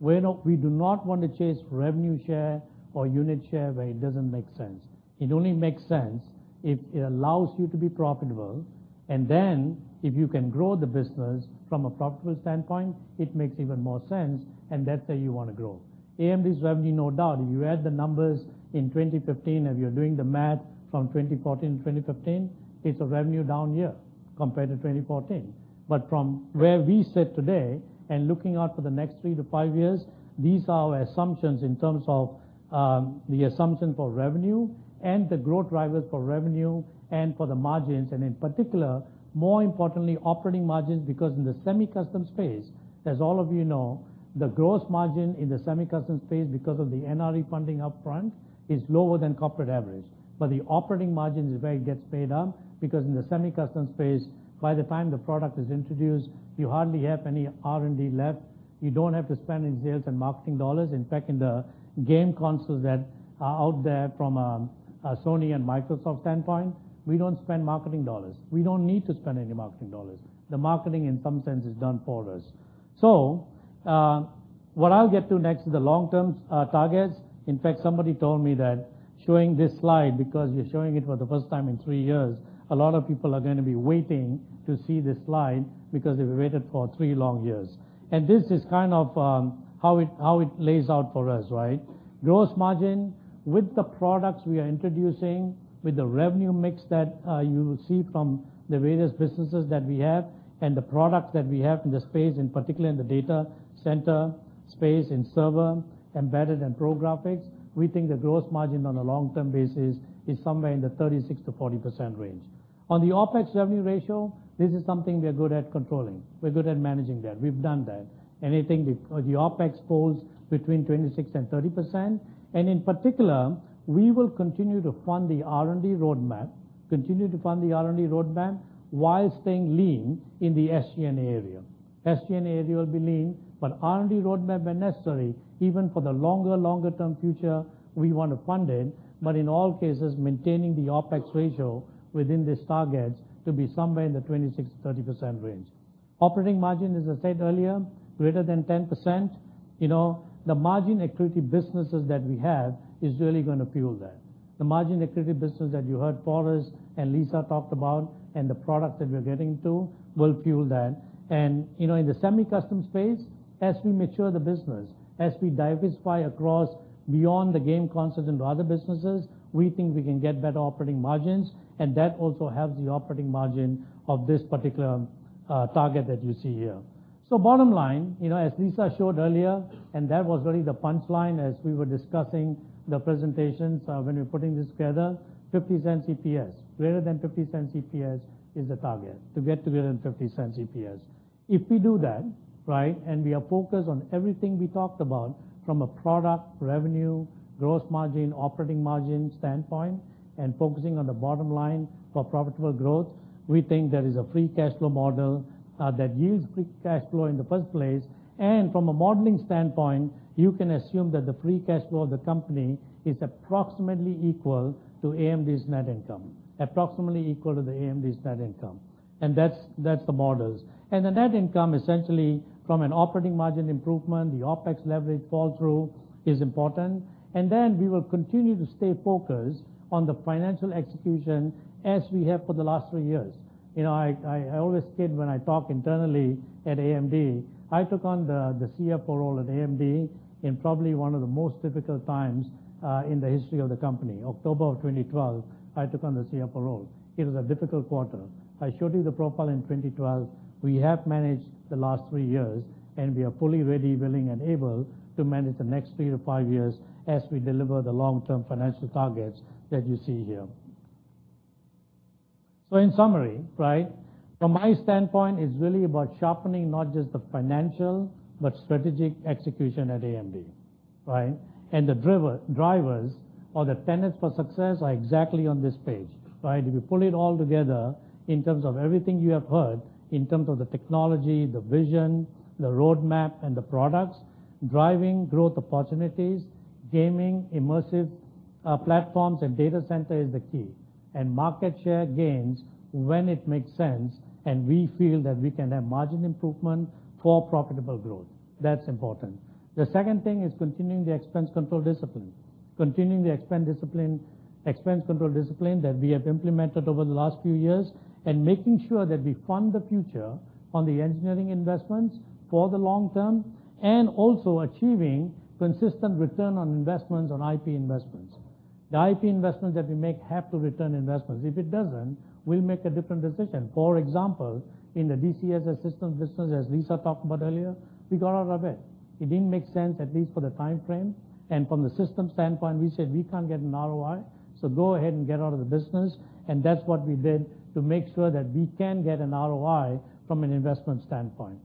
We do not want to chase revenue share or unit share where it doesn't make sense. It only makes sense if it allows you to be profitable. If you can grow the business from a profitable standpoint, it makes even more sense, and that's where you want to grow. AMD's revenue, no doubt, you add the numbers in 2015, if you're doing the math from 2014 to 2015, it's a revenue down year compared to 2014. From where we sit today and looking out for the next three to five years, these are our assumptions in terms of the assumption for revenue and the growth drivers for revenue and for the margins, and in particular, more importantly, operating margins, because in the semi-custom space, as all of you know, the gross margin in the semi-custom space, because of the NRE funding up front, is lower than corporate average. The operating margin is where it gets made up, because in the semi-custom space, by the time the product is introduced, you hardly have any R&D left. You don't have to spend in sales and marketing dollars. In fact, in the game consoles that are out there from a Sony and Microsoft standpoint, we don't spend marketing dollars. We don't need to spend any marketing dollars. The marketing, in some sense, is done for us. What I'll get to next is the long-term targets. In fact, somebody told me that showing this slide, because you're showing it for the first time in three years, a lot of people are going to be waiting to see this slide because they've waited for three long years. This is kind of how it lays out for us. Gross margin with the products we are introducing, with the revenue mix that you will see from the various businesses that we have, and the products that we have in the space, in particular in the data center space, in server, embedded, and pro graphics, we think the gross margin on a long-term basis is somewhere in the 36%-40% range. On the OpEx-revenue ratio, this is something we are good at controlling. We're good at managing that. We've done that. Anything, the OpEx falls between 26% and 30%. In particular, we will continue to fund the R&D roadmap while staying lean in the SG&A area. SG&A area will be lean, but R&D roadmap, where necessary, even for the longer term future, we want to fund it, but in all cases, maintaining the OpEx ratio within these targets to be somewhere in the 26%-30% range. Operating margin, as I said earlier, greater than 10%. The margin-accretive businesses that we have is really going to fuel that. The margin-accretive business that you heard Forrest and Lisa talked about and the products that we're getting to will fuel that. In the semi-custom space, as we mature the business, as we diversify across beyond the game consoles into other businesses, we think we can get better operating margins, and that also helps the operating margin of this particular target that you see here. Bottom line, as Lisa showed earlier, and that was really the punchline as we were discussing the presentations when we were putting this together, greater than $0.50 EPS is the target. To get to greater than $0.50 EPS. If we do that and we are focused on everything we talked about from a product, revenue, gross margin, operating margin standpoint, and focusing on the bottom line for profitable growth, we think there is a free cash flow model that yields free cash flow in the first place. From a modeling standpoint, you can assume that the free cash flow of the company is approximately equal to AMD's net income. That's the models. The net income, essentially, from an operating margin improvement, the OpEx leverage fall-through is important. Then we will continue to stay focused on the financial execution as we have for the last three years. I always kid when I talk internally at AMD, I took on the CFO role at AMD in probably one of the most difficult times in the history of the company. October of 2012, I took on the CFO role. It was a difficult quarter. I showed you the profile in 2012. We have managed the last three years, and we are fully ready, willing, and able to manage the next three to five years as we deliver the long-term financial targets that you see here. In summary, from my standpoint, it's really about sharpening not just the financial, but strategic execution at AMD. The drivers or the tenets for success are exactly on this page. If you pull it all together in terms of everything you have heard, in terms of the technology, the vision, the roadmap, and the products, driving growth opportunities, gaming, immersive platforms, and data center is the key. Market share gains when it makes sense and we feel that we can have margin improvement for profitable growth. That's important. The second thing is continuing the expense control discipline. Continuing the expense control discipline that we have implemented over the last few years and making sure that we fund the future on the engineering investments for the long term, and also achieving consistent return on investments on IP investments. The IP investments that we make have to return investments. If it doesn't, we'll make a different decision. For example, in the SeaMicro systems business, as Lisa talked about earlier, we got out of it. It didn't make sense, at least for the time frame, and from the system standpoint, we said we can't get an ROI, so go ahead and get out of the business. That's what we did to make sure that we can get an ROI from an investment standpoint.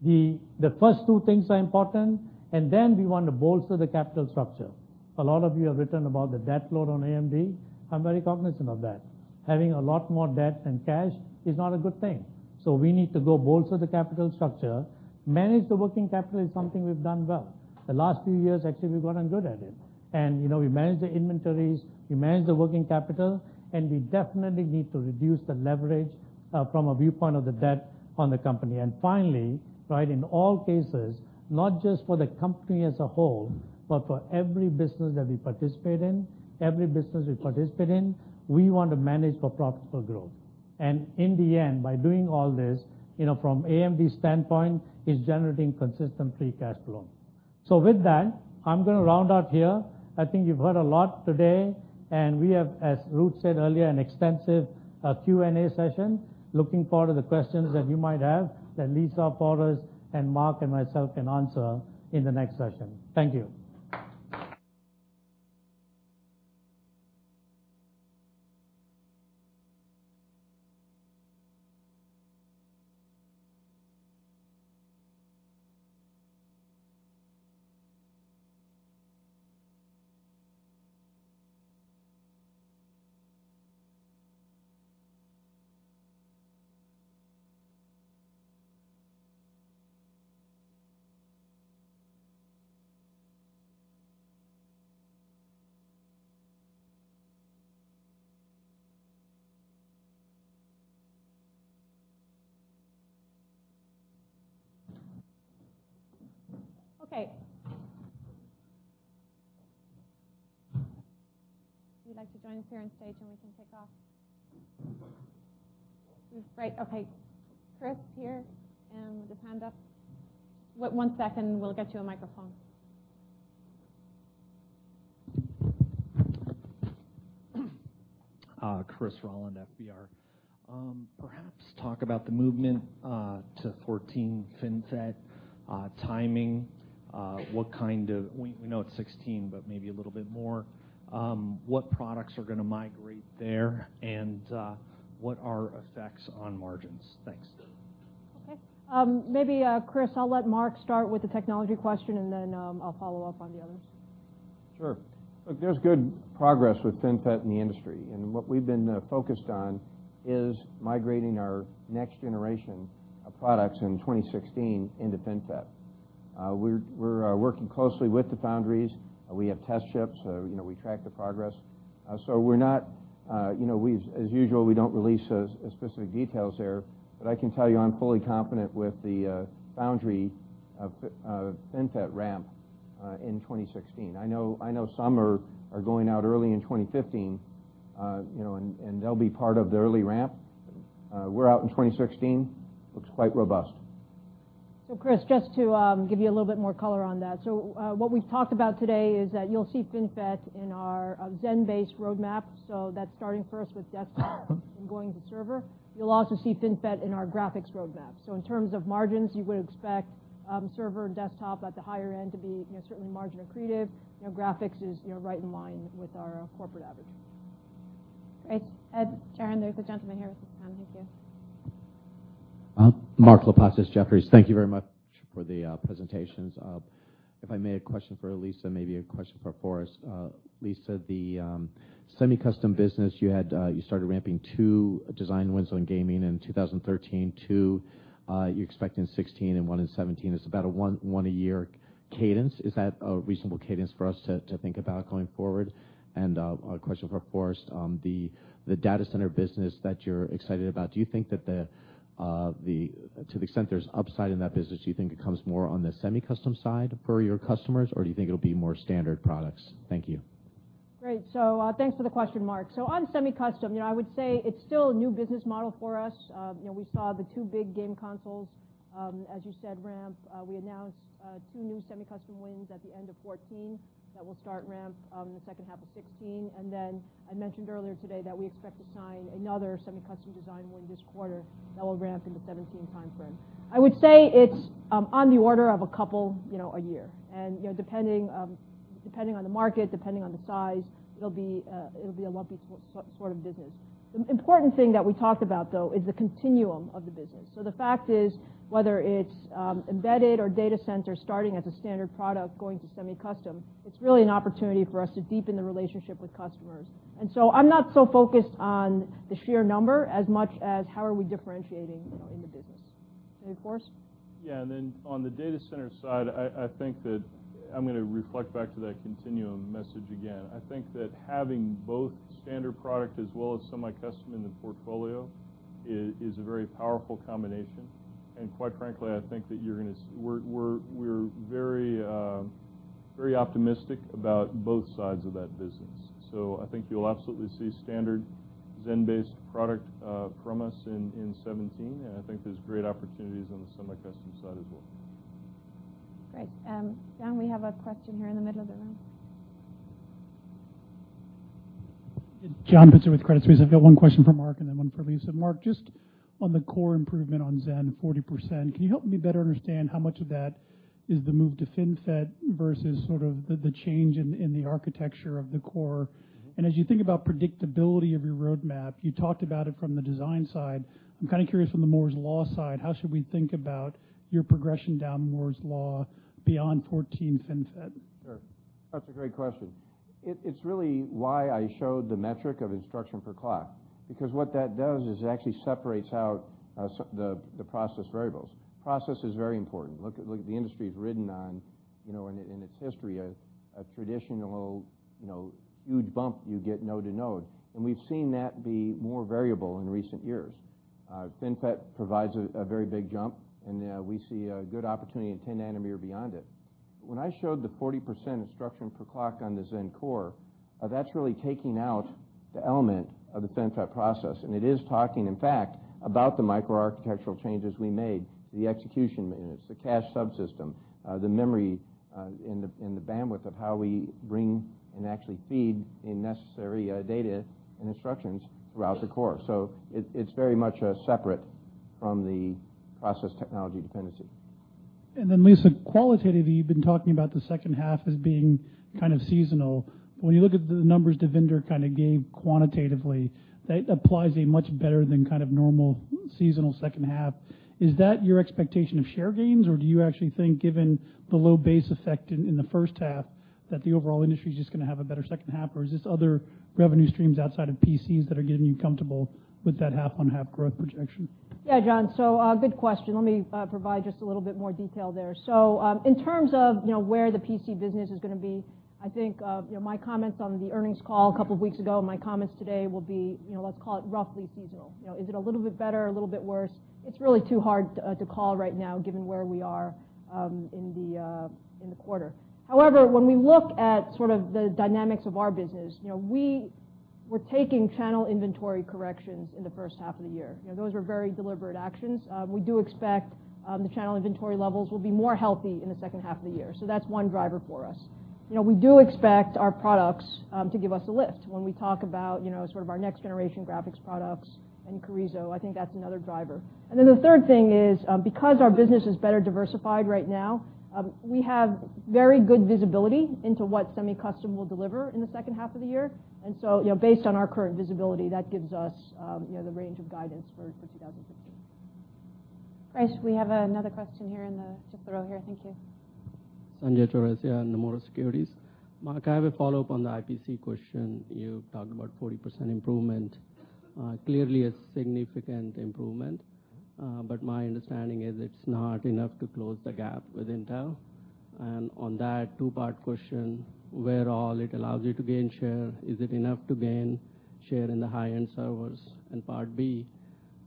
The first two things are important, then we want to bolster the capital structure. A lot of you have written about the debt load on AMD. I'm very cognizant of that. Having a lot more debt than cash is not a good thing. We need to go bolster the capital structure. Manage the working capital is something we've done well. The last few years, actually, we've gotten good at it. We managed the inventories, we managed the working capital, and we definitely need to reduce the leverage from a viewpoint of the debt on the company. Finally, in all cases, not just for the company as a whole, but for every business that we participate in, we want to manage for profitable growth. In the end, by doing all this, from AMD's standpoint, is generating consistent free cash flow. With that, I'm going to round out here. I think you've heard a lot today, and we have, as Ruth said earlier, an extensive Q&A session. Looking forward to the questions that you might have that Lisa, Forrest, and Mark, and myself can answer in the next session. Thank you. Okay. If you'd like to join us here on stage and we can kick off. Great. Okay. Chris here and Devinder. One second, we'll get you a microphone. Chris Rolland, FBR. Perhaps talk about the movement to 14 FinFET timing. We know it's 2016, but maybe a little bit more. What products are going to migrate there, and what are effects on margins? Thanks. Okay. Maybe, Chris, I'll let Mark start with the technology question, and then I'll follow up on the others. Sure. Look, there's good progress with FinFET in the industry, and what we've been focused on is migrating our next generation of products in 2016 into FinFET. We're working closely with the foundries. We have test ships. We track the progress. As usual, we don't release specific details there, but I can tell you I'm fully confident with the foundry of FinFET ramp in 2016. I know some are going out early in 2015, and they'll be part of the early ramp. We're out in 2016. Looks quite robust. Chris, just to give you a little bit more color on that. What we've talked about today is that you'll see FinFET in our Zen-based roadmap. That's starting first with desktop and going to server. You'll also see FinFET in our graphics roadmap. In terms of margins, you would expect server and desktop at the higher end to be certainly margin accretive. Graphics is right in line with our corporate average. Great. Ed, Sharon, there's a gentleman here with his hand. Thank you. Mark Lipacis, Jefferies. Thank you very much for the presentations. If I may, a question for Lisa, maybe a question for Forrest. Lisa, the semi-custom business, you started ramping two design wins on gaming in 2013, two you expect in 2016 and one in 2017. It's about a one a year cadence. Is that a reasonable cadence for us to think about going forward? A question for Forrest. The data center business that you're excited about, to the extent there's upside in that business, do you think it comes more on the semi-custom side for your customers, or do you think it'll be more standard products? Thank you. Great. Thanks for the question, Mark. On semi-custom, I would say it's still a new business model for us. We saw the two big game consoles, as you said, ramp. We announced two new semi-custom wins at the end of 2014 that will start ramp in the second half of 2016. I mentioned earlier today that we expect to sign another semi-custom design win this quarter that will ramp in the 2017 timeframe. I would say it's on the order of a couple a year, and depending on the market, depending on the size, it'll be a lumpy sort of business. The important thing that we talked about, though, is the continuum of the business. The fact is, whether it's embedded or data center starting as a standard product going to semi-custom, it's really an opportunity for us to deepen the relationship with customers. I'm not so focused on the sheer number as much as how are we differentiating in the business. Okay, Forrest? Yeah, on the data center side, I think that I'm going to reflect back to that continuum message again. I think that having both standard product as well as semi-custom in the portfolio is a very powerful combination, and quite frankly, I think that we're very optimistic about both sides of that business. I think you'll absolutely see standard Zen-based product from us in 2017, and I think there's great opportunities on the semi-custom side as well. Great. John, we have a question here in the middle of the room. John Pitzer with Credit Suisse. I've got one question for Mark and then one for Lisa. Mark, just on the core improvement on Zen, 40%, can you help me better understand how much of that is the move to FinFET versus sort of the change in the architecture of the core? As you think about predictability of your roadmap, you talked about it from the design side. I'm kind of curious from the Moore's Law side, how should we think about your progression down Moore's Law beyond 14 nm FinFET? Sure. That's a great question. It's really why I showed the metric of instruction per clock, because what that does is it actually separates out the process variables. Process is very important. Look at the industry's ridden on, in its history, a traditional huge bump you get node-to-node, and we've seen that be more variable in recent years. FinFET provides a very big jump, and we see a good opportunity in 10 nm beyond it. When I showed the 40% instruction per clock on the Zen core, that's really taking out the element of the FinFET process, and it is talking, in fact, about the microarchitectural changes we made to the execution units, the cache subsystem, the memory, and the bandwidth of how we bring and actually feed in necessary data and instructions throughout the core. It's very much separate from the process technology dependency. Lisa, qualitatively, you've been talking about the second half as being kind of seasonal, but when you look at the numbers Devinder kind of gave quantitatively, that implies a much better than kind of normal seasonal second half. Is that your expectation of share gains, or do you actually think given the low base effect in the first half that the overall industry is just going to have a better second half, or is this other revenue streams outside of PCs that are getting you comfortable with that half-on-half growth projection? Yeah, John. Good question. Let me provide just a little bit more detail there. In terms of where the PC business is going to be, I think my comments on the earnings call a couple of weeks ago and my comments today will be, let's call it roughly seasonal. Is it a little bit better, a little bit worse? It's really too hard to call right now given where we are in the quarter. However, when we look at sort of the dynamics of our business, we were taking channel inventory corrections in the first half of the year. Those were very deliberate actions. We do expect the channel inventory levels will be more healthy in the second half of the year. That's one driver for us. We do expect our products to give us a lift. When we talk about sort of our next-generation graphics products and Carrizo, I think that's another driver. The third thing is, because our business is better diversified right now, we have very good visibility into what semi-custom will deliver in the second half of the year, based on our current visibility, that gives us the range of guidance for 2015. Great. We have another question here in the Just the row here. Thank you. Sanjay Jha here, Nomura Securities. Mark, I have a follow-up on the IPC question. You talked about 40% improvement, clearly a significant improvement. My understanding is it's not enough to close the gap with Intel, on that two-part question, where all it allows you to gain share, is it enough to gain share in the high-end servers? Part B,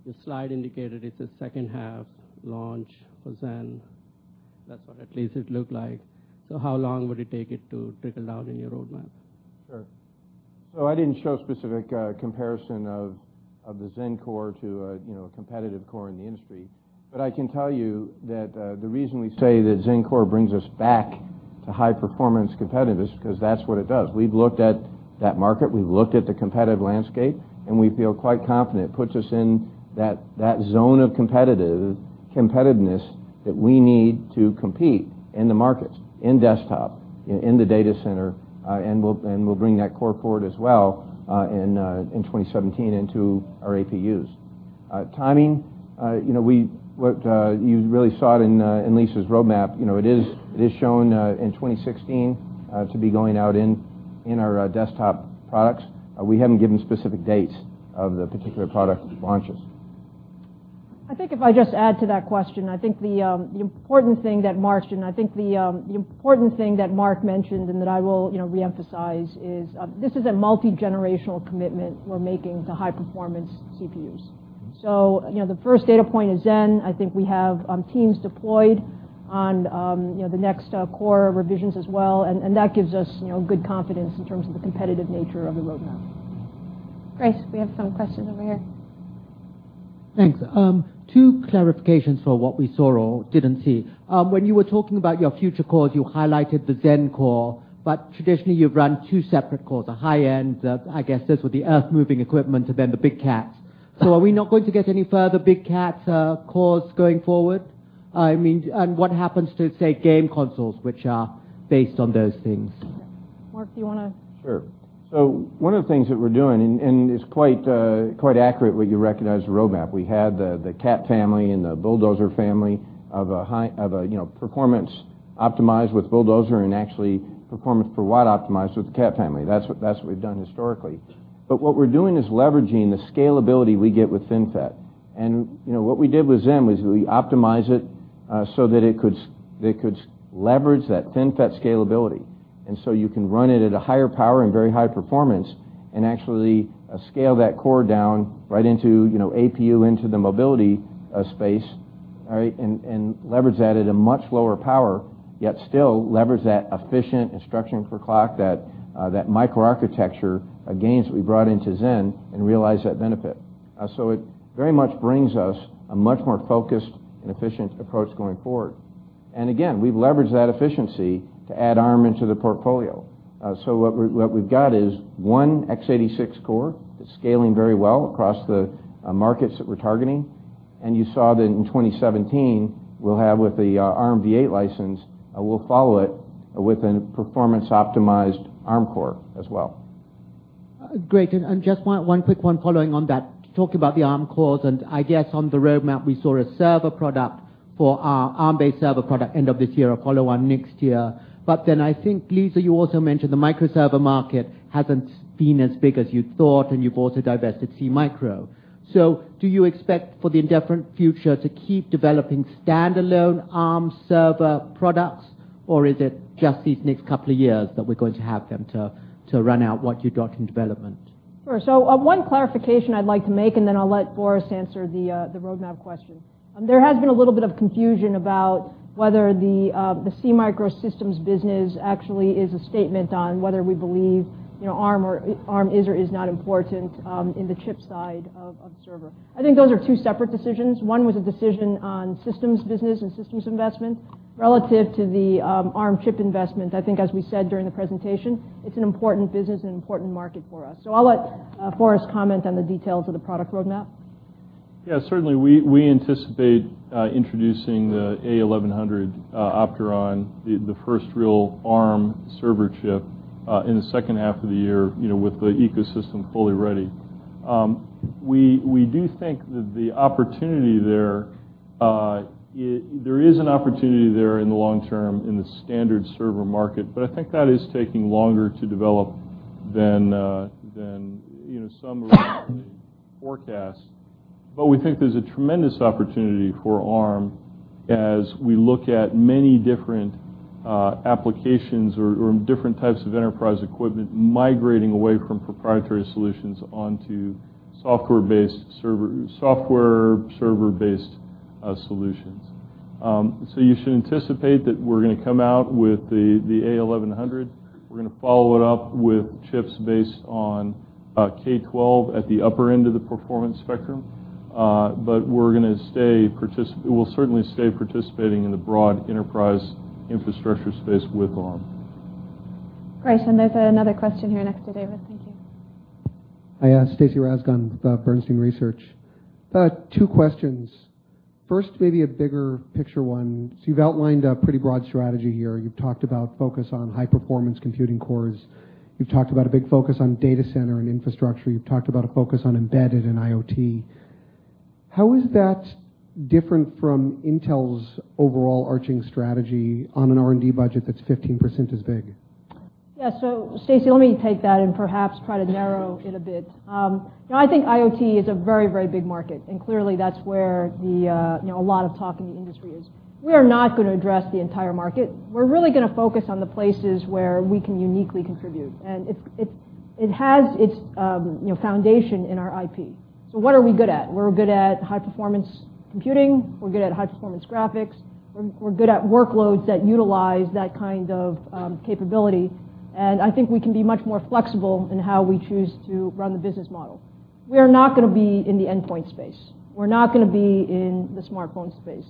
your slide indicated it's a second half launch for Zen. That's what at least it looked like. How long would it take it to trickle down in your roadmap? Sure. I didn't show a specific comparison of the Zen core to a competitive core in the industry. I can tell you that the reason we say that Zen core brings us back to high-performance competitiveness is because that's what it does. We've looked at that market, we've looked at the competitive landscape, we feel quite confident it puts us in that zone of competitiveness that we need to compete in the market, in desktop, in the data center, and we'll bring that core forward as well in 2017 into our APUs. Timing, you really saw it in Lisa's roadmap. It is shown in 2016 to be going out in our desktop products. We haven't given specific dates of the particular product launches. I think if I just add to that question, I think the important thing that Mark mentioned, that I will reemphasize is, this is a multigenerational commitment we're making to high-performance CPUs. The first data point is Zen. I think we have teams deployed on the next core revisions as well, that gives us good confidence in terms of the competitive nature of the roadmap. Grace, we have some questions over here. Thanks. Two clarifications for what we saw or didn't see. When you were talking about your future cores, you highlighted the Zen core, traditionally, you've run two separate cores, a high-end, I guess those were the earth-moving equipment, then the Big Cats. Are we not going to get any further Big Cats cores going forward? What happens to, say, game consoles, which are based on those things? Mark, do you want to. Sure. One of the things that we're doing, and it's quite accurate what you recognize in the roadmap. We had the Cat family and the Bulldozer family of a performance optimized with Bulldozer and actually performance per watt optimized with the Cat family. That's what we've done historically. What we're doing is leveraging the scalability we get with FinFET. What we did with Zen was we optimized it so that it could leverage that FinFET scalability. You can run it at a higher power and very high performance and actually scale that core down right into APU, into the mobility space, and leverage that at a much lower power, yet still leverage that efficient instruction per clock, that microarchitecture gains that we brought into Zen and realize that benefit. It very much brings us a much more focused and efficient approach going forward. Again, we've leveraged that efficiency to add Arm into the portfolio. What we've got is one x86 core that's scaling very well across the markets that we're targeting. You saw that in 2017, we'll have with the ARM v8 license, we'll follow it with a performance-optimized Arm core as well. Great. Just one quick one following on that. Talking about the Arm cores, I guess on the roadmap, we saw a server product for our Arm-based server product end of this year, a follow-on next year. I think, Lisa, you also mentioned the microserver market hasn't been as big as you thought, and you've also divested SeaMicro. Do you expect for the indefinite future to keep developing standalone Arm server products, or is it just these next couple of years that we're going to have them to run out what you've got in development? Sure. One clarification I'd like to make, and then I'll let Forrest answer the roadmap question. There has been a little bit of confusion about whether the SeaMicro systems business actually is a statement on whether we believe Arm is or is not important in the chip side of the server. I think those are two separate decisions. One was a decision on systems business and systems investment. Relative to the Arm chip investment, I think as we said during the presentation, it's an important business and an important market for us. I'll let Forrest comment on the details of the product roadmap. Yeah, certainly, we anticipate introducing the A1100 Opteron, the first real Arm server chip, in the second half of the year with the ecosystem fully ready. We do think that there is an opportunity there in the long term in the standard server market, I think that is taking longer to develop than some of the forecasts. We think there's a tremendous opportunity for Arm as we look at many different applications or different types of enterprise equipment migrating away from proprietary solutions onto software server-based solutions. You should anticipate that we're going to come out with the A1100. We're going to follow it up with chips based on K12 at the upper end of the performance spectrum. We'll certainly stay participating in the broad enterprise infrastructure space with Arm. Great. There's another question here next to David. Thank you. Hi. Stacy Rasgon with Bernstein Research. Two questions. First, maybe a bigger picture one. You've outlined a pretty broad strategy here. You've talked about a big focus on high-performance computing cores. You've talked about a big focus on data center and infrastructure. You've talked about a focus on embedded and IoT. How is that different from Intel's overall arching strategy on an R&D budget that's 15% as big? Yeah. Stacy, let me take that and perhaps try to narrow it a bit. I think IoT is a very, very big market, clearly that's where a lot of talk in the industry is. We are not going to address the entire market. We're really going to focus on the places where we can uniquely contribute, it has its foundation in our IP. What are we good at? We're good at high-performance computing, we're good at high-performance graphics, we're good at workloads that utilize that kind of capability, I think we can be much more flexible in how we choose to run the business model. We are not going to be in the endpoint space. We're not going to be in the smartphone space.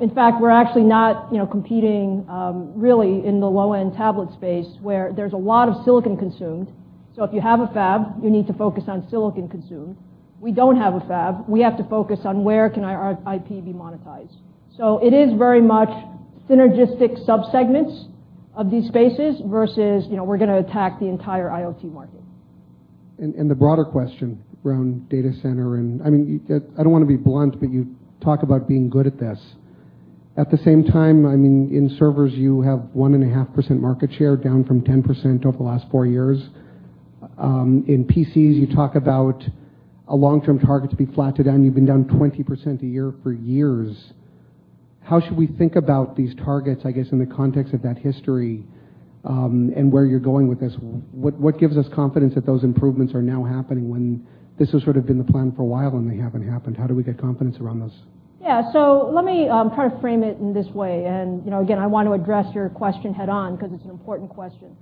In fact, we're actually not competing really in the low-end tablet space, where there's a lot of silicon consumed. If you have a fab, you need to focus on silicon consumed. We don't have a fab. We have to focus on where can our IP be monetized. It is very much synergistic subsegments of these spaces versus we're going to attack the entire IoT market. The broader question around data center, I don't want to be blunt, you talk about being good at this. At the same time, in servers, you have 1.5% market share, down from 10% over the last 4 years. In PCs, you talk about a long-term target to be flat to down. You've been down 20% a year for years. How should we think about these targets, I guess, in the context of that history, where you're going with this? What gives us confidence that those improvements are now happening when this has sort of been the plan for a while and they haven't happened? How do we get confidence around this? Yeah. Let me try to frame it in this way, again, I want to address your question head-on because it's an important question.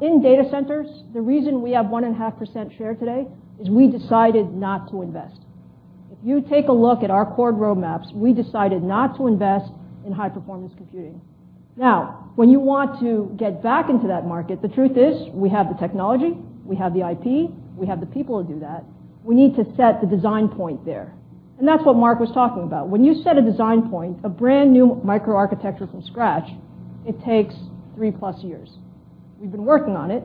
In data centers, the reason we have 1.5% share today is we decided not to invest. If you take a look at our core roadmaps, we decided not to invest in high-performance computing. Now, when you want to get back into that market, the truth is we have the technology, we have the IP, we have the people to do that. We need to set the design point there, that's what Mark was talking about. When you set a design point, a brand-new microarchitecture from scratch, it takes 3-plus years. We've been working on it,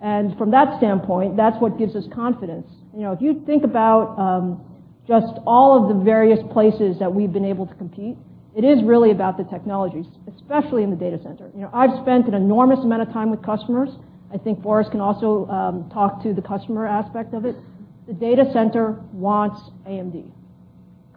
from that standpoint, that's what gives us confidence. If you think about just all of the various places that we've been able to compete, it is really about the technologies, especially in the data center. I've spent an enormous amount of time with customers. I think Forrest can also talk to the customer aspect of it. The data center wants AMD.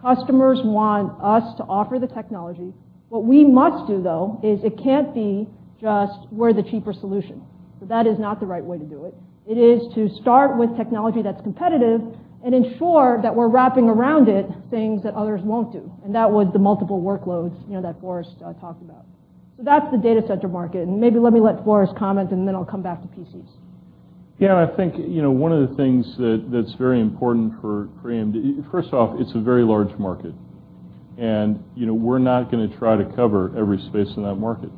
Customers want us to offer the technology. What we must do, though, is it can't be just we're the cheaper solution. That is not the right way to do it. It is to start with technology that's competitive and ensure that we're wrapping around it things that others won't do, and that was the multiple workloads that Forrest talked about. That's the data center market, and maybe let me let Forrest comment, and then I'll come back to PCs. I think one of the things that's very important for AMD, first off, it's a very large market, and we're not going to try to cover every space in that market.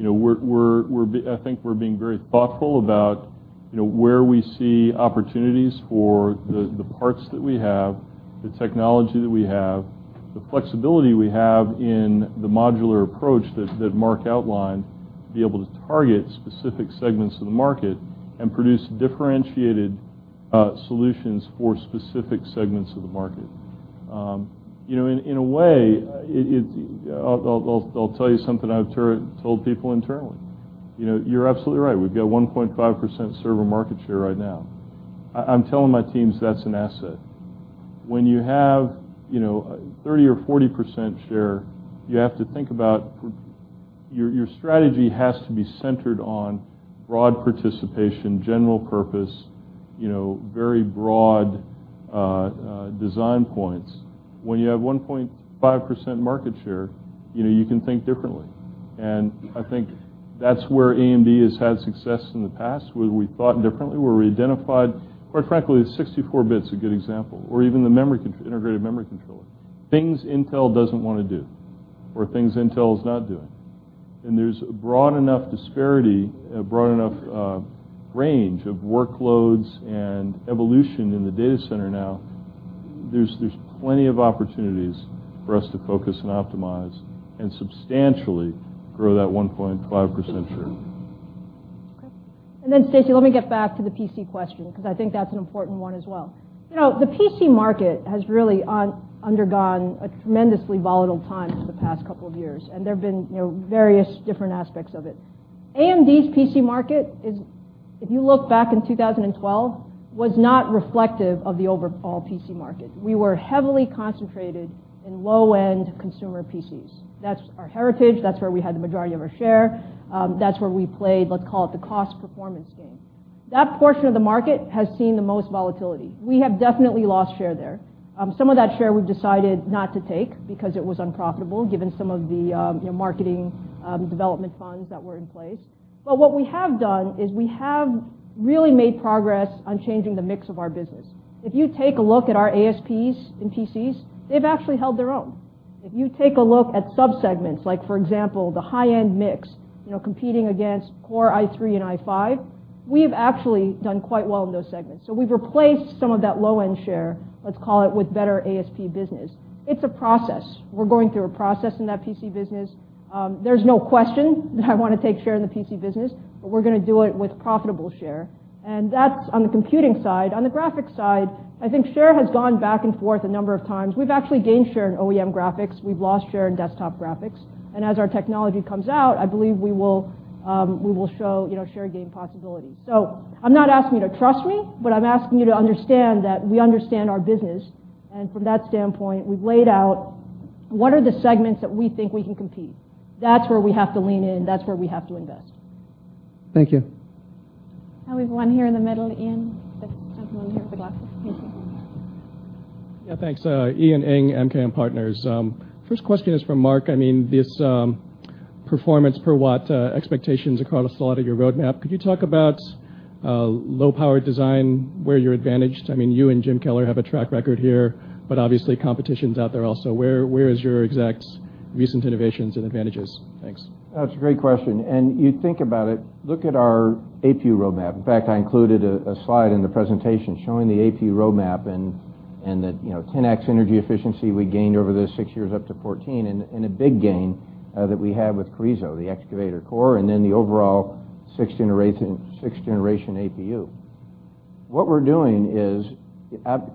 I think we're being very thoughtful about where we see opportunities for the parts that we have, the technology that we have, the flexibility we have in the modular approach that Mark outlined to be able to target specific segments of the market and produce differentiated solutions for specific segments of the market. In a way, I'll tell you something I've told people internally. You're absolutely right. We've got 1.5% server market share right now. I'm telling my teams that's an asset. When you have 30% or 40% share, your strategy has to be centered on broad participation, general purpose, very broad design points. When you have 1.5% market share, you can think differently, and I think that's where AMD has had success in the past, where we thought differently, where we identified. Quite frankly, the 64-bit's a good example, or even the integrated memory controller. Things Intel doesn't want to do or things Intel is not doing. There's a broad enough disparity, a broad enough range of workloads and evolution in the data center now. There's plenty of opportunities for us to focus and optimize and substantially grow that 1.5% share. Okay. Stacy, let me get back to the PC question because I think that's an important one as well. The PC market has really undergone a tremendously volatile time for the past couple of years, and there have been various different aspects of it. AMD's PC market is, if you look back in 2012, was not reflective of the overall PC market. We were heavily concentrated in low-end consumer PCs. That's our heritage. That's where we had the majority of our share. That's where we played, let's call it, the cost-performance game. That portion of the market has seen the most volatility. We have definitely lost share there. Some of that share we've decided not to take because it was unprofitable given some of the marketing development funds that were in place. What we have done is we have really made progress on changing the mix of our business. If you take a look at our ASPs in PCs, they've actually held their own. If you take a look at subsegments, like for example, the high-end mix, competing against Core i3 and Core i5, we've actually done quite well in those segments. We've replaced some of that low-end share, let's call it, with better ASP business. It's a process. We're going through a process in that PC business. There's no question that I want to take share in the PC business, but we're going to do it with profitable share. That's on the computing side. On the graphics side, I think share has gone back and forth a number of times. We've actually gained share in OEM graphics. We've lost share in desktop graphics. As our technology comes out, I believe we will show share gain possibilities. I'm not asking you to trust me, but I'm asking you to understand that we understand our business. From that standpoint, we've laid out what are the segments that we think we can compete. That's where we have to lean in. That's where we have to invest. Thank you. We have one here in the middle. Ian, there's one here with glasses. Thanks. Ian Ing, MKM Partners. First question is for Mark. Performance per watt expectations across a lot of your roadmap. Could you talk about low-power design where you're advantaged? You and Jim Keller have a track record here, obviously, competition's out there also. Where is your exact recent innovations and advantages? Thanks. That's a great question, you think about it, look at our APU roadmap. In fact, I included a slide in the presentation showing the APU roadmap and that 10x energy efficiency we gained over those six years up to 2014, a big gain that we have with Carrizo, the Excavator core, then the overall sixth-generation APU. What we're doing is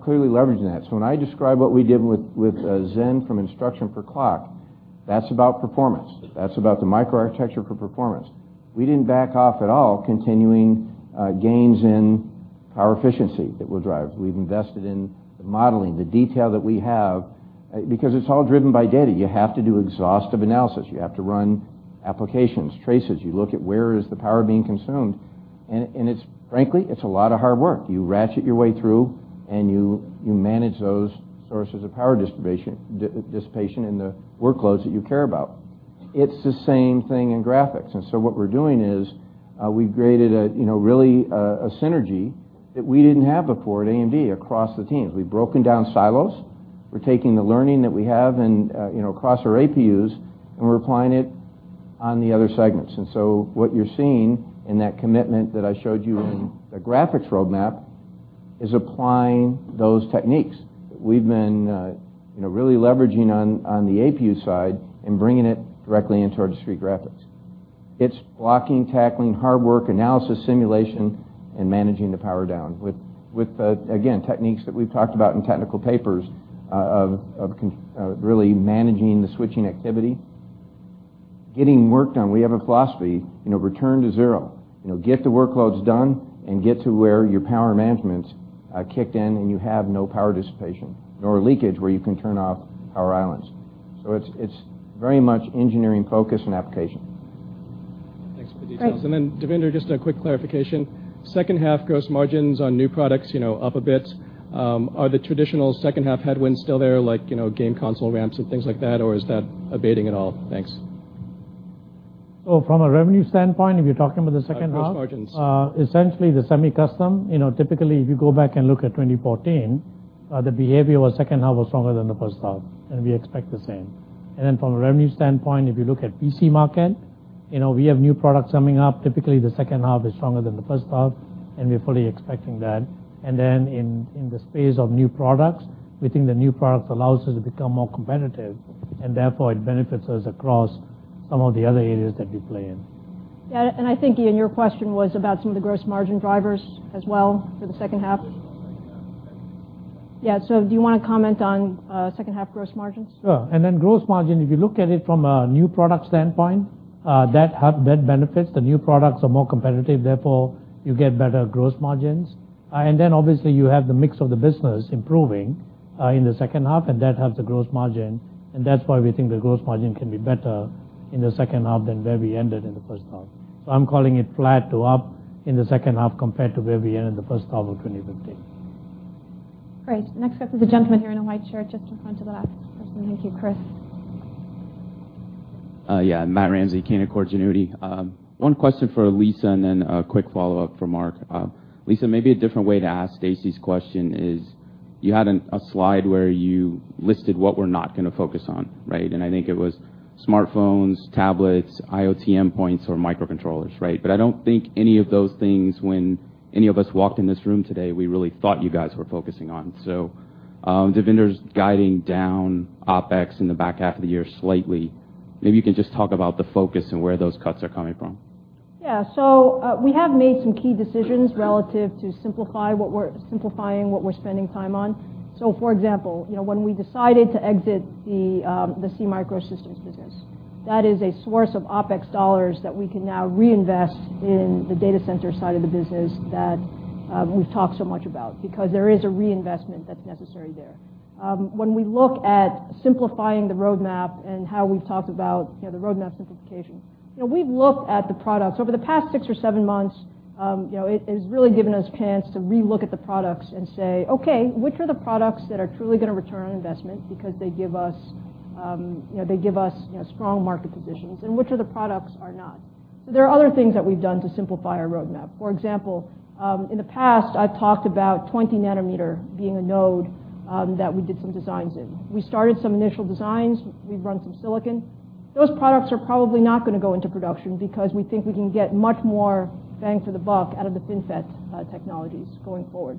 clearly leveraging that. When I describe what we did with Zen from instruction per clock, that's about performance, that's about the microarchitecture for performance. We didn't back off at all, continuing gains in power efficiency that we'll drive. We've invested in the modeling, the detail that we have, because it's all driven by data. You have to do exhaustive analysis. You have to run applications, traces. You look at where is the power being consumed, frankly, it's a lot of hard work. You ratchet your way through, you manage those sources of power dissipation in the workloads that you care about. It's the same thing in graphics. What we're doing is we've created really a synergy that we didn't have before at AMD across the teams. We've broken down silos. We're taking the learning that we have across our APUs, we're applying it on the other segments. What you're seeing in that commitment that I showed you in the graphics roadmap is applying those techniques we've been really leveraging on the APU side and bringing it directly into our discrete graphics. It's blocking, tackling, hard work, analysis, simulation, managing the power down with, again, techniques that we've talked about in technical papers of really managing the switching activity, getting work done. We have a philosophy, return to zero. Get the workloads done, get to where your power management's kicked in, you have no power dissipation nor leakage where you can turn off power islands. It's very much engineering focus and application. Thanks for the details. Great. Devinder, just a quick clarification. Second half gross margins on new products up a bit. Are the traditional second half headwinds still there, like game console ramps and things like that, or is that abating at all? Thanks. From a revenue standpoint, if you're talking about the second half- Gross margins essentially the semi-custom, typically, if you go back and look at 2014, the behavior was second half was stronger than the first half, and we expect the same. From a revenue standpoint, if you look at PC market, we have new products coming up. Typically, the second half is stronger than the first half, and we're fully expecting that. In the space of new products, we think the new products allows us to become more competitive, and therefore, it benefits us across some of the other areas that we play in. I think, Ian, your question was about some of the gross margin drivers as well for the second half. Yeah. Do you want to comment on second half gross margins? Sure. Gross margin, if you look at it from a new product standpoint, that benefits. The new products are more competitive, therefore you get better gross margins. Obviously, you have the mix of the business improving in the second half, and that helps the gross margin. That's why we think the gross margin can be better in the second half than where we ended in the first half. I'm calling it flat to up in the second half compared to where we ended the first half of 2015. Great. Next up is a gentleman here in a white shirt just in front to the left. Thank you, Chris. Matt Ramsay, Canaccord Genuity. One question for Lisa and then a quick follow-up for Mark. Lisa, maybe a different way to ask Stacy's question is, you had a slide where you listed what we're not going to focus on, right? I think it was smartphones, tablets, IoT endpoints, or microcontrollers, right? I don't think any of those things, when any of us walked in this room today, we really thought you guys were focusing on. Devinder's guiding down OpEx in the back half of the year slightly. Maybe you can just talk about the focus and where those cuts are coming from. Yeah. We have made some key decisions relative to simplifying what we're spending time on. For example, when we decided to exit the SeaMicro Systems business. That is a source of OpEx dollars that we can now reinvest in the data center side of the business that we've talked so much about because there is a reinvestment that's necessary there. When we look at simplifying the roadmap and how we've talked about the roadmap simplification, we've looked at the products. Over the past six or seven months, it has really given us a chance to re-look at the products and say, "Okay, which are the products that are truly going to return on investment because they give us strong market positions, and which of the products are not?" There are other things that we've done to simplify our roadmap. For example, in the past, I've talked about 20 nm being a node that we did some designs in. We started some initial designs. We've run some silicon. Those products are probably not going to go into production because we think we can get much more bang for the buck out of the FinFET technologies going forward.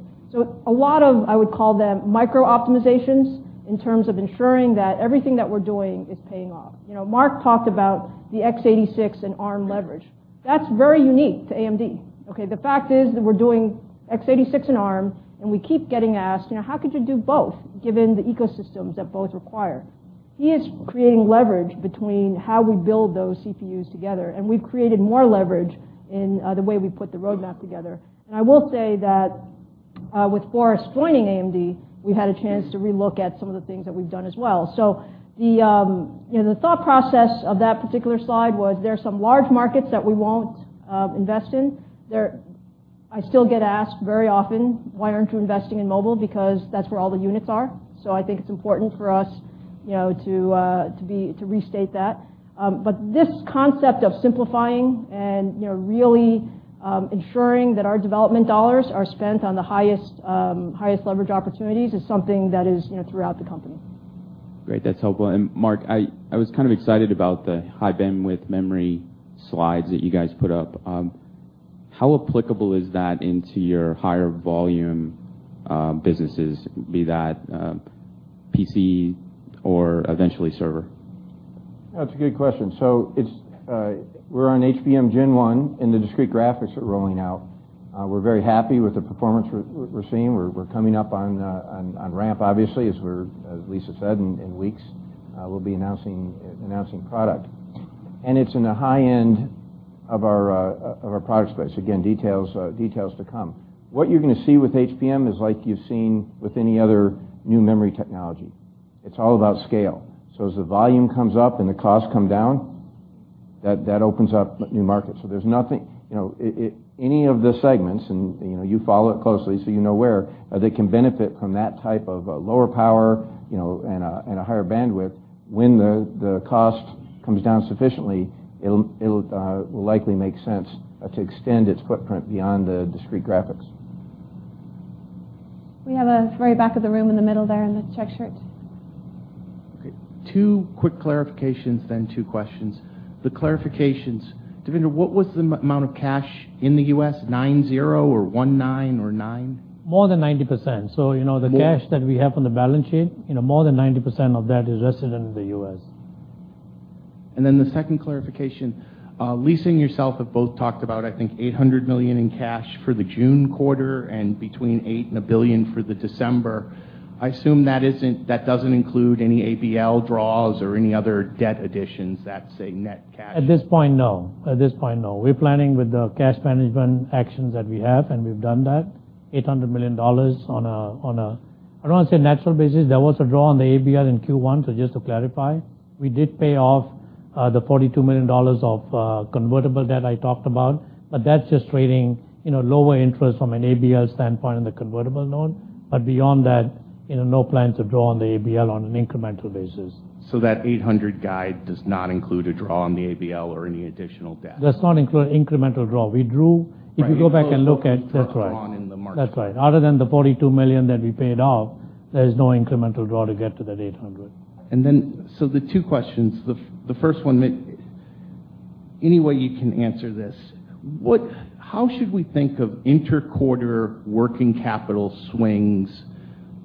A lot of, I would call them micro-optimizations in terms of ensuring that everything that we're doing is paying off. Mark talked about the x86 and Arm leverage. That's very unique to AMD. Okay? The fact is that we're doing x86 and Arm, and we keep getting asked, "How could you do both given the ecosystems that both require?" He is creating leverage between how we build those CPUs together, and we've created more leverage in the way we put the roadmap together. I will say that with Forrest joining AMD, we've had a chance to re-look at some of the things that we've done as well. The thought process of that particular slide was there are some large markets that we won't invest in. I still get asked very often, "Why aren't you investing in mobile?" Because that's where all the units are. I think it's important for us to restate that. This concept of simplifying and really ensuring that our development dollars are spent on the highest leverage opportunities is something that is throughout the company. Great. That's helpful. Mark, I was kind of excited about the High-Bandwidth Memory slides that you guys put up. How applicable is that into your higher volume businesses, be that PC or eventually server? That's a good question. We're on HBM Gen 1, and the discrete graphics are rolling out. We're very happy with the performance we're seeing. We're coming up on-ramp, obviously, as Lisa said, in weeks. We'll be announcing product. It's in the high end of our product space. Again, details to come. What you're going to see with HBM is like you've seen with any other new memory technology. It's all about scale. As the volume comes up and the costs come down, that opens up new markets. Any of the segments, and you follow it closely, so you know where they can benefit from that type of lower power and a higher bandwidth. When the cost comes down sufficiently, it'll likely make sense to extend its footprint beyond the discrete graphics. We have a very back of the room in the middle there in the checked shirt. Okay. Two quick clarifications, two questions. The clarifications, Devinder, what was the amount of cash in the U.S.? Nine zero or one nine or nine? More than 90%. The cash that we have on the balance sheet, more than 90% of that is resident in the U.S. The second clarification, Lisa and yourself have both talked about, I think, $800 million in cash for the June quarter and between $800 million and $1 billion for the December. I assume that doesn't include any ABL draws or any other debt additions, that's a net cash. At this point, no. We're planning with the cash management actions that we have, and we've done that, $800 million on a, I don't want to say natural basis. There was a draw on the ABL in Q1. Just to clarify, we did pay off the $42 million of convertible that I talked about, but that's just trading lower interest from an ABL standpoint on the convertible note. Beyond that, no plans to draw on the ABL on an incremental basis. That $800 guide does not include a draw on the ABL or any additional debt? Does not include incremental draw. Right. It includes what was drawn in the March quarter. That's right. Other than the $42 million that we paid off, there's no incremental draw to get to that $800. The two questions, the first one, any way you can answer this, how should we think of inter-quarter working capital swings?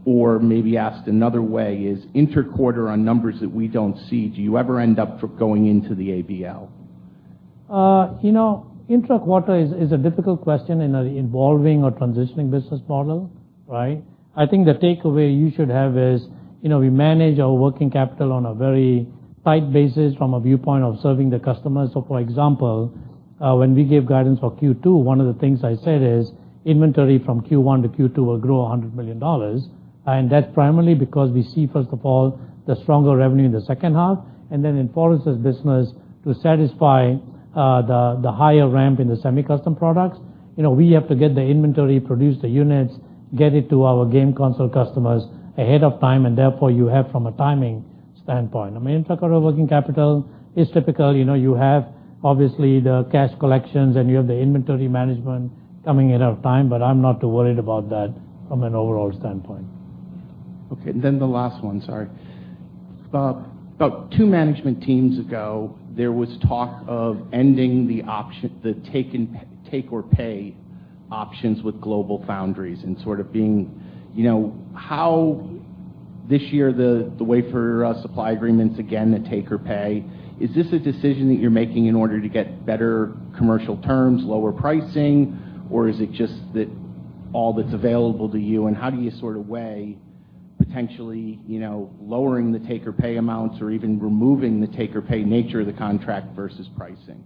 Or maybe asked another way is inter-quarter on numbers that we don't see, do you ever end up going into the ABL? Inter-quarter is a difficult question in an evolving or transitioning business model, right? I think the takeaway you should have is, we manage our working capital on a very tight basis from a viewpoint of serving the customers. For example, when we gave guidance for Q2, one of the things I said is, inventory from Q1 to Q2 will grow $100 million. That's primarily because we see, first of all, the stronger revenue in the second half, then in Forrest's business to satisfy the higher ramp in the semi-custom products. We have to get the inventory, produce the units, get it to our game console customers ahead of time. Therefore, you have from a timing standpoint. Inter-quarter working capital is typical. You have obviously the cash collections, and you have the inventory management coming in on time. I'm not too worried about that from an overall standpoint. The last one, sorry. About two management teams ago, there was talk of ending the take or pay options with GlobalFoundries. This year, the wafer supply agreements again are take or pay. Is this a decision that you're making in order to get better commercial terms, lower pricing, or is it just that all that's available to you? How do you sort of weigh potentially lowering the take or pay amounts or even removing the take or pay nature of the contract versus pricing?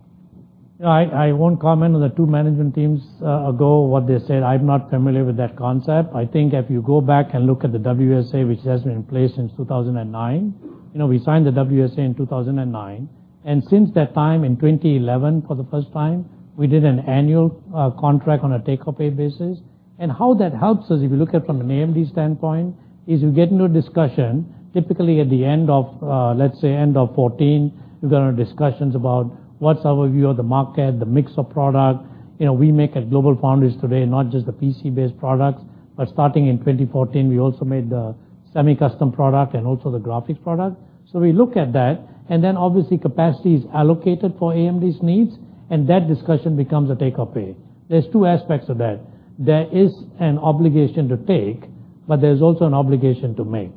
I won't comment on the two management teams ago, what they said. I'm not familiar with that concept. I think if you go back and look at the WSA, which has been in place since 2009, we signed the WSA in 2009, and since that time, in 2011, for the first time, we did an annual contract on a take or pay basis. How that helps us, if you look at it from an AMD standpoint, is you get into a discussion typically at the end of let's say end of 2014, we got on discussions about what's our view of the market, the mix of product. We make at GlobalFoundries today not just the PC-based products, but starting in 2014, we also made the semi-custom product and also the graphics product. We look at that, obviously capacity is allocated for AMD's needs, and that discussion becomes a take-or-pay. There's two aspects of that. There is an obligation to take, but there's also an obligation to make.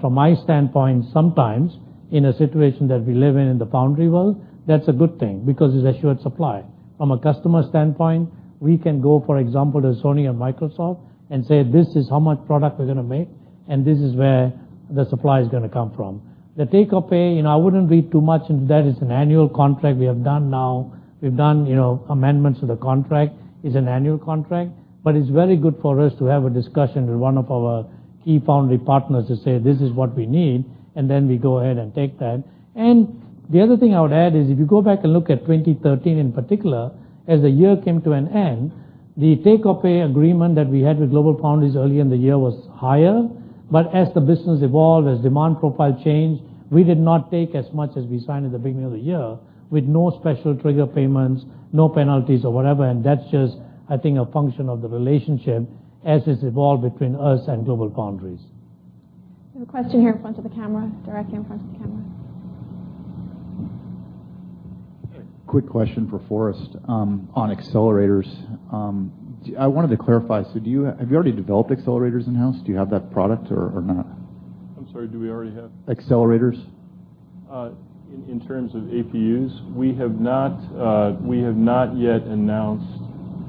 From my standpoint, sometimes in a situation that we live in in the foundry world, that's a good thing because it's a assured supply. From a customer standpoint, we can go, for example, to Sony and Microsoft and say, "This is how much product we're going to make, and this is where the supply is going to come from." The take-or-pay, I wouldn't read too much into that. It's an annual contract we have done now. We've done amendments to the contract. It's an annual contract. It's very good for us to have a discussion with one of our key foundry partners to say, "This is what we need," we go ahead and take that. The other thing I would add is if you go back and look at 2013, in particular, as the year came to an end, the take-or-pay agreement that we had with GlobalFoundries early in the year was higher. As the business evolved, as demand profile changed, we did not take as much as we signed at the beginning of the year, with no special trigger payments, no penalties or whatever. That's just, I think, a function of the relationship as it's evolved between us and GlobalFoundries. We have a question here in front of the camera, directly in front of the camera. Quick question for Forrest on accelerators. I wanted to clarify. Have you already developed accelerators in-house? Do you have that product or not? I'm sorry, do we already have? Accelerators. In terms of APUs, we have not yet announced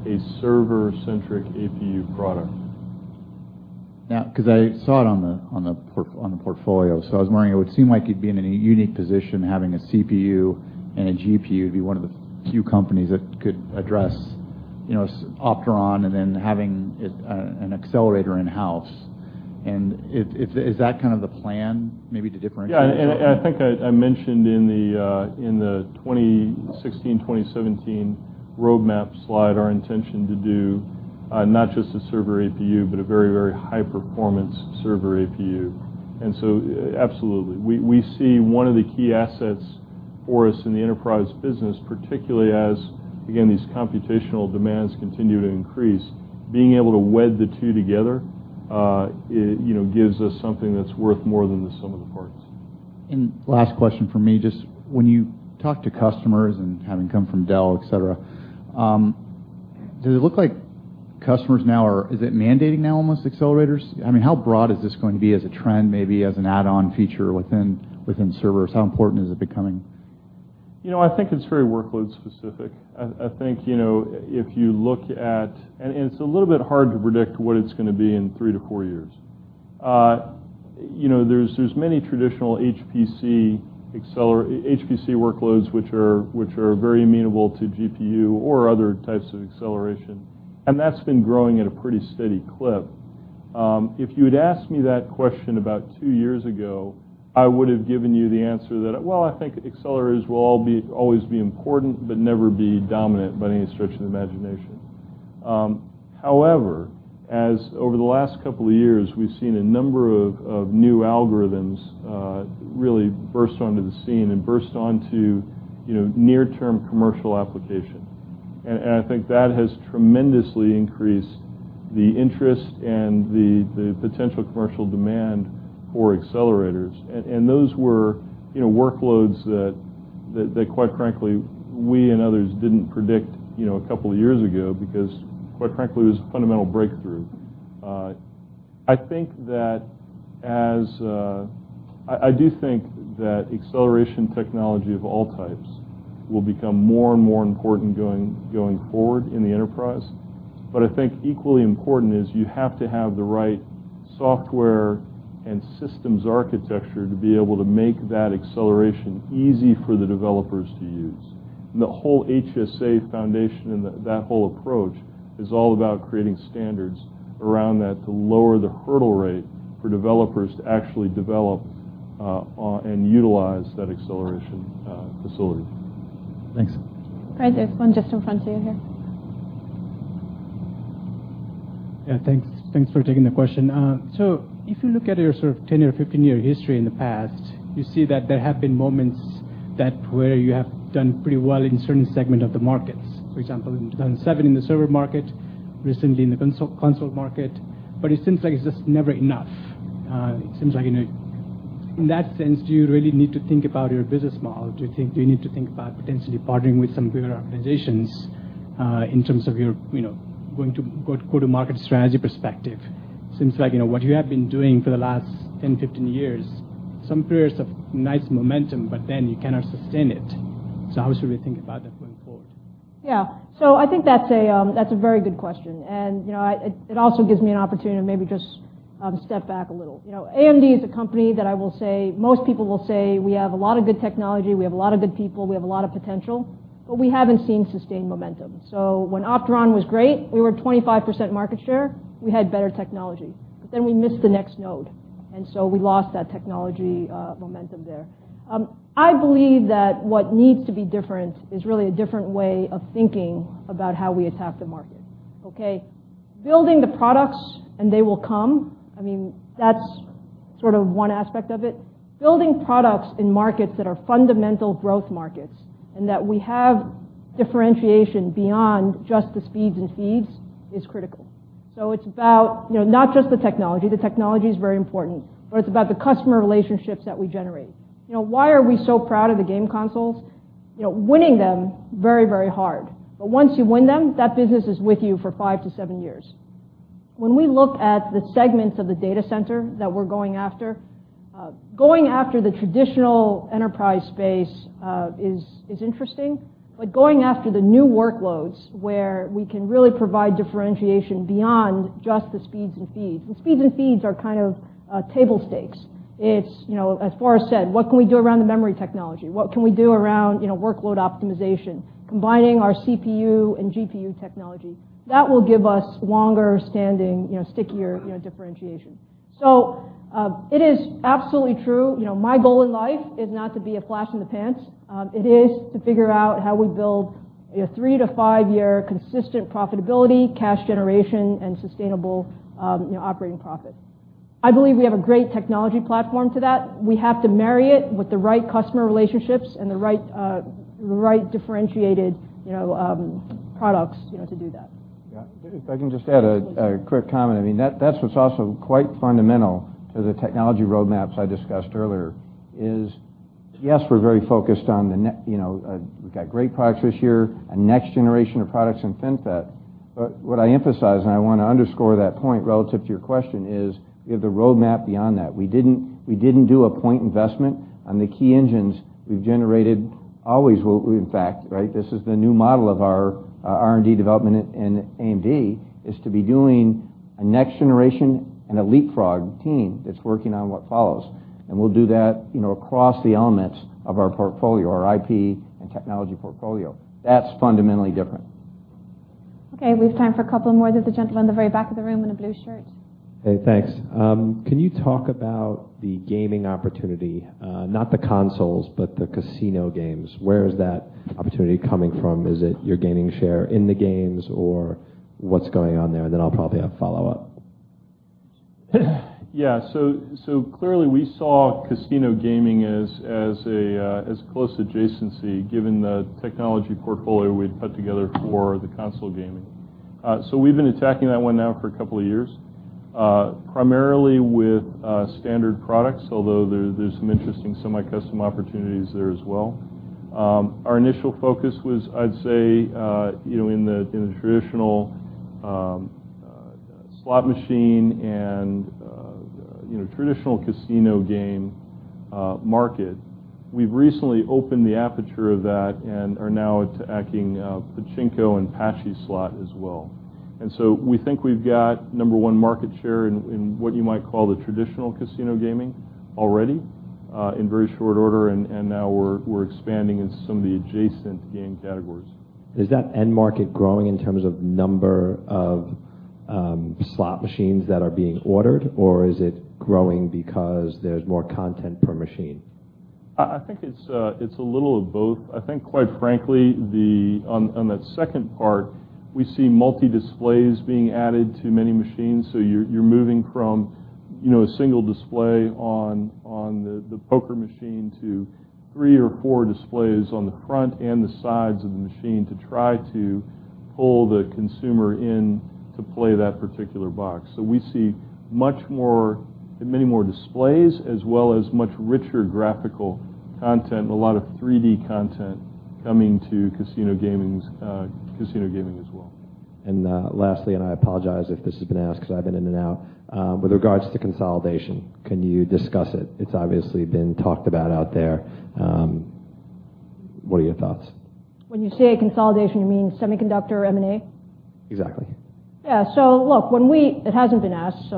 a server-centric APU product. Yeah, because I saw it on the portfolio, I was wondering. It would seem like you'd be in a unique position having a CPU and a GPU. You'd be one of the few companies that could address Opteron and then having an accelerator in-house. Is that kind of the plan maybe to differentiate yourself from- Yeah, I think I mentioned in the 2016-2017 roadmap slide our intention to do not just a server APU, but a very, very high-performance server APU. Absolutely. We see one of the key assets for us in the enterprise business, particularly as, again, these computational demands continue to increase, being able to wed the two together gives us something that's worth more than the sum of the parts. Last question from me, just when you talk to customers and having come from Dell, et cetera, does it look like customers now? Is it mandating now almost accelerators? How broad is this going to be as a trend, maybe as an add-on feature within servers? How important is it becoming? I think it's very workload specific. It's a little bit hard to predict what it's going to be in three to four years. There's many traditional HPC workloads which are very amenable to GPU or other types of acceleration, and that's been growing at a pretty steady clip. If you had asked me that question about two years ago, I would have given you the answer that, well, I think accelerators will always be important but never be dominant by any stretch of the imagination. However, as over the last couple of years, we've seen a number of new algorithms really burst onto the scene and burst onto near-term commercial application. I think that has tremendously increased the interest and the potential commercial demand for accelerators. Those were workloads that quite frankly, we and others didn't predict a couple of years ago because, quite frankly, it was a fundamental breakthrough. I do think that acceleration technology of all types will become more and more important going forward in the enterprise. I think equally important is you have to have the right software and systems architecture to be able to make that acceleration easy for the developers to use. The whole HSA Foundation and that whole approach is all about creating standards around that to lower the hurdle rate for developers to actually develop and utilize that acceleration facility. Thanks. All right. There's one just in front of you here. Yeah, thanks. Thanks for taking the question. If you look at your sort of 10 or 15-year history in the past, you see that there have been moments where you have done pretty well in certain segment of the markets. For example, in 2007 in the server market, recently in the console market. It seems like it's just never enough. It seems like in that sense, do you really need to think about your business model? Do you need to think about potentially partnering with some bigger organizations in terms of your go-to-market strategy perspective? Seems like what you have been doing for the last 10, 15 years, some periods of nice momentum, but then you cannot sustain it. How should we think about that going forward? Yeah. I think that's a very good question, and it also gives me an opportunity to maybe just step back a little. AMD is a company that I will say, most people will say we have a lot of good technology, we have a lot of good people, we have a lot of potential, but we haven't seen sustained momentum. When Opteron was great, we were at 25% market share, we had better technology. We missed the next node, we lost that technology momentum there. I believe that what needs to be different is really a different way of thinking about how we attack the market. Okay? Building the products, and they will come, that's sort of one aspect of it. Building products in markets that are fundamental growth markets and that we have differentiation beyond just the speeds and feeds is critical. It's about not just the technology, the technology is very important, but it's about the customer relationships that we generate. Why are we so proud of the game consoles? Winning them, very hard. Once you win them, that business is with you for five to seven years. When we look at the segments of the data center that we're going after, going after the traditional enterprise space is interesting, but going after the new workloads where we can really provide differentiation beyond just the speeds and feeds. The speeds and feeds are kind of table stakes. It's, as Forrest said, what can we do around the memory technology? What can we do around workload optimization, combining our CPU and GPU technology? That will give us longer standing, stickier differentiation. It is absolutely true. My goal in life is not to be a flash in the pants. It is to figure out how we build a three-to-five year consistent profitability, cash generation, and sustainable operating profit. I believe we have a great technology platform for that. We have to marry it with the right customer relationships and the right differentiated products to do that. Yeah. If I can just add a quick comment. That's what's also quite fundamental to the technology roadmaps I discussed earlier is, yes, we're very focused on Zen. We've got great products this year and next generation of products in FinFET. What I emphasize, and I want to underscore that point relative to your question, is we have the roadmap beyond that. We didn't do a point investment on the key engines we've generated. Always will, in fact, right? This is the new model of our R&D development in AMD, is to be doing a next generation and a leapfrog team that's working on what follows. We'll do that across the elements of our portfolio, our IP and technology portfolio. That's fundamentally different. Okay, we have time for a couple more. There's a gentleman in the very back of the room in a blue shirt. Hey, thanks. Can you talk about the gaming opportunity? Not the consoles, but the casino games. Where is that opportunity coming from? Is it you're gaining share in the games, or what's going on there? I'll probably have follow-up. Yeah. Clearly, we saw casino gaming as close adjacency given the technology portfolio we'd put together for the console gaming. We've been attacking that one now for a couple of years, primarily with standard products, although there's some interesting semi-custom opportunities there as well. Our initial focus was, I'd say, in the traditional slot machine and traditional casino game market. We've recently opened the aperture of that and are now attacking pachinko and pachy slot as well. We think we've got number 1 market share in what you might call the traditional casino gaming already, in very short order, and now we're expanding into some of the adjacent game categories. Is that end market growing in terms of number of slot machines that are being ordered, or is it growing because there's more content per machine? I think it's a little of both. I think, quite frankly, on that second part, we see multi-displays being added to many machines, so you're moving from a single display on the poker machine to three or four displays on the front and the sides of the machine to try to pull the consumer in to play that particular box. We see many more displays as well as much richer graphical content and a lot of 3D content coming to casino gaming as well. Lastly, I apologize if this has been asked because I've been in and out, with regards to consolidation, can you discuss it? It's obviously been talked about out there. What are your thoughts? When you say consolidation, you mean semiconductor M&A? Exactly. Yeah. Look, it hasn't been asked,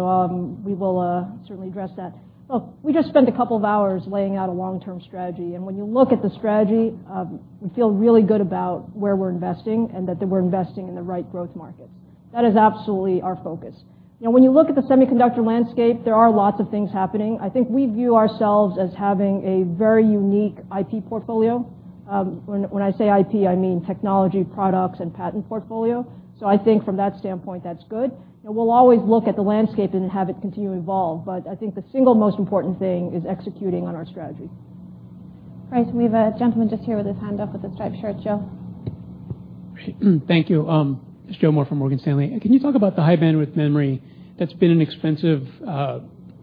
we will certainly address that. Look, we just spent a couple of hours laying out a long-term strategy, when you look at the strategy, we feel really good about where we're investing and that we're investing in the right growth markets. That is absolutely our focus. When you look at the semiconductor landscape, there are lots of things happening. I think we view ourselves as having a very unique IP portfolio. When I say IP, I mean technology products and patent portfolio. I think from that standpoint, that's good. We'll always look at the landscape and have it continue to evolve, I think the single most important thing is executing on our strategy. Great. We have a gentleman just here with his hand up with the striped shirt. Joe. Thank you. It's Joseph Moore from Morgan Stanley. Can you talk about the high bandwidth memory? That's been an expensive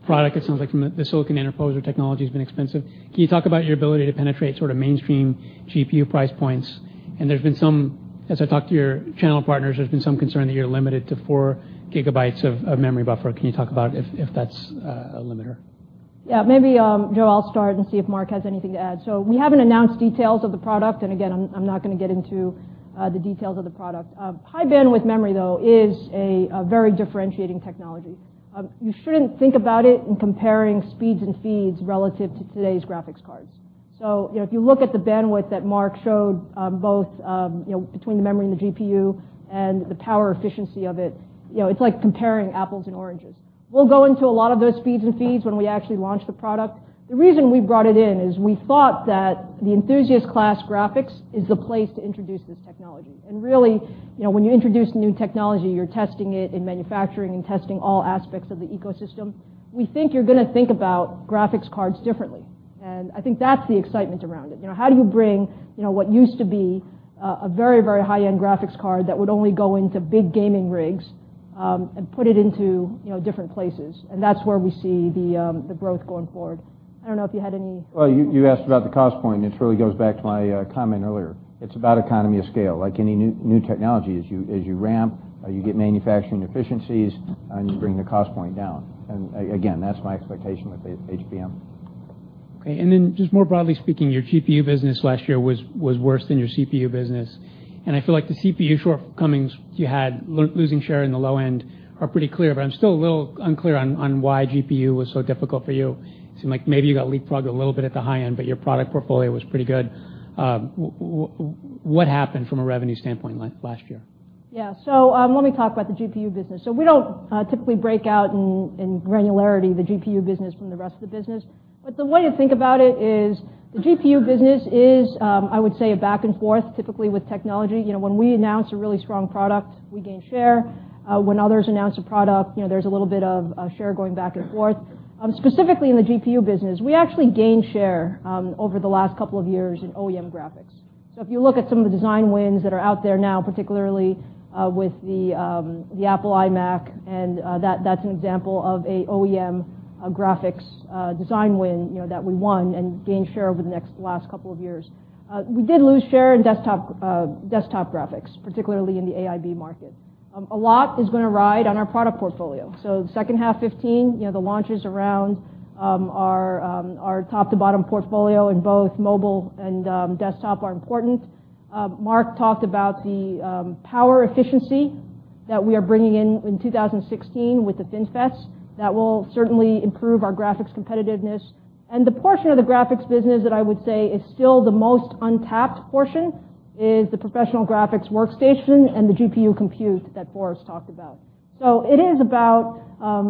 product, it sounds like, from the silicon interposer technology has been expensive. Can you talk about your ability to penetrate sort of mainstream GPU price points? As I talk to your channel partners, there's been some concern that you're limited to four gigabytes of memory buffer. Can you talk about if that's a limiter? Yeah. Maybe, Joe, I'll start and see if Mark has anything to add. We haven't announced details of the product, and again, I'm not going to get into the details of the product. High Bandwidth Memory, though, is a very differentiating technology. You shouldn't think about it in comparing speeds and feeds relative to today's graphics cards. If you look at the bandwidth that Mark showed, both between the memory and the GPU and the power efficiency of it's like comparing apples and oranges. We'll go into a lot of those speeds and feeds when we actually launch the product. The reason we brought it in is we thought that the enthusiast class graphics is the place to introduce this technology. Really, when you introduce new technology, you're testing it in manufacturing and testing all aspects of the ecosystem. We think you're going to think about graphics cards differently, and I think that's the excitement around it. How do you bring what used to be a very high-end graphics card that would only go into big gaming rigs. Put it into different places. That's where we see the growth going forward. I don't know if you had any- Well, you asked about the cost point, and it really goes back to my comment earlier. It's about economy of scale. Like any new technology, as you ramp, you get manufacturing efficiencies, and you bring the cost point down. Again, that's my expectation with HBM. Just more broadly speaking, your GPU business last year was worse than your CPU business, and I feel like the CPU shortcomings you had, losing share in the low end are pretty clear, but I'm still a little unclear on why GPU was so difficult for you. It seemed like maybe you got leapfrogged a little bit at the high end, but your product portfolio was pretty good. What happened from a revenue standpoint last year? Yeah. Let me talk about the GPU business. We don't typically break out in granularity the GPU business from the rest of the business. The way to think about it is the GPU business is, I would say, a back and forth typically with technology. When we announce a really strong product, we gain share. When others announce a product, there's a little bit of share going back and forth. Specifically, in the GPU business, we actually gained share over the last couple of years in OEM graphics. If you look at some of the design wins that are out there now, particularly with the Apple iMac, and that's an example of an OEM graphics design win that we won and gained share over the last couple of years. We did lose share in desktop graphics, particularly in the AIB market. A lot is going to ride on our product portfolio. The second half 2015, the launches around our top-to-bottom portfolio in both mobile and desktop are important. Mark talked about the power efficiency that we are bringing in 2016 with the FinFETs. That will certainly improve our graphics competitiveness. The portion of the graphics business that I would say is still the most untapped portion is the professional graphics workstation and the GPU compute that Forrest talked about. It is about,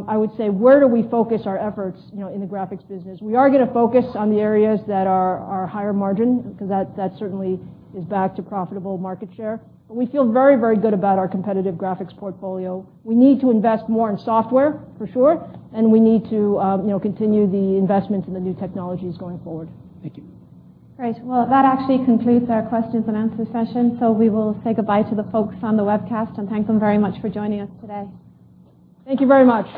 I would say, where do we focus our efforts in the graphics business. We are going to focus on the areas that are higher margin because that certainly is back to profitable market share. We feel very, very good about our competitive graphics portfolio. We need to invest more in software, for sure, and we need to continue the investment in the new technologies going forward. Thank you. Great. Well, that actually concludes our questions and answer session. We will say goodbye to the folks on the webcast and thank them very much for joining us today. Thank you very much.